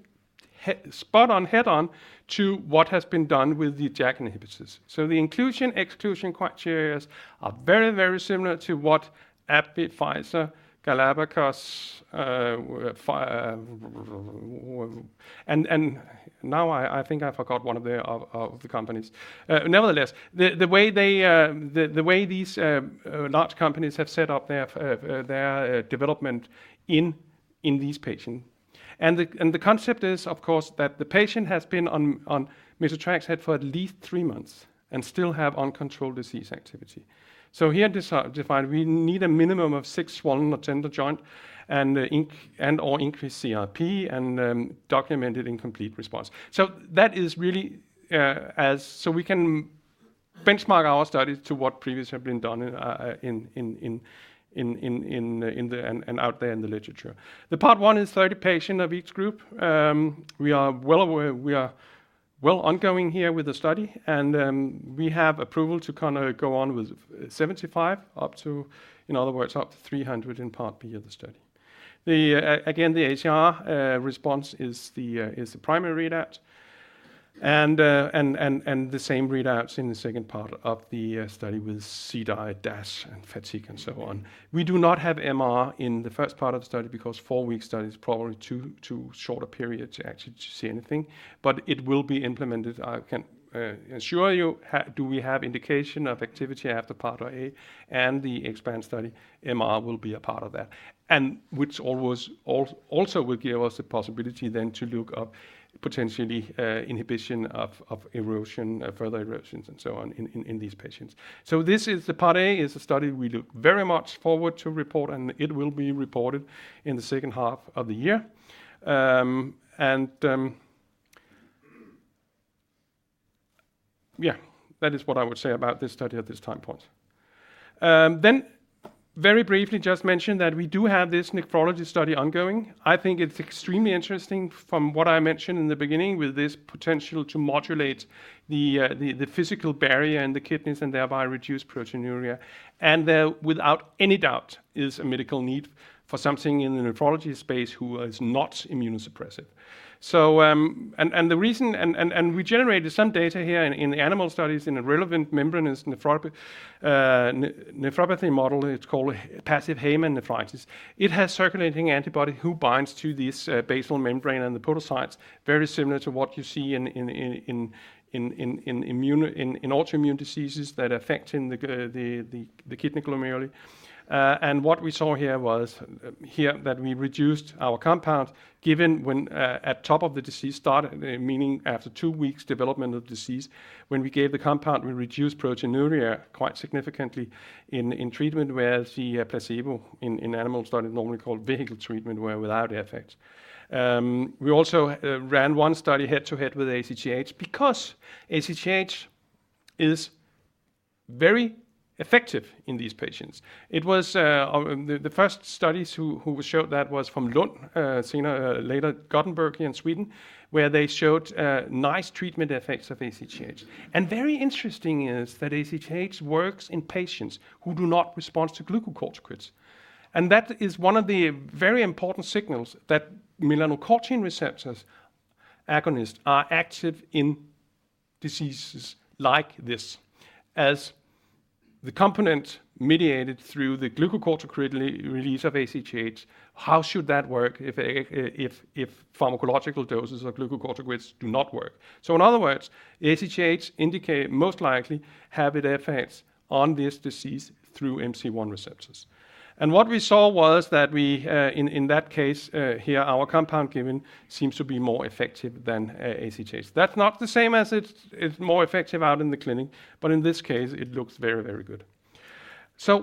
spot on, head on to what has been done with the JAK inhibitors. The inclusion, exclusion criterias are very, very similar to what AbbVie, Pfizer, Galapagos, and now I think I forgot one of the companies. Nevertheless, the way they, the way these large companies have set up their development in these patient. The concept is, of course, that the patient has been on methotrexate for at least 3 months and still have uncontrolled disease activity. Here defined, we need a minimum of six swollen or tender joint and or increased CRP and documented incomplete response. That is really so we can benchmark our studies to what previously have been done in the and out there in the literature. The Part 1 is 30 patient of each group. We are well ongoing here with the study, we have approval to kinda go on with 75, up to, in other words, up to 300 in Part B of the study. Again, the ACR response is the primary readout. The same readouts in the second part of the study with CDAI, DAS, and FATIGUE, and so on. We do not have MR in the first part of the study because four week study is probably too short a period to actually to see anything. It will be implemented, I can assure you, do we have indication of activity after Part A and the EXPAND study, MRI will be a part of that. Which always also will give us a possibility then to look up potentially inhibition of erosion, further erosions and so on in these patients. This is the Part A, is a study we look very much forward to report, and it will be reported in the second half of the year. Yeah, that is what I would say about this study at this time point. Very briefly just mention that we do have this nephrology study ongoing. I think it's extremely interesting from what I mentioned in the beginning with this potential to modulate the physical barrier in the kidneys and thereby reduce proteinuria. There without any doubt is a medical need for something in the nephrology space who is not immunosuppressive. We generated some data here in the animal studies in a relevant membranous nephropathy model, it's called Passive Heymann nephritis. It has circulating antibody who binds to this basal membrane and the podocytes, very similar to what you see in immune in autoimmune diseases that affect in the kidney glomeruli. What we saw here was that we reduced our compound given when at top of the disease started, meaning after two weeks development of disease, when we gave the compound, we reduced proteinuria quite significantly in treatment where the placebo in animal study normally called vehicle treatment were without effect. We also ran 1 study head to head with ACTH because ACTH is very effective in these patients. It was the first studies who showed that was from Lund, seen a later Gothenburg here in Sweden, where they showed nice treatment effects of ACTH. Very interesting is that ACTH works in patients who do not respond to glucocorticoids. That is one of the very important signals that melanocortin receptors agonist are active in diseases like this. As the component mediated through the glucocorticoid re-release of ACTH, how should that work if pharmacological doses of glucocorticoids do not work? In other words, ACTH indicate most likely have an effects on this disease through MC1 receptors. What we saw was that we in that case here our compound given seems to be more effective than ACTH. That's not the same as it's more effective out in the clinic, but in this case it looks very, very good.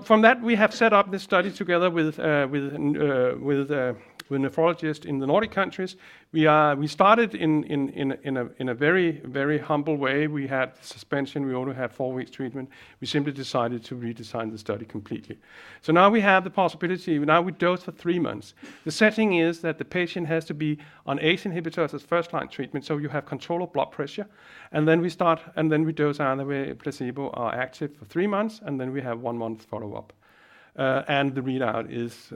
From that, we have set up this study together with a nephrologist in the Nordic countries. We started in a very, very humble way. We had the suspension. We only had four weeks treatment. We simply decided to redesign the study completely. Now we have the possibility. Now we dose for three months. The setting is that the patient has to be on ACE inhibitors as first-line treatment, so you have control of blood pressure. Then we start, then we dose either way, placebo or active for three months, then we have one-month follow-up. The readout is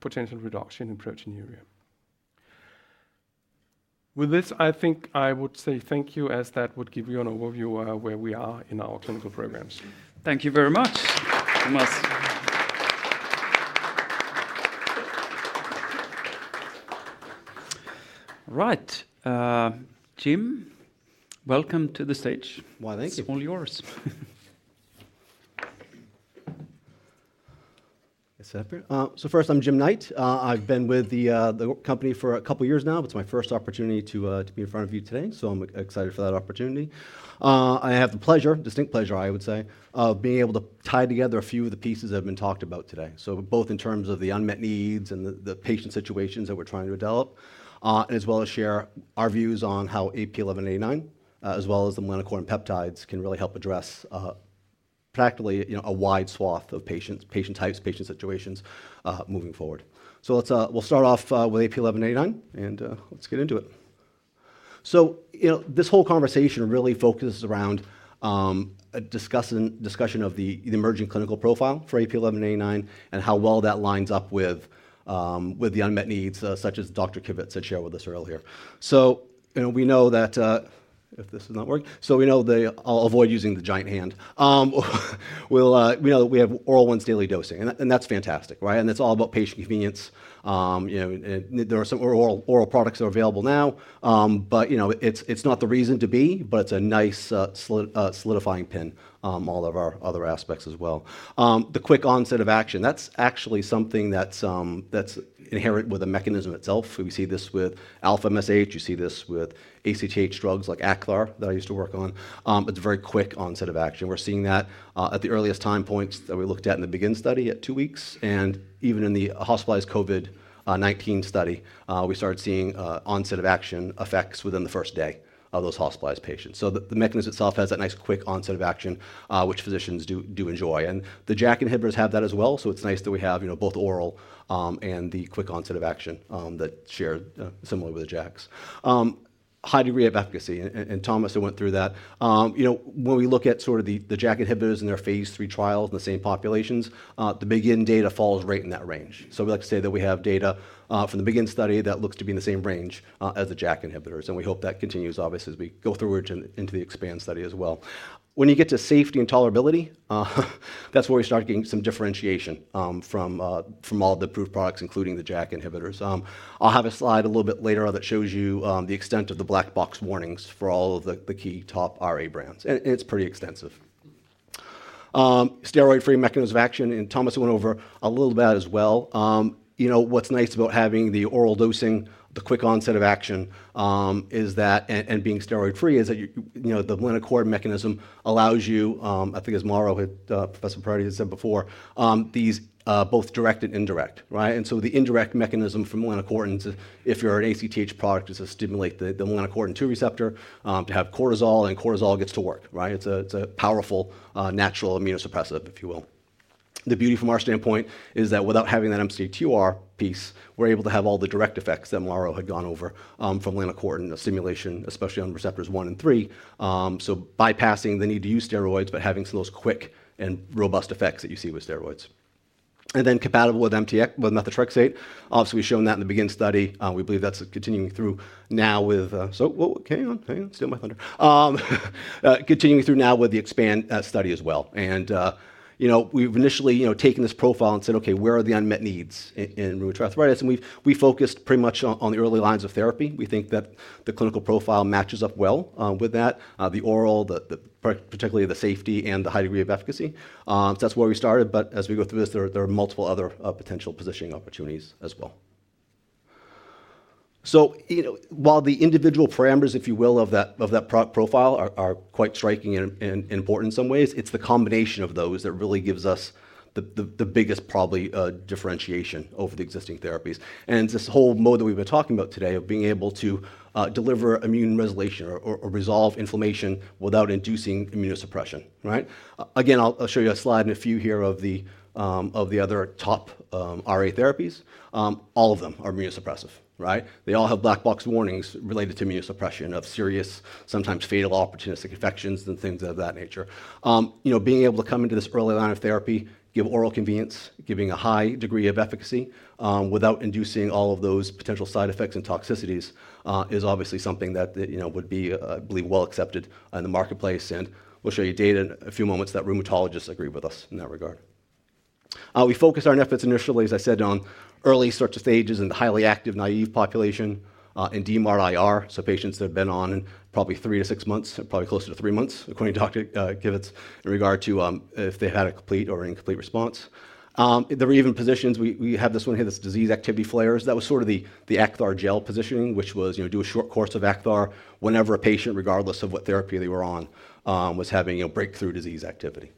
potential reduction in proteinuria. With this, I think I would say thank you, as that would give you an overview of where we are in our clinical programs. Thank you very much. Thomas. All right. Jim, welcome to the stage. Why, thank you. It's all yours. Is it separate? First, I'm Jim Knight. I've been with the company for a couple years now, but it's my first opportunity to be in front of you today, I'm excited for that opportunity. I have the pleasure, distinct pleasure I would say, of being able to tie together a few of the pieces that have been talked about today. Both in terms of the unmet needs and the patient situations that we're trying to develop, and as well as share our views on how AP1189, as well as the linacorin peptides can really help address, practically, you know, a wide swath of patients, patient types, patient situations, moving forward. Let's, we'll start off with AP1189, and let's get into it. You know, this whole conversation really focuses around a discussion of the emerging clinical profile for AP1189 and how well that lines up with the unmet needs such as Dr. Kivitz had shared with us earlier. You know, we know that if this does not work. We know I'll avoid using the giant hand. We know that we have oral once daily dosing, and that's fantastic, right? It's all about patient convenience. You know, there are some oral products that are available now, but you know, it's not the reason to be, but it's a nice solidifying pin all of our other aspects as well. The quick onset of action, that's actually something that's inherent with the mechanism itself. We see this with Alpha MSH. You see this with ACTH drugs like Acthar that I used to work on. It's a very quick onset of action. We're seeing that at the earliest time points that we looked at in the BEGIN study at two weeks, and even in the hospitalized COVID-19 study, we started seeing onset of action effects within the 1st day of those hospitalized patients. The mechanism itself has that nice quick onset of action, which physicians do enjoy. The JAK inhibitors have that as well, so it's nice that we have, you know, both oral, and the quick onset of action, that share similar with the JAKs. High degree of efficacy, Thomas went through that. you know, when we look at sort of the JAK inhibitors and their phase III trials in the same populations, the BEGIN data falls right in that range. We like to say that we have data from the BEGIN study that looks to be in the same range as the JAK inhibitors, and we hope that continues obviously as we go through it and into the EXPAND study as well. When you get to safety and tolerability, that's where we start getting some differentiation from all the approved products, including the JAK inhibitors. I'll have a slide a little bit later on that shows you the extent of the black box warnings for all of the key top RA brands, and it's pretty extensive. Steroid-free mechanism of action, Thomas went over a little of that as well. You know, what's nice about having the oral dosing, the quick onset of action, is that, being steroid-free, is that you know, the melanocortin mechanism allows you, I think as Mauro had, Professor Perretti had said before, these both direct and indirect, right? The indirect mechanism for melanocortin, if you're an ACTH product is to stimulate the melanocortin two receptor, to have Cortisol, and Cortisol gets to work, right? It's a powerful, natural immunosuppressive, if you will. The beauty from our standpoint is that without having that MCr piece, we're able to have all the direct effects that Mauro had gone over, from melanocortin, the stimulation, especially on receptors one and three. Bypassing the need to use steroids but having those quick and robust effects that you see with steroids. Compatible with MTX, with methotrexate. Obviously, we've shown that in the BEGIN study. We believe that's continuing through now with whoa, okay, steal my thunder. Continuing through now with the EXPAND study as well. You know, we've initially, you know, taken this profile and said, "Okay, where are the unmet needs in rheumatoid arthritis?" We've, we focused pretty much on the early lines of therapy. We think that the clinical profile matches up well with that. The oral, the particularly the safety and the high degree of efficacy. That's where we started, but as we go through this, there are multiple other potential positioning opportunities as well. you know, while the individual parameters, if you will, of that profile are quite striking and important in some ways, it's the combination of those that really gives us the biggest probably differentiation over the existing therapies. This whole mode that we've been talking about today of being able to deliver immune regulation or resolve inflammation without inducing immunosuppression, right? Again, I'll show you a slide in a few here of the other top RA therapies. All of them are immunosuppressive, right? They all have black box warnings related to immunosuppression of serious, sometimes fatal opportunistic infections and things of that nature. You know, being able to come into this early line of therapy, give oral convenience, giving a high degree of efficacy, without inducing all of those potential side effects and toxicities, is obviously something that, you know, would be, I believe well accepted in the marketplace. We'll show you data in a few moments that rheumatologists agree with us in that regard. We focused our efforts initially, as I said, on early sorts of stages in the highly active naive population, and DMARD-IR, so patients that have been on probably three to six months, probably closer to three months, according to Dr. Kivitz, in regard to, if they had a complete or incomplete response. There were even positions we have this one here, this disease activity flares. That was sort of the Acthar Gel positioning, which was, you know, do a short course of Acthar whenever a patient, regardless of what therapy they were on, was having, you know, breakthrough disease activity.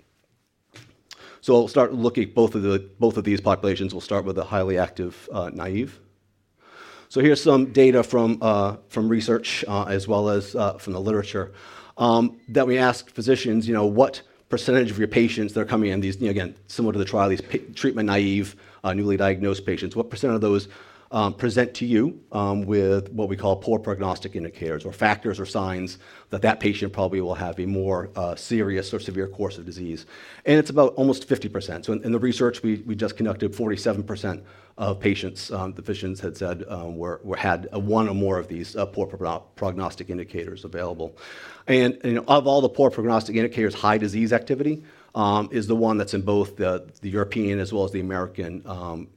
We'll start looking at both of these populations. We'll start with the highly active, naive. Here's some data from research, as well as from the literature, that we asked physicians, you know, what percentage of your patients that are coming in, these, you know, again, similar to the trial, these treatment naive, newly diagnosed patients, what percent of those present to you with what we call poor prognostic indicators or factors or signs that that patient probably will have a more serious or severe course of disease? It's about almost 50%. In the research we just conducted, 47% of patients, the physicians had said, had 1 or more of these poor prognostic indicators available. Of all the poor prognostic indicators, high disease activity is the one that's in both the European as well as the American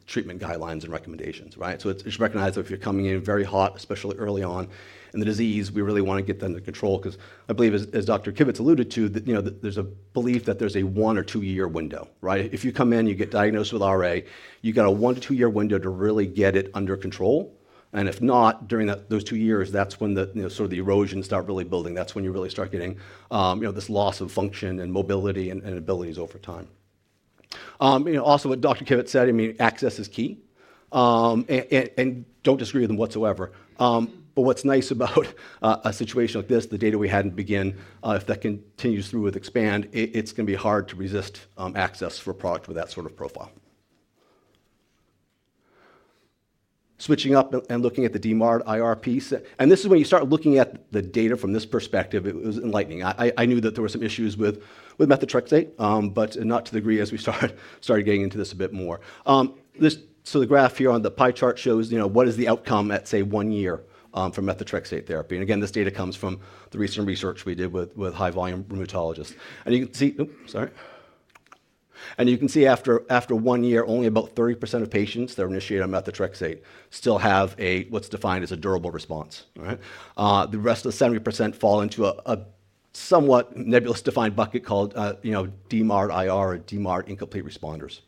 treatment guidelines and recommendations, right? It's recognized that if you're coming in very hot, especially early on in the disease, we really wanna get that under control 'cause I believe, as Dr. Kivitz alluded to, that, you know, that there's a belief that there's a one or two-year window, right? If you come in, you get diagnosed with RA, you got a one to two-year window to really get it under control. If not, during those two years, that's when the, you know, sort of the erosions start really building. That's when you really start getting, you know, this loss of function and mobility and abilities over time. You know, also what Dr. Kivitz said, I mean, access is key. And don't disagree with him whatsoever. But what's nice about a situation like this, the data we had in Begin, if that continues through with Expand, it's gonna be hard to resist access for a product with that sort of profile. Switching up and looking at the DMARD IR piece. This is when you start looking at the data from this perspective, it was enlightening. I knew that there were some issues with methotrexate, but not to the degree as we started getting into this a bit more. The graph here on the pie chart shows, you know, what is the outcome at, say, one year from methotrexate therapy. Again, this data comes from the recent research we did with high volume rheumatologists. You can see... Oops, sorry. You can see after one year, only about 30% of patients that are initiated on methotrexate still have a, what's defined as a durable response. All right? The rest of the 70% fall into a somewhat nebulous defined bucket called, you know, DMARD IR or DMARD incomplete responders.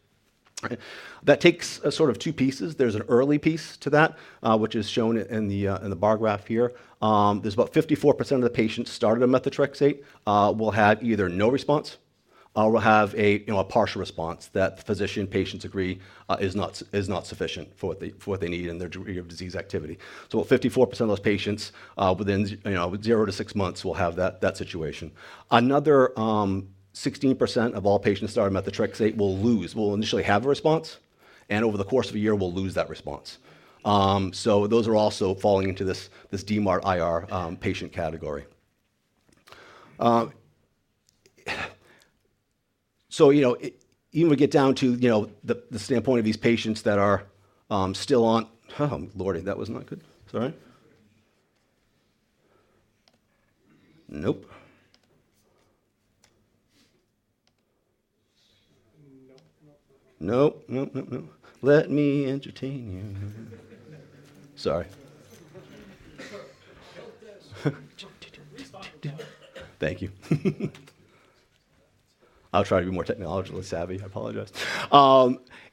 Okay. That takes sort of two pieces. There's an early piece to that, which is shown in the, in the bar graph here. There's about 54% of the patients started on methotrexate, will have either no response or will have a, you know, a partial response that the physician, patients agree, is not sufficient for what they, for what they need in their degree of disease activity. 54% of those patients, within zero to six months will have that situation. Another, 16% of all patients started on methotrexate will initially have a response, and over the course of a year will lose that response. Those are also falling into this DMARD-IR, patient category. you know, even we get down to, you know, the standpoint of these patients that are still on. Oh, Lordy, that was not good. Sorry. Nope. Nope, nope. Nope, nope, nope. Let me entertain you. Sorry. We stopped now. Thank you. I'll try to be more technologically savvy. I apologize.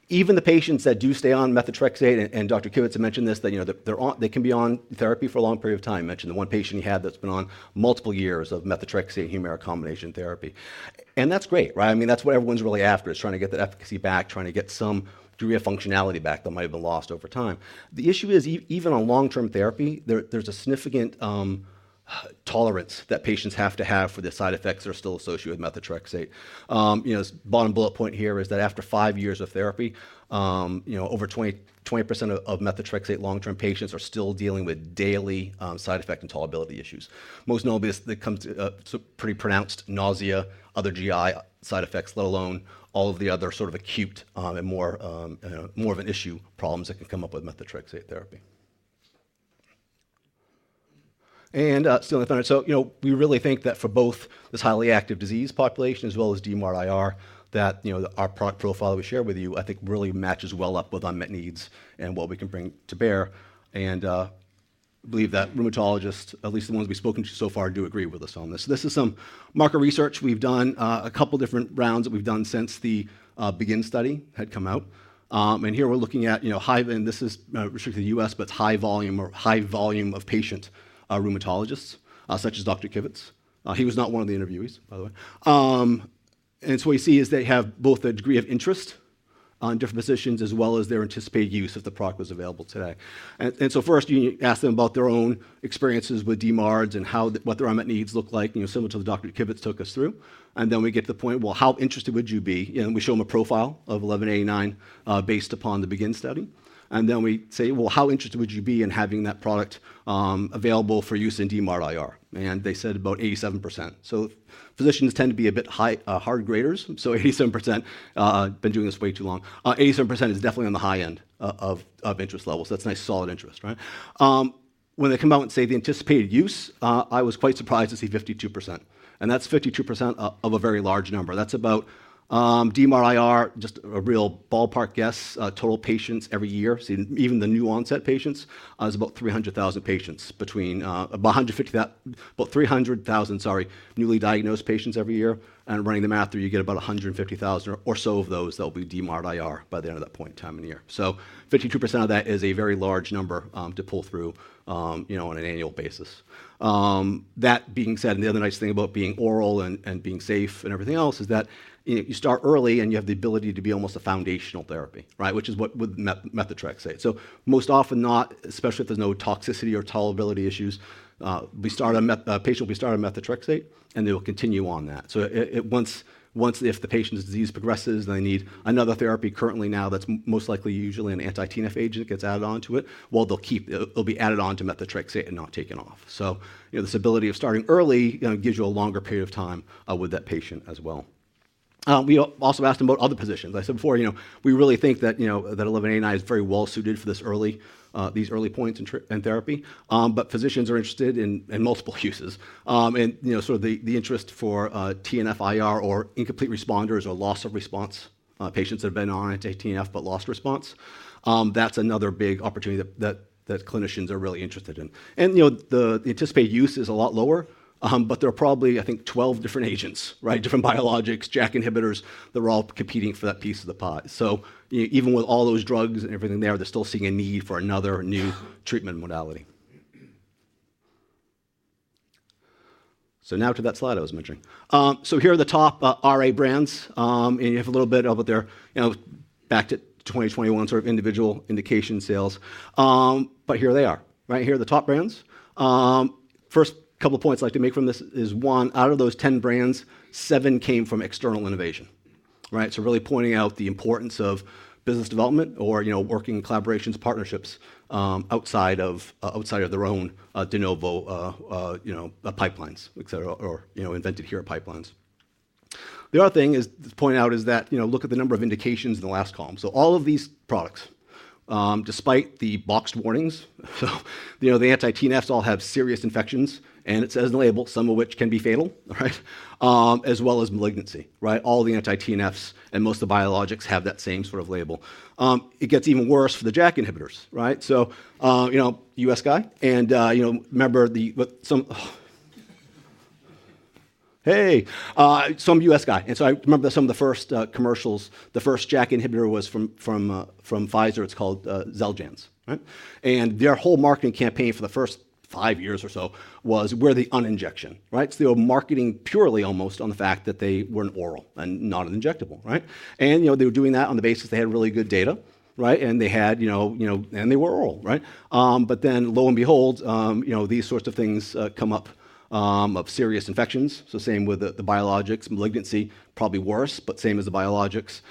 Even the patients that do stay on methotrexate, and Dr. Kivitz had mentioned this, that, you know, they can be on therapy for a long period of time. Mentioned the one patient he had that's been on multiple years of methotrexate and HUMIRA combination therapy. That's great, right? I mean, that's what everyone's really after is trying to get that efficacy back, trying to get some degree of functionality back that might have been lost over time. The issue is even on long-term therapy, there's a significant tolerance that patients have to have for the side effects that are still associated with methotrexate. you know, bottom bullet point here is that after five years of therapy, you know, over 20% of methotrexate long-term patients are still dealing with daily side effect and tolerability issues. Most notably, that comes so pretty pronounced nausea, other GI side effects, let alone all of the other sort of acute and more, you know, more of an issue problems that can come up with methotrexate therapy. Still on the phone. you know, we really think that for both this highly active disease population as well as DMARD-IR, that, you know, our product profile that we shared with you I think really matches well up with unmet needs and what we can bring to bear. I believe that rheumatologists, at least the ones we’ve spoken to so far, do agree with us on this. This is some market research we’ve done a couple different rounds that we’ve done since the BEGIN study had come out. Here we’re looking at, you know, this is restricted to the U.S., but it’s high volume or high volume of patient rheumatologists, such as Dr. Kivitz. He was not one of the interviewees, by the way. What you see is they have both a degree of interest on different positions as well as their anticipated use if the product was available today. First you ask them about their own experiences with DMARDs and how what their unmet needs look like, you know, similar to what Dr. Kivitz took us through. Then we get to the point, well, how interested would you be? You know, we show them a profile of AP1189 based upon the BEGIN study. Then we say, "Well, how interested would you be in having that product available for use in DMARD-IR?" They said about 87%. Physicians tend to be a bit high, hard graders, so 87% been doing this way too long. 87% is definitely on the high end of interest levels. That's nice, solid interest, right? When they come out and say the anticipated use, I was quite surprised to see 52%, and that's 52% of a very large number. That's about DMARD-IR, just a real ballpark guess, total patients every year. Even the new onset patients is about 300,000 patients between about 150 about 300,000, sorry, newly diagnosed patients every year. Running the math through, you get about 150,000 or so of those that will be DMARD-IR by the end of that point in time in the year. 52% of that is a very large number to pull through, you know, on an annual basis. That being said, the other nice thing about being oral and being safe and everything else is that you start early, and you have the ability to be almost a foundational therapy, right? Which is what with methotrexate. Most often not, especially if there's no toxicity or tolerability issues, a patient will be started on methotrexate, and they will continue on that. If the patient's disease progresses, they need another therapy currently now that's most likely usually an anti-TNF agent gets added on to it'll be added on to methotrexate and not taken off. You know, this ability of starting early, you know, gives you a longer period of time with that patient as well. We also asked about other positions. I said before, you know, we really think that, you know, that is AP1189 very well suited for this early, these early points in therapy. Physicians are interested in multiple uses. You know, sort of the interest for TNF IR or incomplete responders or loss of response, patients that have been on anti-TNF but lost response, that's another big opportunity that clinicians are really interested in. You know, the anticipated use is a lot lower, but there are probably, I think, 12 different agents, right? Different biologics, JAK inhibitors that are all competing for that piece of the pie. Even with all those drugs and everything there, they're still seeing a need for another new treatment modality. Now to that slide I was mentioning. Here are the top RA brands. You have a little bit of it there, you know, back to 2021 sort of individual indication sales. But here they are. Right here are the top brands. First couple points I'd like to make from this is one, out of those 10 brands, seven came from external innovation, right. Really pointing out the importance of business development or, you know, working collaborations, partnerships, outside of, outside of their own, de novo, you know, pipelines, et cetera, or, you know, invented here pipelines. The other thing is to point out is that, you know, look at the number of indications in the last column. All of these products, despite the boxed warnings, so, you know, the anti-TNFs all have serious infections, and it says on the label, some of which can be fatal, right. As well as malignancy, right. All the anti-TNFs and most of the biologics have that same sort of label. It gets even worse for the JAK inhibitors, right. You know, U.S. guy and, you know, some U.S. guy. I remember some of the first commercials. The first JAK inhibitor was from Pfizer. It's called XELJANZ, right? Their whole marketing campaign for the first fiveyears or so was we're the uninjection, right? They were marketing purely almost on the fact that they weren't oral and not an injectable, right? You know, they were doing that on the basis they had really good data, right? They had, you know, and they were oral, right? Lo and behold, you know, these sorts of things come up of serious infections. Same with the biologics. malignancy probably worse, but same as the biologics.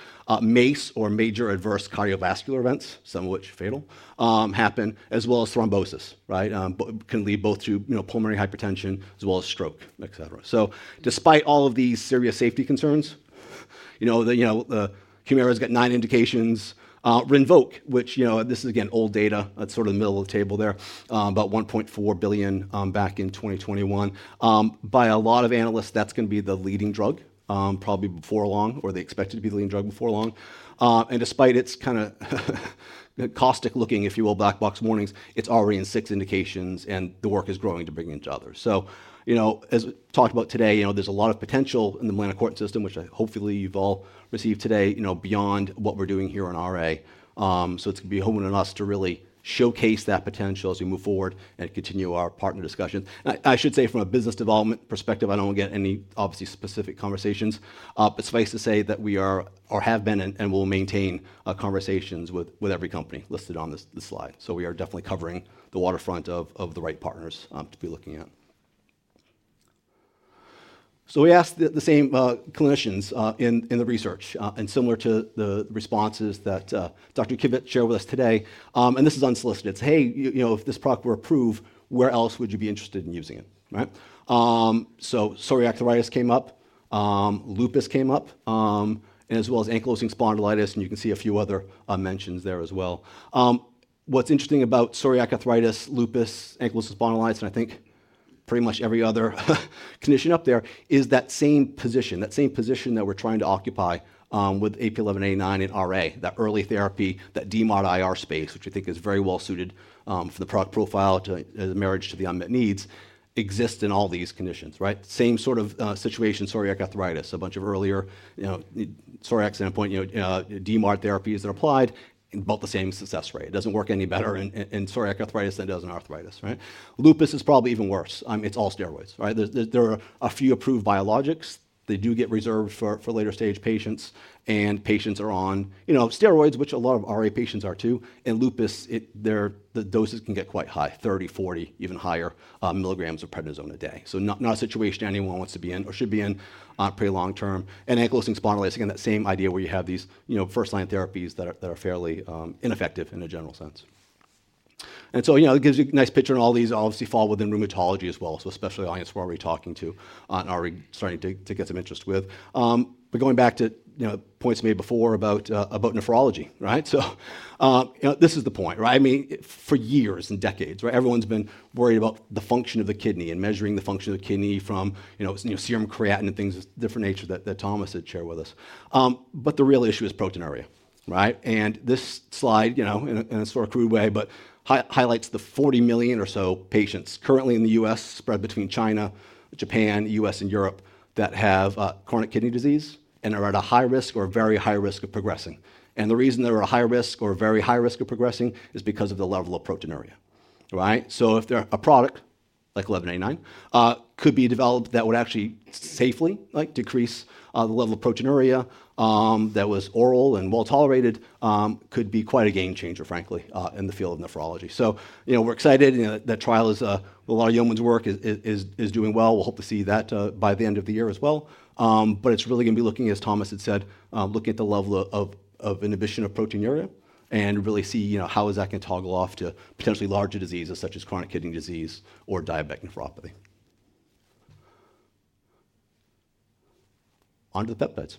MACE or major adverse cardiovascular events, some of which are fatal, happen as well as thrombosis, right? Can lead both to, you know, pulmonary hypertension as well as stroke, et cetera. Despite all of these serious safety concerns, you know, the, you know, the HUMIRA's got nine indications. RINVOQ, which, you know, this is again old data. That's sort of the middle of the table there, about $1.4 billion, back in 2021. By a lot of analysts, that's gonna be the leading drug, probably before long, or they expect it to be the leading drug before long. Despite its kind of caustic-looking, if you will, black box warnings, it's already in six indications, and the work is growing to bring in others. You know, as we talked about today, you know, there's a lot of potential in the melanocortin system, which hopefully you've all received today, you know, beyond what we're doing here in RA. It's gonna be home on us to really showcase that potential as we move forward and continue our partner discussions. I should say from a business development perspective, I don't want to get any obviously specific conversations, but suffice to say that we are or have been and will maintain conversations with every company listed on this slide. We are definitely covering the waterfront of the right partners to be looking at. We asked the same clinicians in the research, and similar to the responses that Dr. Kivitz shared with us today, this is unsolicited. It's, "Hey, you know, if this product were approved, where else would you be interested in using it?" Right? Psoriatic arthritis came up, lupus came up, as well as ankylosing spondylitis, and you can see a few other mentions there as well. What's interesting about psoriatic arthritis, lupus, ankylosing spondylitis, and I think pretty much every other condition up there is that same position, that same position that we're trying to occupy with AP1189 and RA, that early therapy, that DMARD-IR space, which I think is very well suited for the product profile to the marriage to the unmet needs, exists in all these conditions, right? Same sort of situation, psoriatic arthritis, a bunch of earlier, you know, psoriatic standpoint, you know, DMARD therapies that applied, about the same success rate. It doesn't work any better in psoriatic arthritis than it does in arthritis, right? Lupus is probably even worse. It's all steroids, right? There are a few approved biologics. They do get reserved for later stage patients, and patients are on, you know, steroids, which a lot of RA patients are too. In lupus, the doses can get quite high, 30, 40, even higher, milligrams of prednisone a day. Not a situation anyone wants to be in or should be in pretty long term. Ankylosing spondylitis, again, that same idea where you have these, you know, first-line therapies that are fairly ineffective in a general sense. You know, it gives you a nice picture, and all these obviously fall within rheumatology as well. Especially the audience we're already talking to are starting to get some interest with. But going back to, you know, points made before about nephrology, right? This is the point, right? I mean, for years and decades, right, everyone's been worried about the function of the kidney and measuring the function of the kidney from, you know, serum creatinine and things of different nature that Thomas had shared with us. But the real issue is proteinuria, right? This slide, you know, in a sort of crude way, but high-highlights the 40 million or so patients currently in the U.S., spread between China, Japan, U.S., and Europe, that have chronic kidney disease and are at a high risk or a very high risk of progressing. The reason they're at a high risk or a very high risk of progressing is because of the level of proteinuria, right? If a product, like 1189, could be developed that would actually safely, like, decrease the level of proteinuria, that was oral and well-tolerated, could be quite a game changer, frankly, in the field of nephrology. You know, we're excited. You know, that trial is with a lot of yeoman's work is doing well. We'll hope to see that by the end of the year as well. It's really gonna be looking, as Thomas had said, looking at the level of inhibition of proteinuria and really see, you know, how is that gonna toggle off to potentially larger diseases such as chronic kidney disease or diabetic nephropathy. On to the peptides.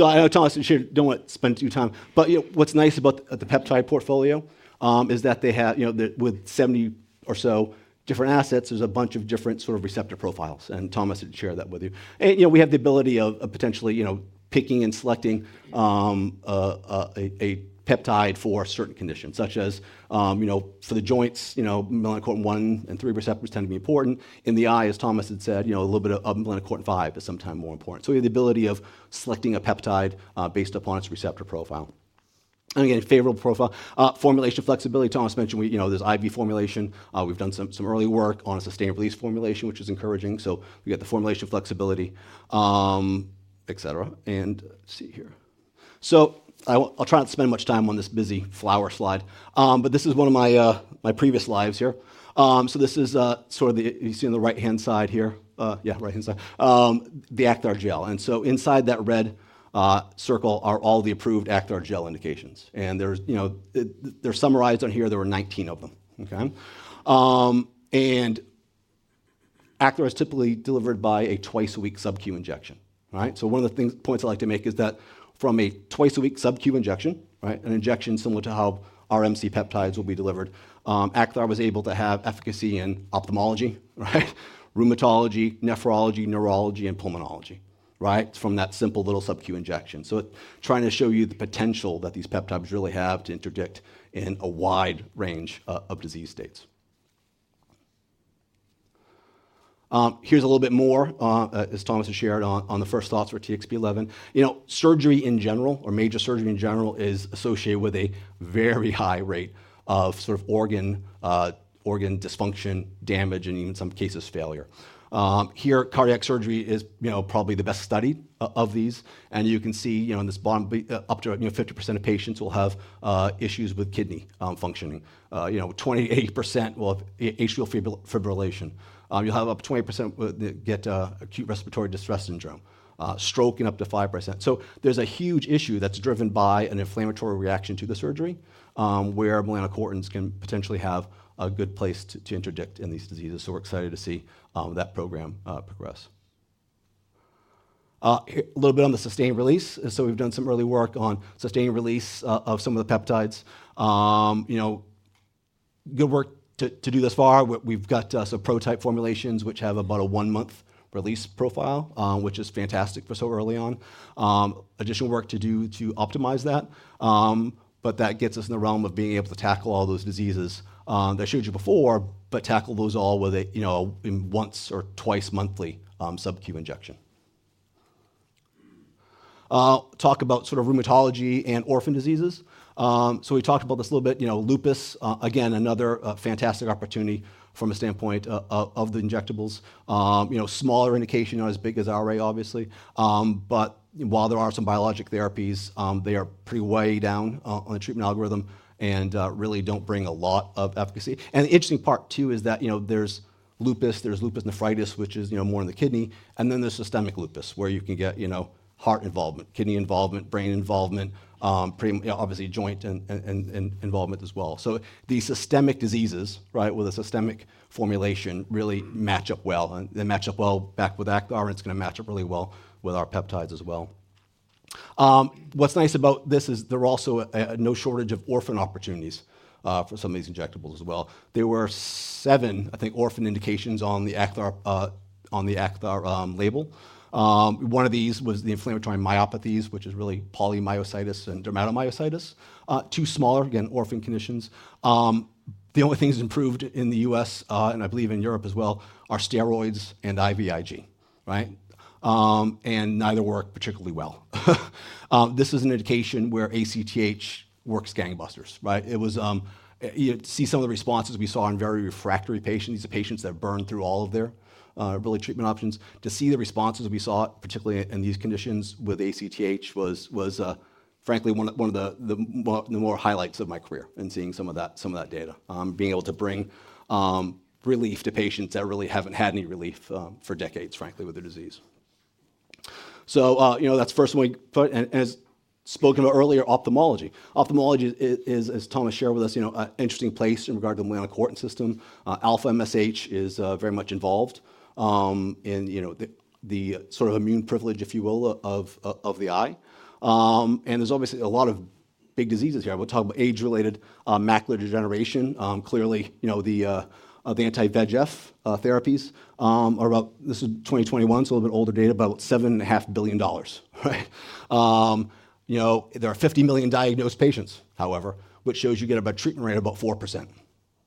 I know Thomas has shared don't wanna spend too time. you know, what's nice about the peptide portfolio is that they have, you know, with 70 or so different assets, there's a bunch of different sort of receptor profiles, and Thomas had shared that with you. you know, we have the ability of potentially, you know, picking and selecting a peptide for certain conditions, such as, you know, for the joints, you know, melanocortin 1 and 3 receptors tend to be important. In the eye, as Thomas had said, you know, a little bit of melanocortin 5 is sometime more important. we have the ability of selecting a peptide based upon its receptor profile. again, favorable profile. formulation flexibility, Thomas mentioned we, you know, there's IV formulation. We've done some early work on a sustained-release formulation, which is encouraging. We got the formulation flexibility, et cetera. Let's see here. I'll try not to spend much time on this busy flower slide. This is one of my previous lives here. This is sort of you see on the right-hand side here? Yeah, right-hand side. The Acthar Gel. Inside that red circle are all the approved Acthar Gel indications. There's, you know, they're summarized on here. There were 19 of them. Okay? Acthar is typically delivered by a twice-a-week subQ injection, right? One of the points I like to make is that from a twice-a-week subQ injection, right, an injection similar to how our MC peptides will be delivered, Acthar was able to have efficacy in ophthalmology, right, rheumatology, nephrology, neurology, and pulmonology, right? From that simple little subQ injection. Trying to show you the potential that these peptides really have to interdict in a wide range of disease states. Here's a little bit more, as Thomas has shared on the first thoughts for TXP-11. You know, surgery in general, or major surgery in general, is associated with a very high rate of sort of organ dysfunction, damage, and even in some cases failure. Here, cardiac surgery is, you know, probably the best studied of these. You can see, you know, in this up to, you know, 50% of patients will have issues with kidney functioning. You know, 28% will have atrial fibrillation. You'll have up to 20% get acute respiratory distress syndrome. Stroke in up to 5%. There's a huge issue that's driven by an inflammatory reaction to the surgery, where melanocortins can potentially have a good place to interdict in these diseases. We're excited to see that program progress. Here a little bit on the sustained release. We've done some early work on sustained release of some of the peptides. You know, good work to do thus far. We've got some prototype formulations which have about a one-month release profile, which is fantastic for so early on. Additional work to do to optimize that. That gets us in the realm of being able to tackle all those diseases that I showed you before, but tackle those all with a, you know, in once or twice monthly subQ injection. Talk about sort of rheumatology and orphan diseases. We talked about this a little bit. You know, lupus, again, another fantastic opportunity from a standpoint of the injectables. You know, smaller indication, not as big as RA obviously. While there are some biologic therapies, they are pretty way down on the treatment algorithm and really don't bring a lot of efficacy. The interesting part too is that, you know, there's lupus, there's lupus nephritis, which is, you know, more in the kidney, and then there's systemic lupus, where you can get, you know, heart involvement, kidney involvement, brain involvement, obviously joint involvement as well. These systemic diseases, right, with a systemic formulation really match up well, and they match up well back with Acthar, and it's gonna match up really well with our peptides as well. What's nice about this is there are also no shortage of orphan opportunities for some of these injectables as well. There were seven, I think, orphan indications on the Acthar on the Acthar label. One of these was the inflammatory myopathies, which is really polymyositis and dermatomyositis, two smaller, again, orphan conditions. The only things improved in the U.S., and I believe in Europe as well, are steroids and IVIG, right? Neither work particularly well. This is an indication where ACTH works gangbusters, right? It was, you see some of the responses we saw in very refractory patients, these are patients that have burned through all of their really treatment options. To see the responses we saw, particularly in these conditions with ACTH was frankly one of the more highlights of my career in seeing some of that, some of that data, being able to bring relief to patients that really haven't had any relief for decades, frankly, with the disease. You know, that's first one we put, and as spoken about earlier, ophthalmology. Ophthalmology is, as Thomas shared with us, you know, interesting place in regard to the immune court system. α-MSH is very much involved, you know, the sort of immune privilege, if you will, of the eye. there's obviously a lot of big diseases here. We'll talk about age-related macular degeneration. clearly, you know, the anti-VEGF therapies are about this is 2021, so a little bit older data, about $7.5 billion, right? you know, there are 50 million diagnosed patients, however, which shows you get about treatment rate about 4%,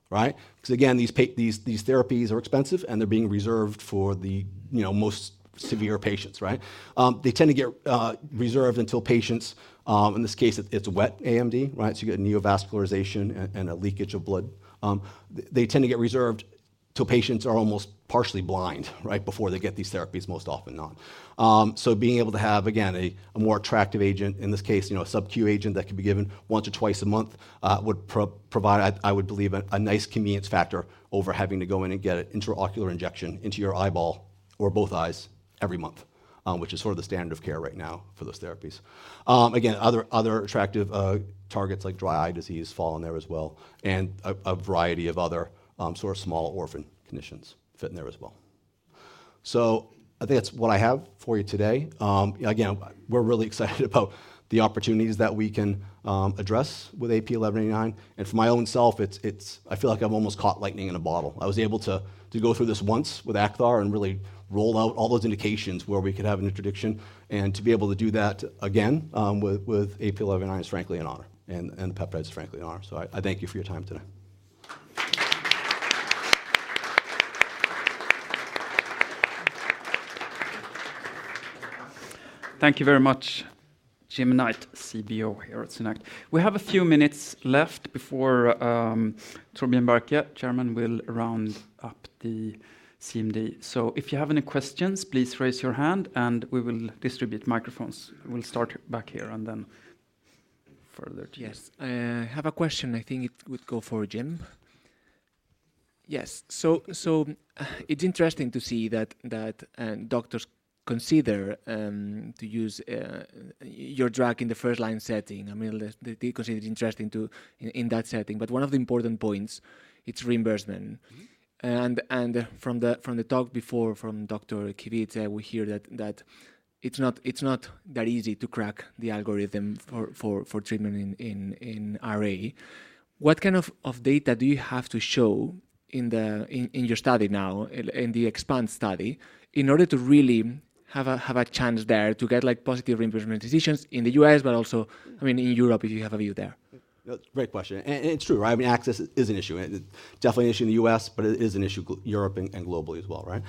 right? 'Cause again, these therapies are expensive, and they're being reserved for the, you know, most severe patients, right? They tend to get reserved until patients, in this case, it's wet AMD, right? You get neovascularization and a leakage of blood. They tend to get reserved till patients are almost partially blind, right, before they get these therapies most often than not. Being able to have, again, a more attractive agent, in this case, you know, a subQ agent that can be given once or twice a month, would provide, I would believe, a nice convenience factor over having to go in and get an intraocular injection into your eyeball or both eyes every month, which is sort of the standard of care right now for those therapies. Again, other attractive targets like dry eye disease fall in there as well, and a variety of other sort of small orphan conditions fit in there as well. I think that's what I have for you today. Again, we're really excited about the opportunities that we can address with AP1189. For my own self, it's I feel like I've almost caught lightning in a bottle. I was able to go through this once with Acthar and really roll out all those indications where we could have an introduction. To be able to do that again with AP1189 is frankly an honor, and the peptides frankly an honor. I thank you for your time today. Thank you very much, James Knight, CBO here at SynAct. We have a few minutes left before Torbjörn Bjerke, Chairman, will round up the CMD. If you have any questions, please raise your hand, and we will distribute microphones. We'll start back here and then further to you. Yes. I have a question. I think it would go for Jim. Yes. It's interesting to see that doctors consider to use your drug in the first-line setting. I mean, they consider it interesting in that setting. One of the important points, it's reimbursement. Mm-hmm. From the talk before from Dr. Kivitz, we hear that it's not that easy to crack the algorithm for treatment in RA. What kind of data do you have to show in your study now, in the EXPAND study, in order to really have a chance there to get like positive reimbursement decisions in the U.S., also, I mean, in Europe, if you have a view there? That's a great question. It's true, right? I mean, access is an issue, and it's definitely an issue in the U.S., but it is an issue Europe and globally as well, right?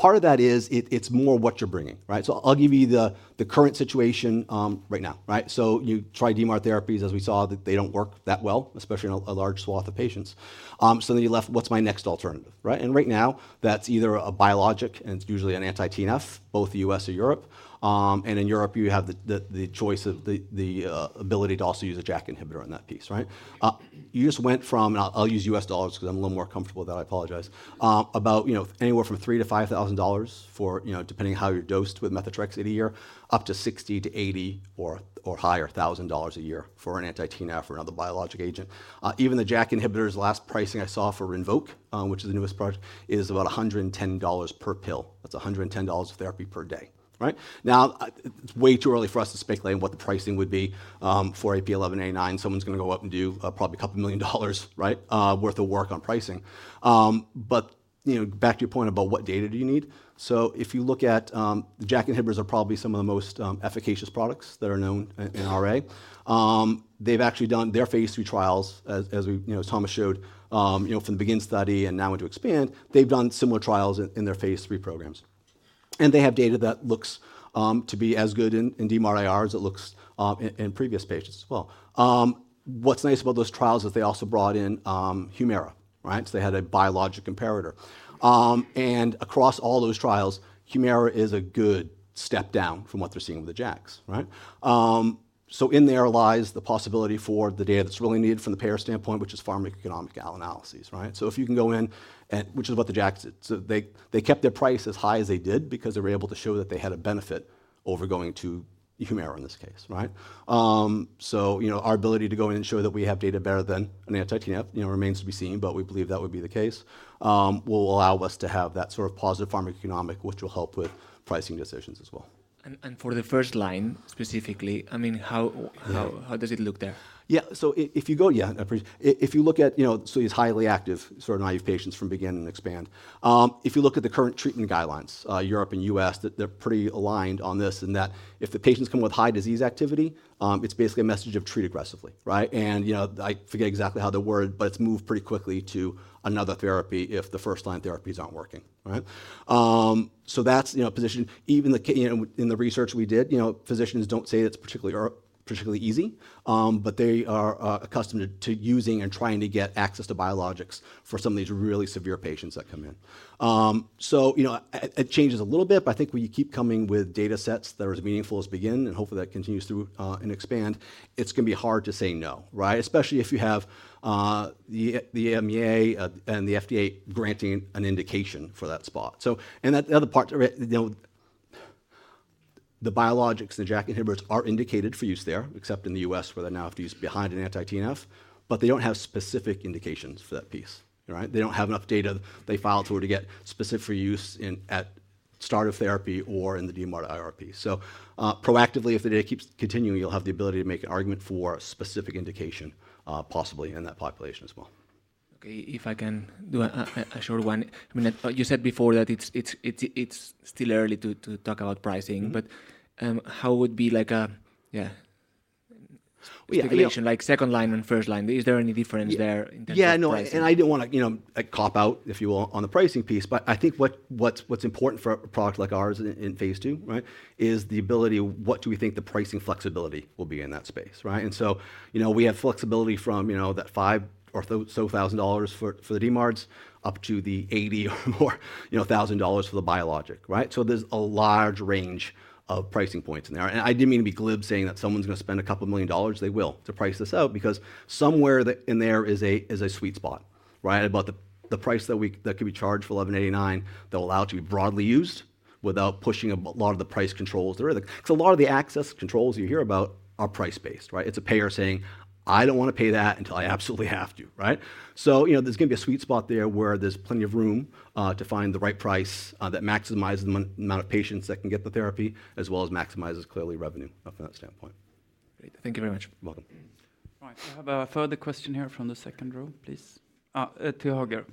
Part of that is it's more what you're bringing, right? I'll give you the current situation right now, right? You try DMARD therapies. As we saw, they don't work that well, especially in a large swath of patients. You're left, "What's my next alternative," right? Right now, that's either a biologic, and it's usually an anti-TNF, both the U.S. or Europe. In Europe, you have the choice of the ability to also use a JAK inhibitor in that piece, right? You just went from... I'll use US dollars because I'm a little more comfortable with that. I apologize. About, you know, anywhere from $3,000-$5,000 for, you know, depending on how you're dosed with methotrexate a year, up to $60,000-$80,000 or higher a year for an anti-TNF or another biologic agent. Even the JAK inhibitors, the last pricing I saw for RINVOQ, which is the newest product, is about $110 per pill. That's $110 of therapy per day, right? Now, it's way too early for us to speculate on what the pricing would be for AP1189. Someone's gonna go up and do probably a couple million dollars, right, worth of work on pricing. You know, back to your point about what data do you need. If you look at the JAK inhibitors are probably some of the most efficacious products that are known in RA. They've actually done their phase II trials as you know, as Thomas showed, you know, from the BEGIN study and now into EXPAND. They've done similar trials in their phase III programs. They have data that looks to be as good in DMARD-IR as it looks in previous patients as well. What's nice about those trials is they also brought in HUMIRA, right? They had a biologic comparator. Across all those trials, HUMIRA is a good step down from what they're seeing with the JAKs, right? In there lies the possibility for the data that's really needed from the payer standpoint, which is pharmacoeconomic analyses, right? If you can go in and which is what the JAKs did. They kept their price as high as they did because they were able to show that they had a benefit over going to HUMIRA in this case, right? You know, our ability to go in and show that we have data better than an anti-TNF, you know, remains to be seen, but we believe that would be the case, will allow us to have that sort of positive pharmacoeconomic, which will help with pricing decisions as well. For the first line specifically, I mean... Yeah how does it look there? If you look at, you know, so these highly active sort of naive patients from BEGIN and EXPAND, if you look at the current treatment guidelines, Europe and U.S., they're pretty aligned on this in that if the patients come with high disease activity, it's basically a message of treat aggressively, right? You know, I forget exactly how they word, but it's move pretty quickly to another therapy if the first-line therapies aren't working, right? That's, you know, a position. Even the you know, in the research we did, you know, physicians don't say it's particularly or particularly easy, but they are accustomed to using and trying to get access to biologics for some of these really severe patients that come in. You know, it changes a little bit, but I think when you keep coming with datasets that are as meaningful as BEGIN, and hopefully that continues through in EXPAND, it's gonna be hard to say no, right? Especially if you have the EMA and the FDA granting an indication for that spot. That, the other part, the biologics and the JAK inhibitors are indicated for use there, except in the U.S. where they're now have to use behind an anti-TNF, but they don't have specific indications for that piece. All right? They don't have enough data they filed for to get specific for use at start of therapy or in the DMARD-IR piece. Proactively, if the data keeps continuing, you'll have the ability to make an argument for specific indication, possibly in that population as well. Okay. If I can do a short one. I mean, you said before that it's still early to talk about pricing- Mm-hmm ... how would be like a. Yeah. I mean- Like second line and first line. Is there any difference there in terms of pricing? No, I didn't wanna, you know, like, cop out, if you will, on the pricing piece, but I think what's important for a product like ours in Phase II, right, is the ability, what do we think the pricing flexibility will be in that space, right? You know, we have flexibility from, you know, that $5,000 or so for the DMARDs up to the $80,000 for the biologic, right? There's a large range of pricing points in there. I didn't mean to be glib saying that someone's gonna spend a couple million dollars. They will to price this out because somewhere in there is a sweet spot, right? About the price that could be charged for AP1189 that will allow it to be broadly used without pushing a lot of the price controls. There are the, 'cause a lot of the access controls you hear about are price-based, right? It's a payer saying, "I don't wanna pay that until I absolutely have to." Right? You know, there's gonna be a sweet spot there where there's plenty of room to find the right price that maximizes the amount of patients that can get the therapy as well as maximizes clearly revenue from that standpoint. Great. Thank you very much. Welcome. All right. I have a further question here from the second row, please. to higher.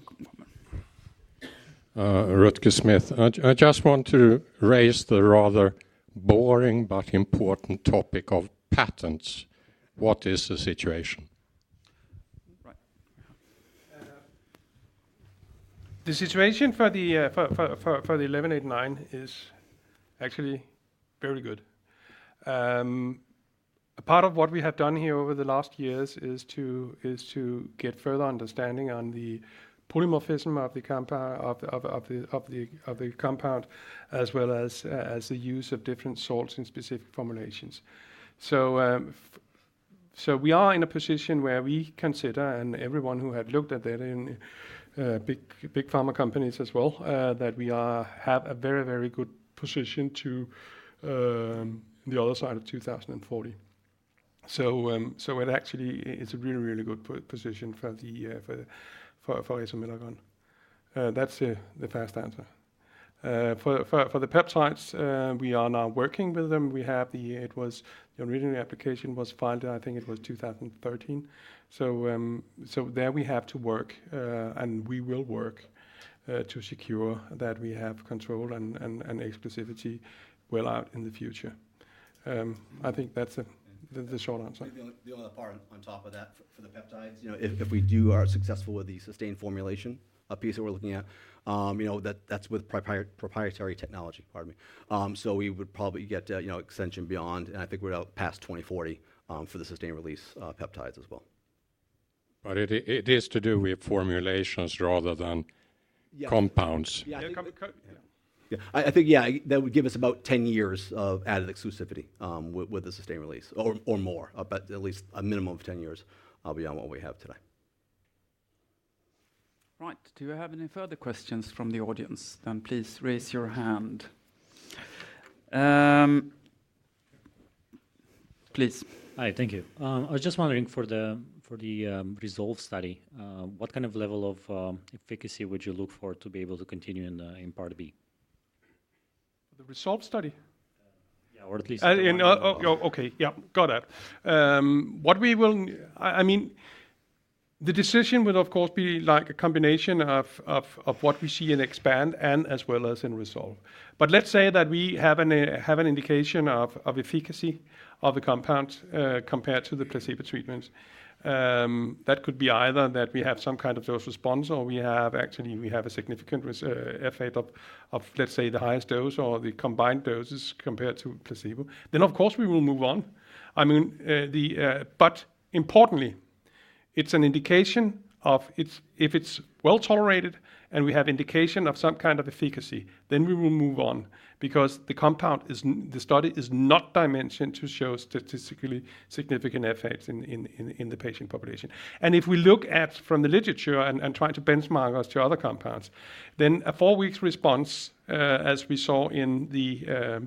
Rutgers Smith. I just want to raise the rather boring but important topic of patents. What is the situation? Right. The situation for the AP1189 is actually very good. A part of what we have done here over the last years is to get further understanding on the polymorphism of the compound, of the compound as well as the use of different salts in specific formulations. We are in a position where we consider, and everyone who had looked at that in big pharma companies as well, that we have a very good position to the other side of 2040. It actually, it's a really good position for the resomelagon. That's the first answer. For the peptides, we are now working with them. We have the... The original application was filed, I think it was 2013. There we have to work and we will work to secure that we have control and exclusivity well out in the future. I think that's the short answer. The only part on top of that for the peptides, you know, if we do are successful with the sustained formulation, a piece that we're looking at, you know, that's with proprietary technology. Pardon me. We would probably get, you know, extension beyond, and I think we're out past 2040, for the sustained release peptides as well. it is to do with formulations rather than- Yeah... compounds. Yeah. Yeah. I think that would give us about 10 years of added exclusivity with the sustained release or more. At least a minimum of 10 years beyond what we have today. Right. Do you have any further questions from the audience? Please raise your hand. Please. Hi. Thank you. I was just wondering for the RESOLVE study, what kind of level of efficacy would you look for to be able to continue in part B? The RESOLVE study? Yeah. Or at least the I, you know. Okay. Yeah. Got it. I mean, the decision will of course be like a combination of what we see in EXPAND and as well as in RESOLVE. Let's say that we have an indication of efficacy of a compound, compared to the placebo treatment. That could be either that we have some kind of dose response or we have actually, we have a significant effect of let's say the highest dose or the combined doses compared to placebo. Of course we will move on. I mean, the. Importantly, if it's well-tolerated and we have indication of some kind of efficacy, then we will move on because the study is not dimensioned to show statistically significant effects in the patient population. If we look at from the literature and try to benchmark us to other compounds, then a four weeks response, as we saw in the,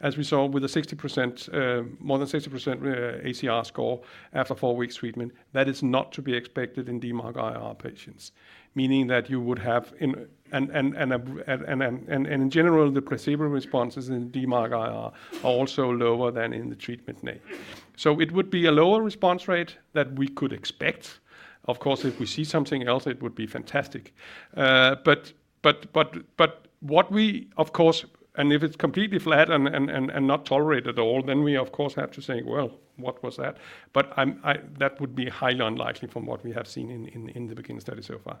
as we saw with the 60%, more than 60% ACR score after four weeks treatment, that is not to be expected in DMARD-IR patients. Meaning that you would have in general, the placebo responses in DMARD-IR are also lower than in the treatment name. It would be a lower response rate that we could expect. Of course, if we see something else, it would be fantastic. What we of course... If it's completely flat and not tolerated at all, we of course have to say, "Well, what was that?" I'm... That would be highly unlikely from what we have seen in the BEGIN study so far.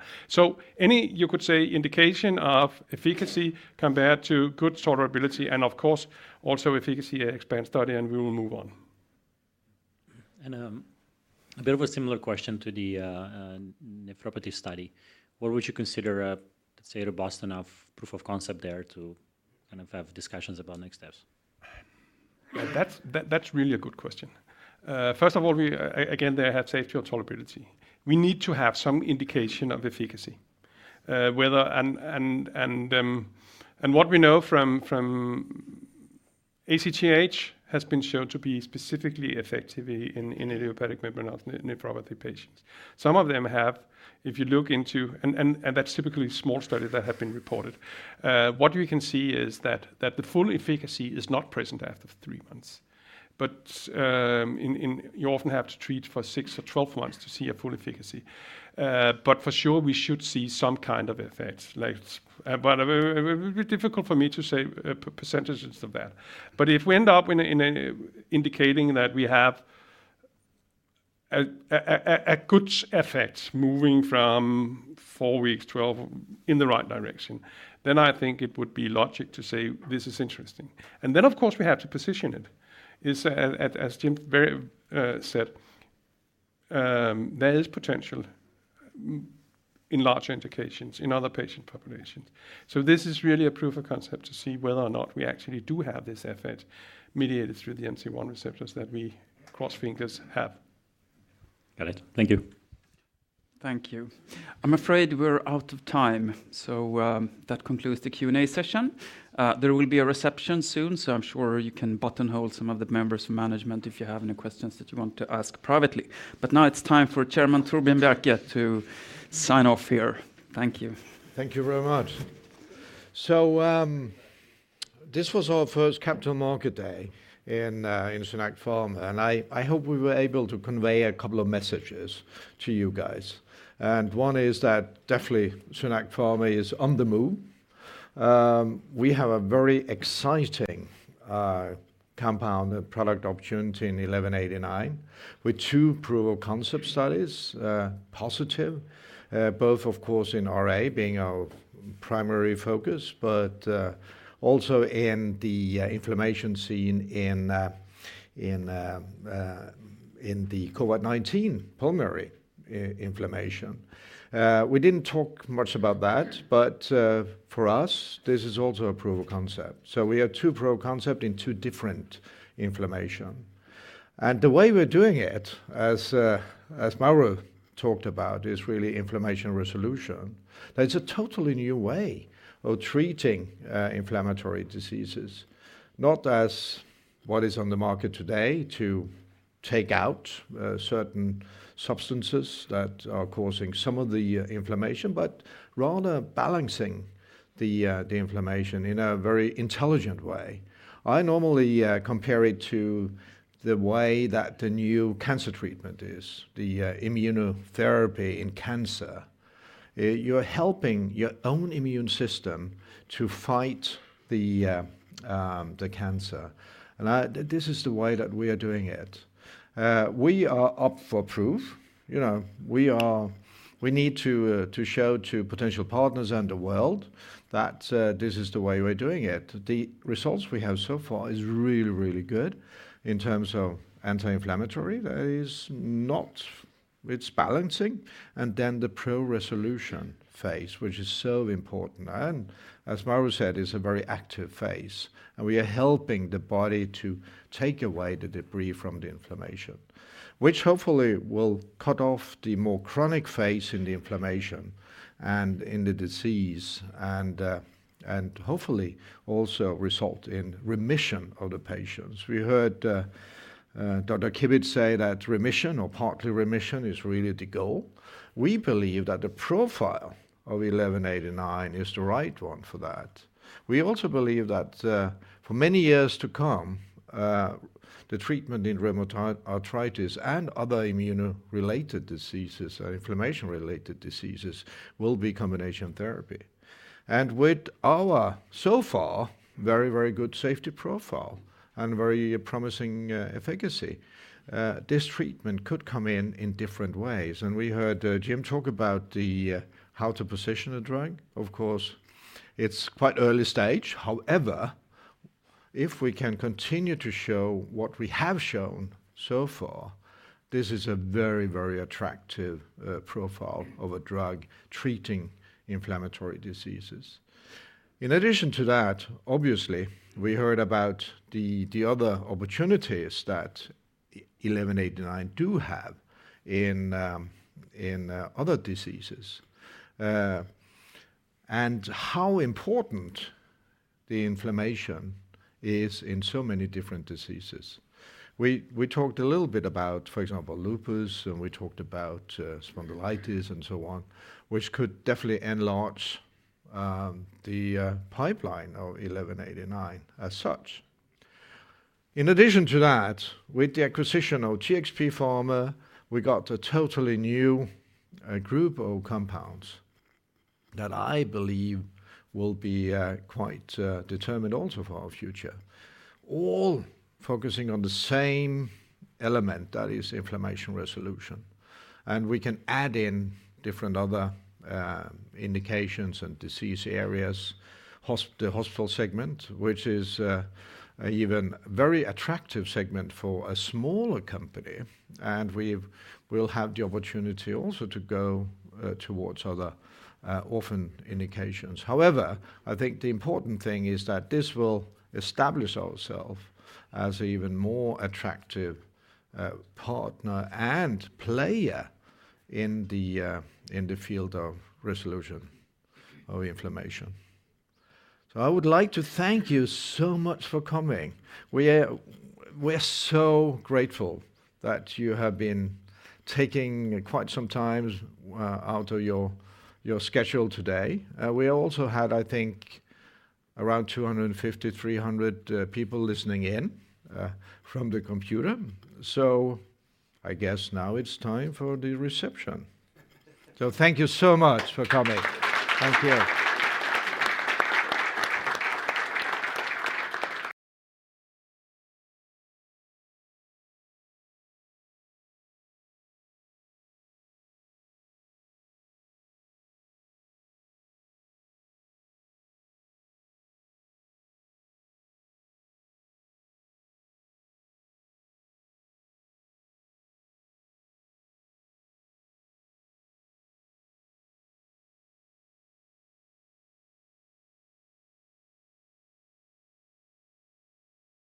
Any, you could say, indication of efficacy compared to good tolerability and of course also efficacy EXPAND study, we will move on. A bit of a similar question to the nephropathy study. What would you consider a, say, robust enough proof of concept there to kind of have discussions about next steps? That's really a good question. First of all, we again, there have safety and tolerability. We need to have some indication of efficacy. Whether what we know from ACTH has been shown to be specifically effective in idiopathic membranous nephropathy patients. Some of them have, if you look into that's typically small studies that have been reported. What we can see is that the full efficacy is not present after 3 months, but you often have to treat for six or 12 months to see a full efficacy. For sure we should see some kind of effect like. It would be difficult for me to say percentages of that. If we end up in a indicating that we have a good effect moving from 4 weeks, 12 in the right direction, then I think it would be logic to say this is interesting. Then of course we have to position it. Is as Jim very said, there is potential in larger indications in other patient populations. This is really a proof of concept to see whether or not we actually do have this effect mediated through the MC1 receptors that we cross fingers have. Got it. Thank you. Thank you. I'm afraid we're out of time. That concludes the Q&A session. There will be a reception soon, so I'm sure you can buttonhole some of the members of management if you have any questions that you want to ask privately. Now it's time for Chairman Torbjörn Bjerke to sign off here. Thank you. Thank you very much. This was our first Capital Markets Day in SynAct Pharma, and I hope we were able to convey a couple of messages to you guys. One is that definitely SynAct Pharma is on the move. We have a very exciting compound product opportunity in 1189 with two proof of concept studies, positive, both of course in RA being our primary focus, but also in the inflammation seen in the COVID-19 pulmonary inflammation. We didn't talk much about that, but for us this is also a proof of concept. We have two proof of concept in two different inflammation. The way we're doing it, as Mauro talked about, is really inflammation resolution. That is a totally new way of treating inflammatory diseases. Not as what is on the market today to take out certain substances that are causing some of the inflammation, but rather balancing the inflammation in a very intelligent way. I normally compare it to the way that the new cancer treatment is, the immunotherapy in cancer. You're helping your own immune system to fight the cancer. This is the way that we are doing it. We are up for proof. You know, we need to show to potential partners and the world that this is the way we're doing it. The results we have so far is really, really good in terms of anti-inflammatory. It's balancing, and then the pro-resolution phase, which is so important. As Mauro said, it's a very active phase, we are helping the body to take away the debris from the inflammation, which hopefully will cut off the more chronic phase in the inflammation and in the disease, and hopefully also result in remission of the patients. We heard Dr. Kivitz say that remission or partly remission is really the goal. We believe that the profile of 1189 is the right one for that. We also believe that for many years to come, the treatment in Rheumatoid arthritis and other immuno-related diseases or inflammation-related diseases will be combination therapy. With our, so far, very, very good safety profile and very promising efficacy, this treatment could come in in different ways. We heard Jim talk about the how to position a drug. Of course, it's quite early stage. If we can continue to show what we have shown so far, this is a very, very attractive profile of a drug treating inflammatory diseases. Obviously, we heard about the other opportunities that 1189 do have in other diseases and how important the inflammation is in so many different diseases. We talked a little bit about, for example, Lupus, and we talked about spondylitis and so on, which could definitely enlarge the pipeline of 1189 as such. With the acquisition of TxP Pharma, we got a totally new group of compounds that I believe will be quite determined also for our future, all focusing on the same element that is inflammation resolution. We can add in different other indications and disease areas. The hospital segment, which is a even very attractive segment for a smaller company, We'll have the opportunity also to go towards other orphan indications. I think the important thing is that this will establish ourself as an even more attractive partner and player in the field of resolution of inflammation. I would like to thank you so much for coming. We're so grateful that you have been taking quite some time out of your schedule today. We also had, I think, around 250, 300 people listening in from the computer. I guess now it's time for the reception. Thank you so much for coming. Thank you.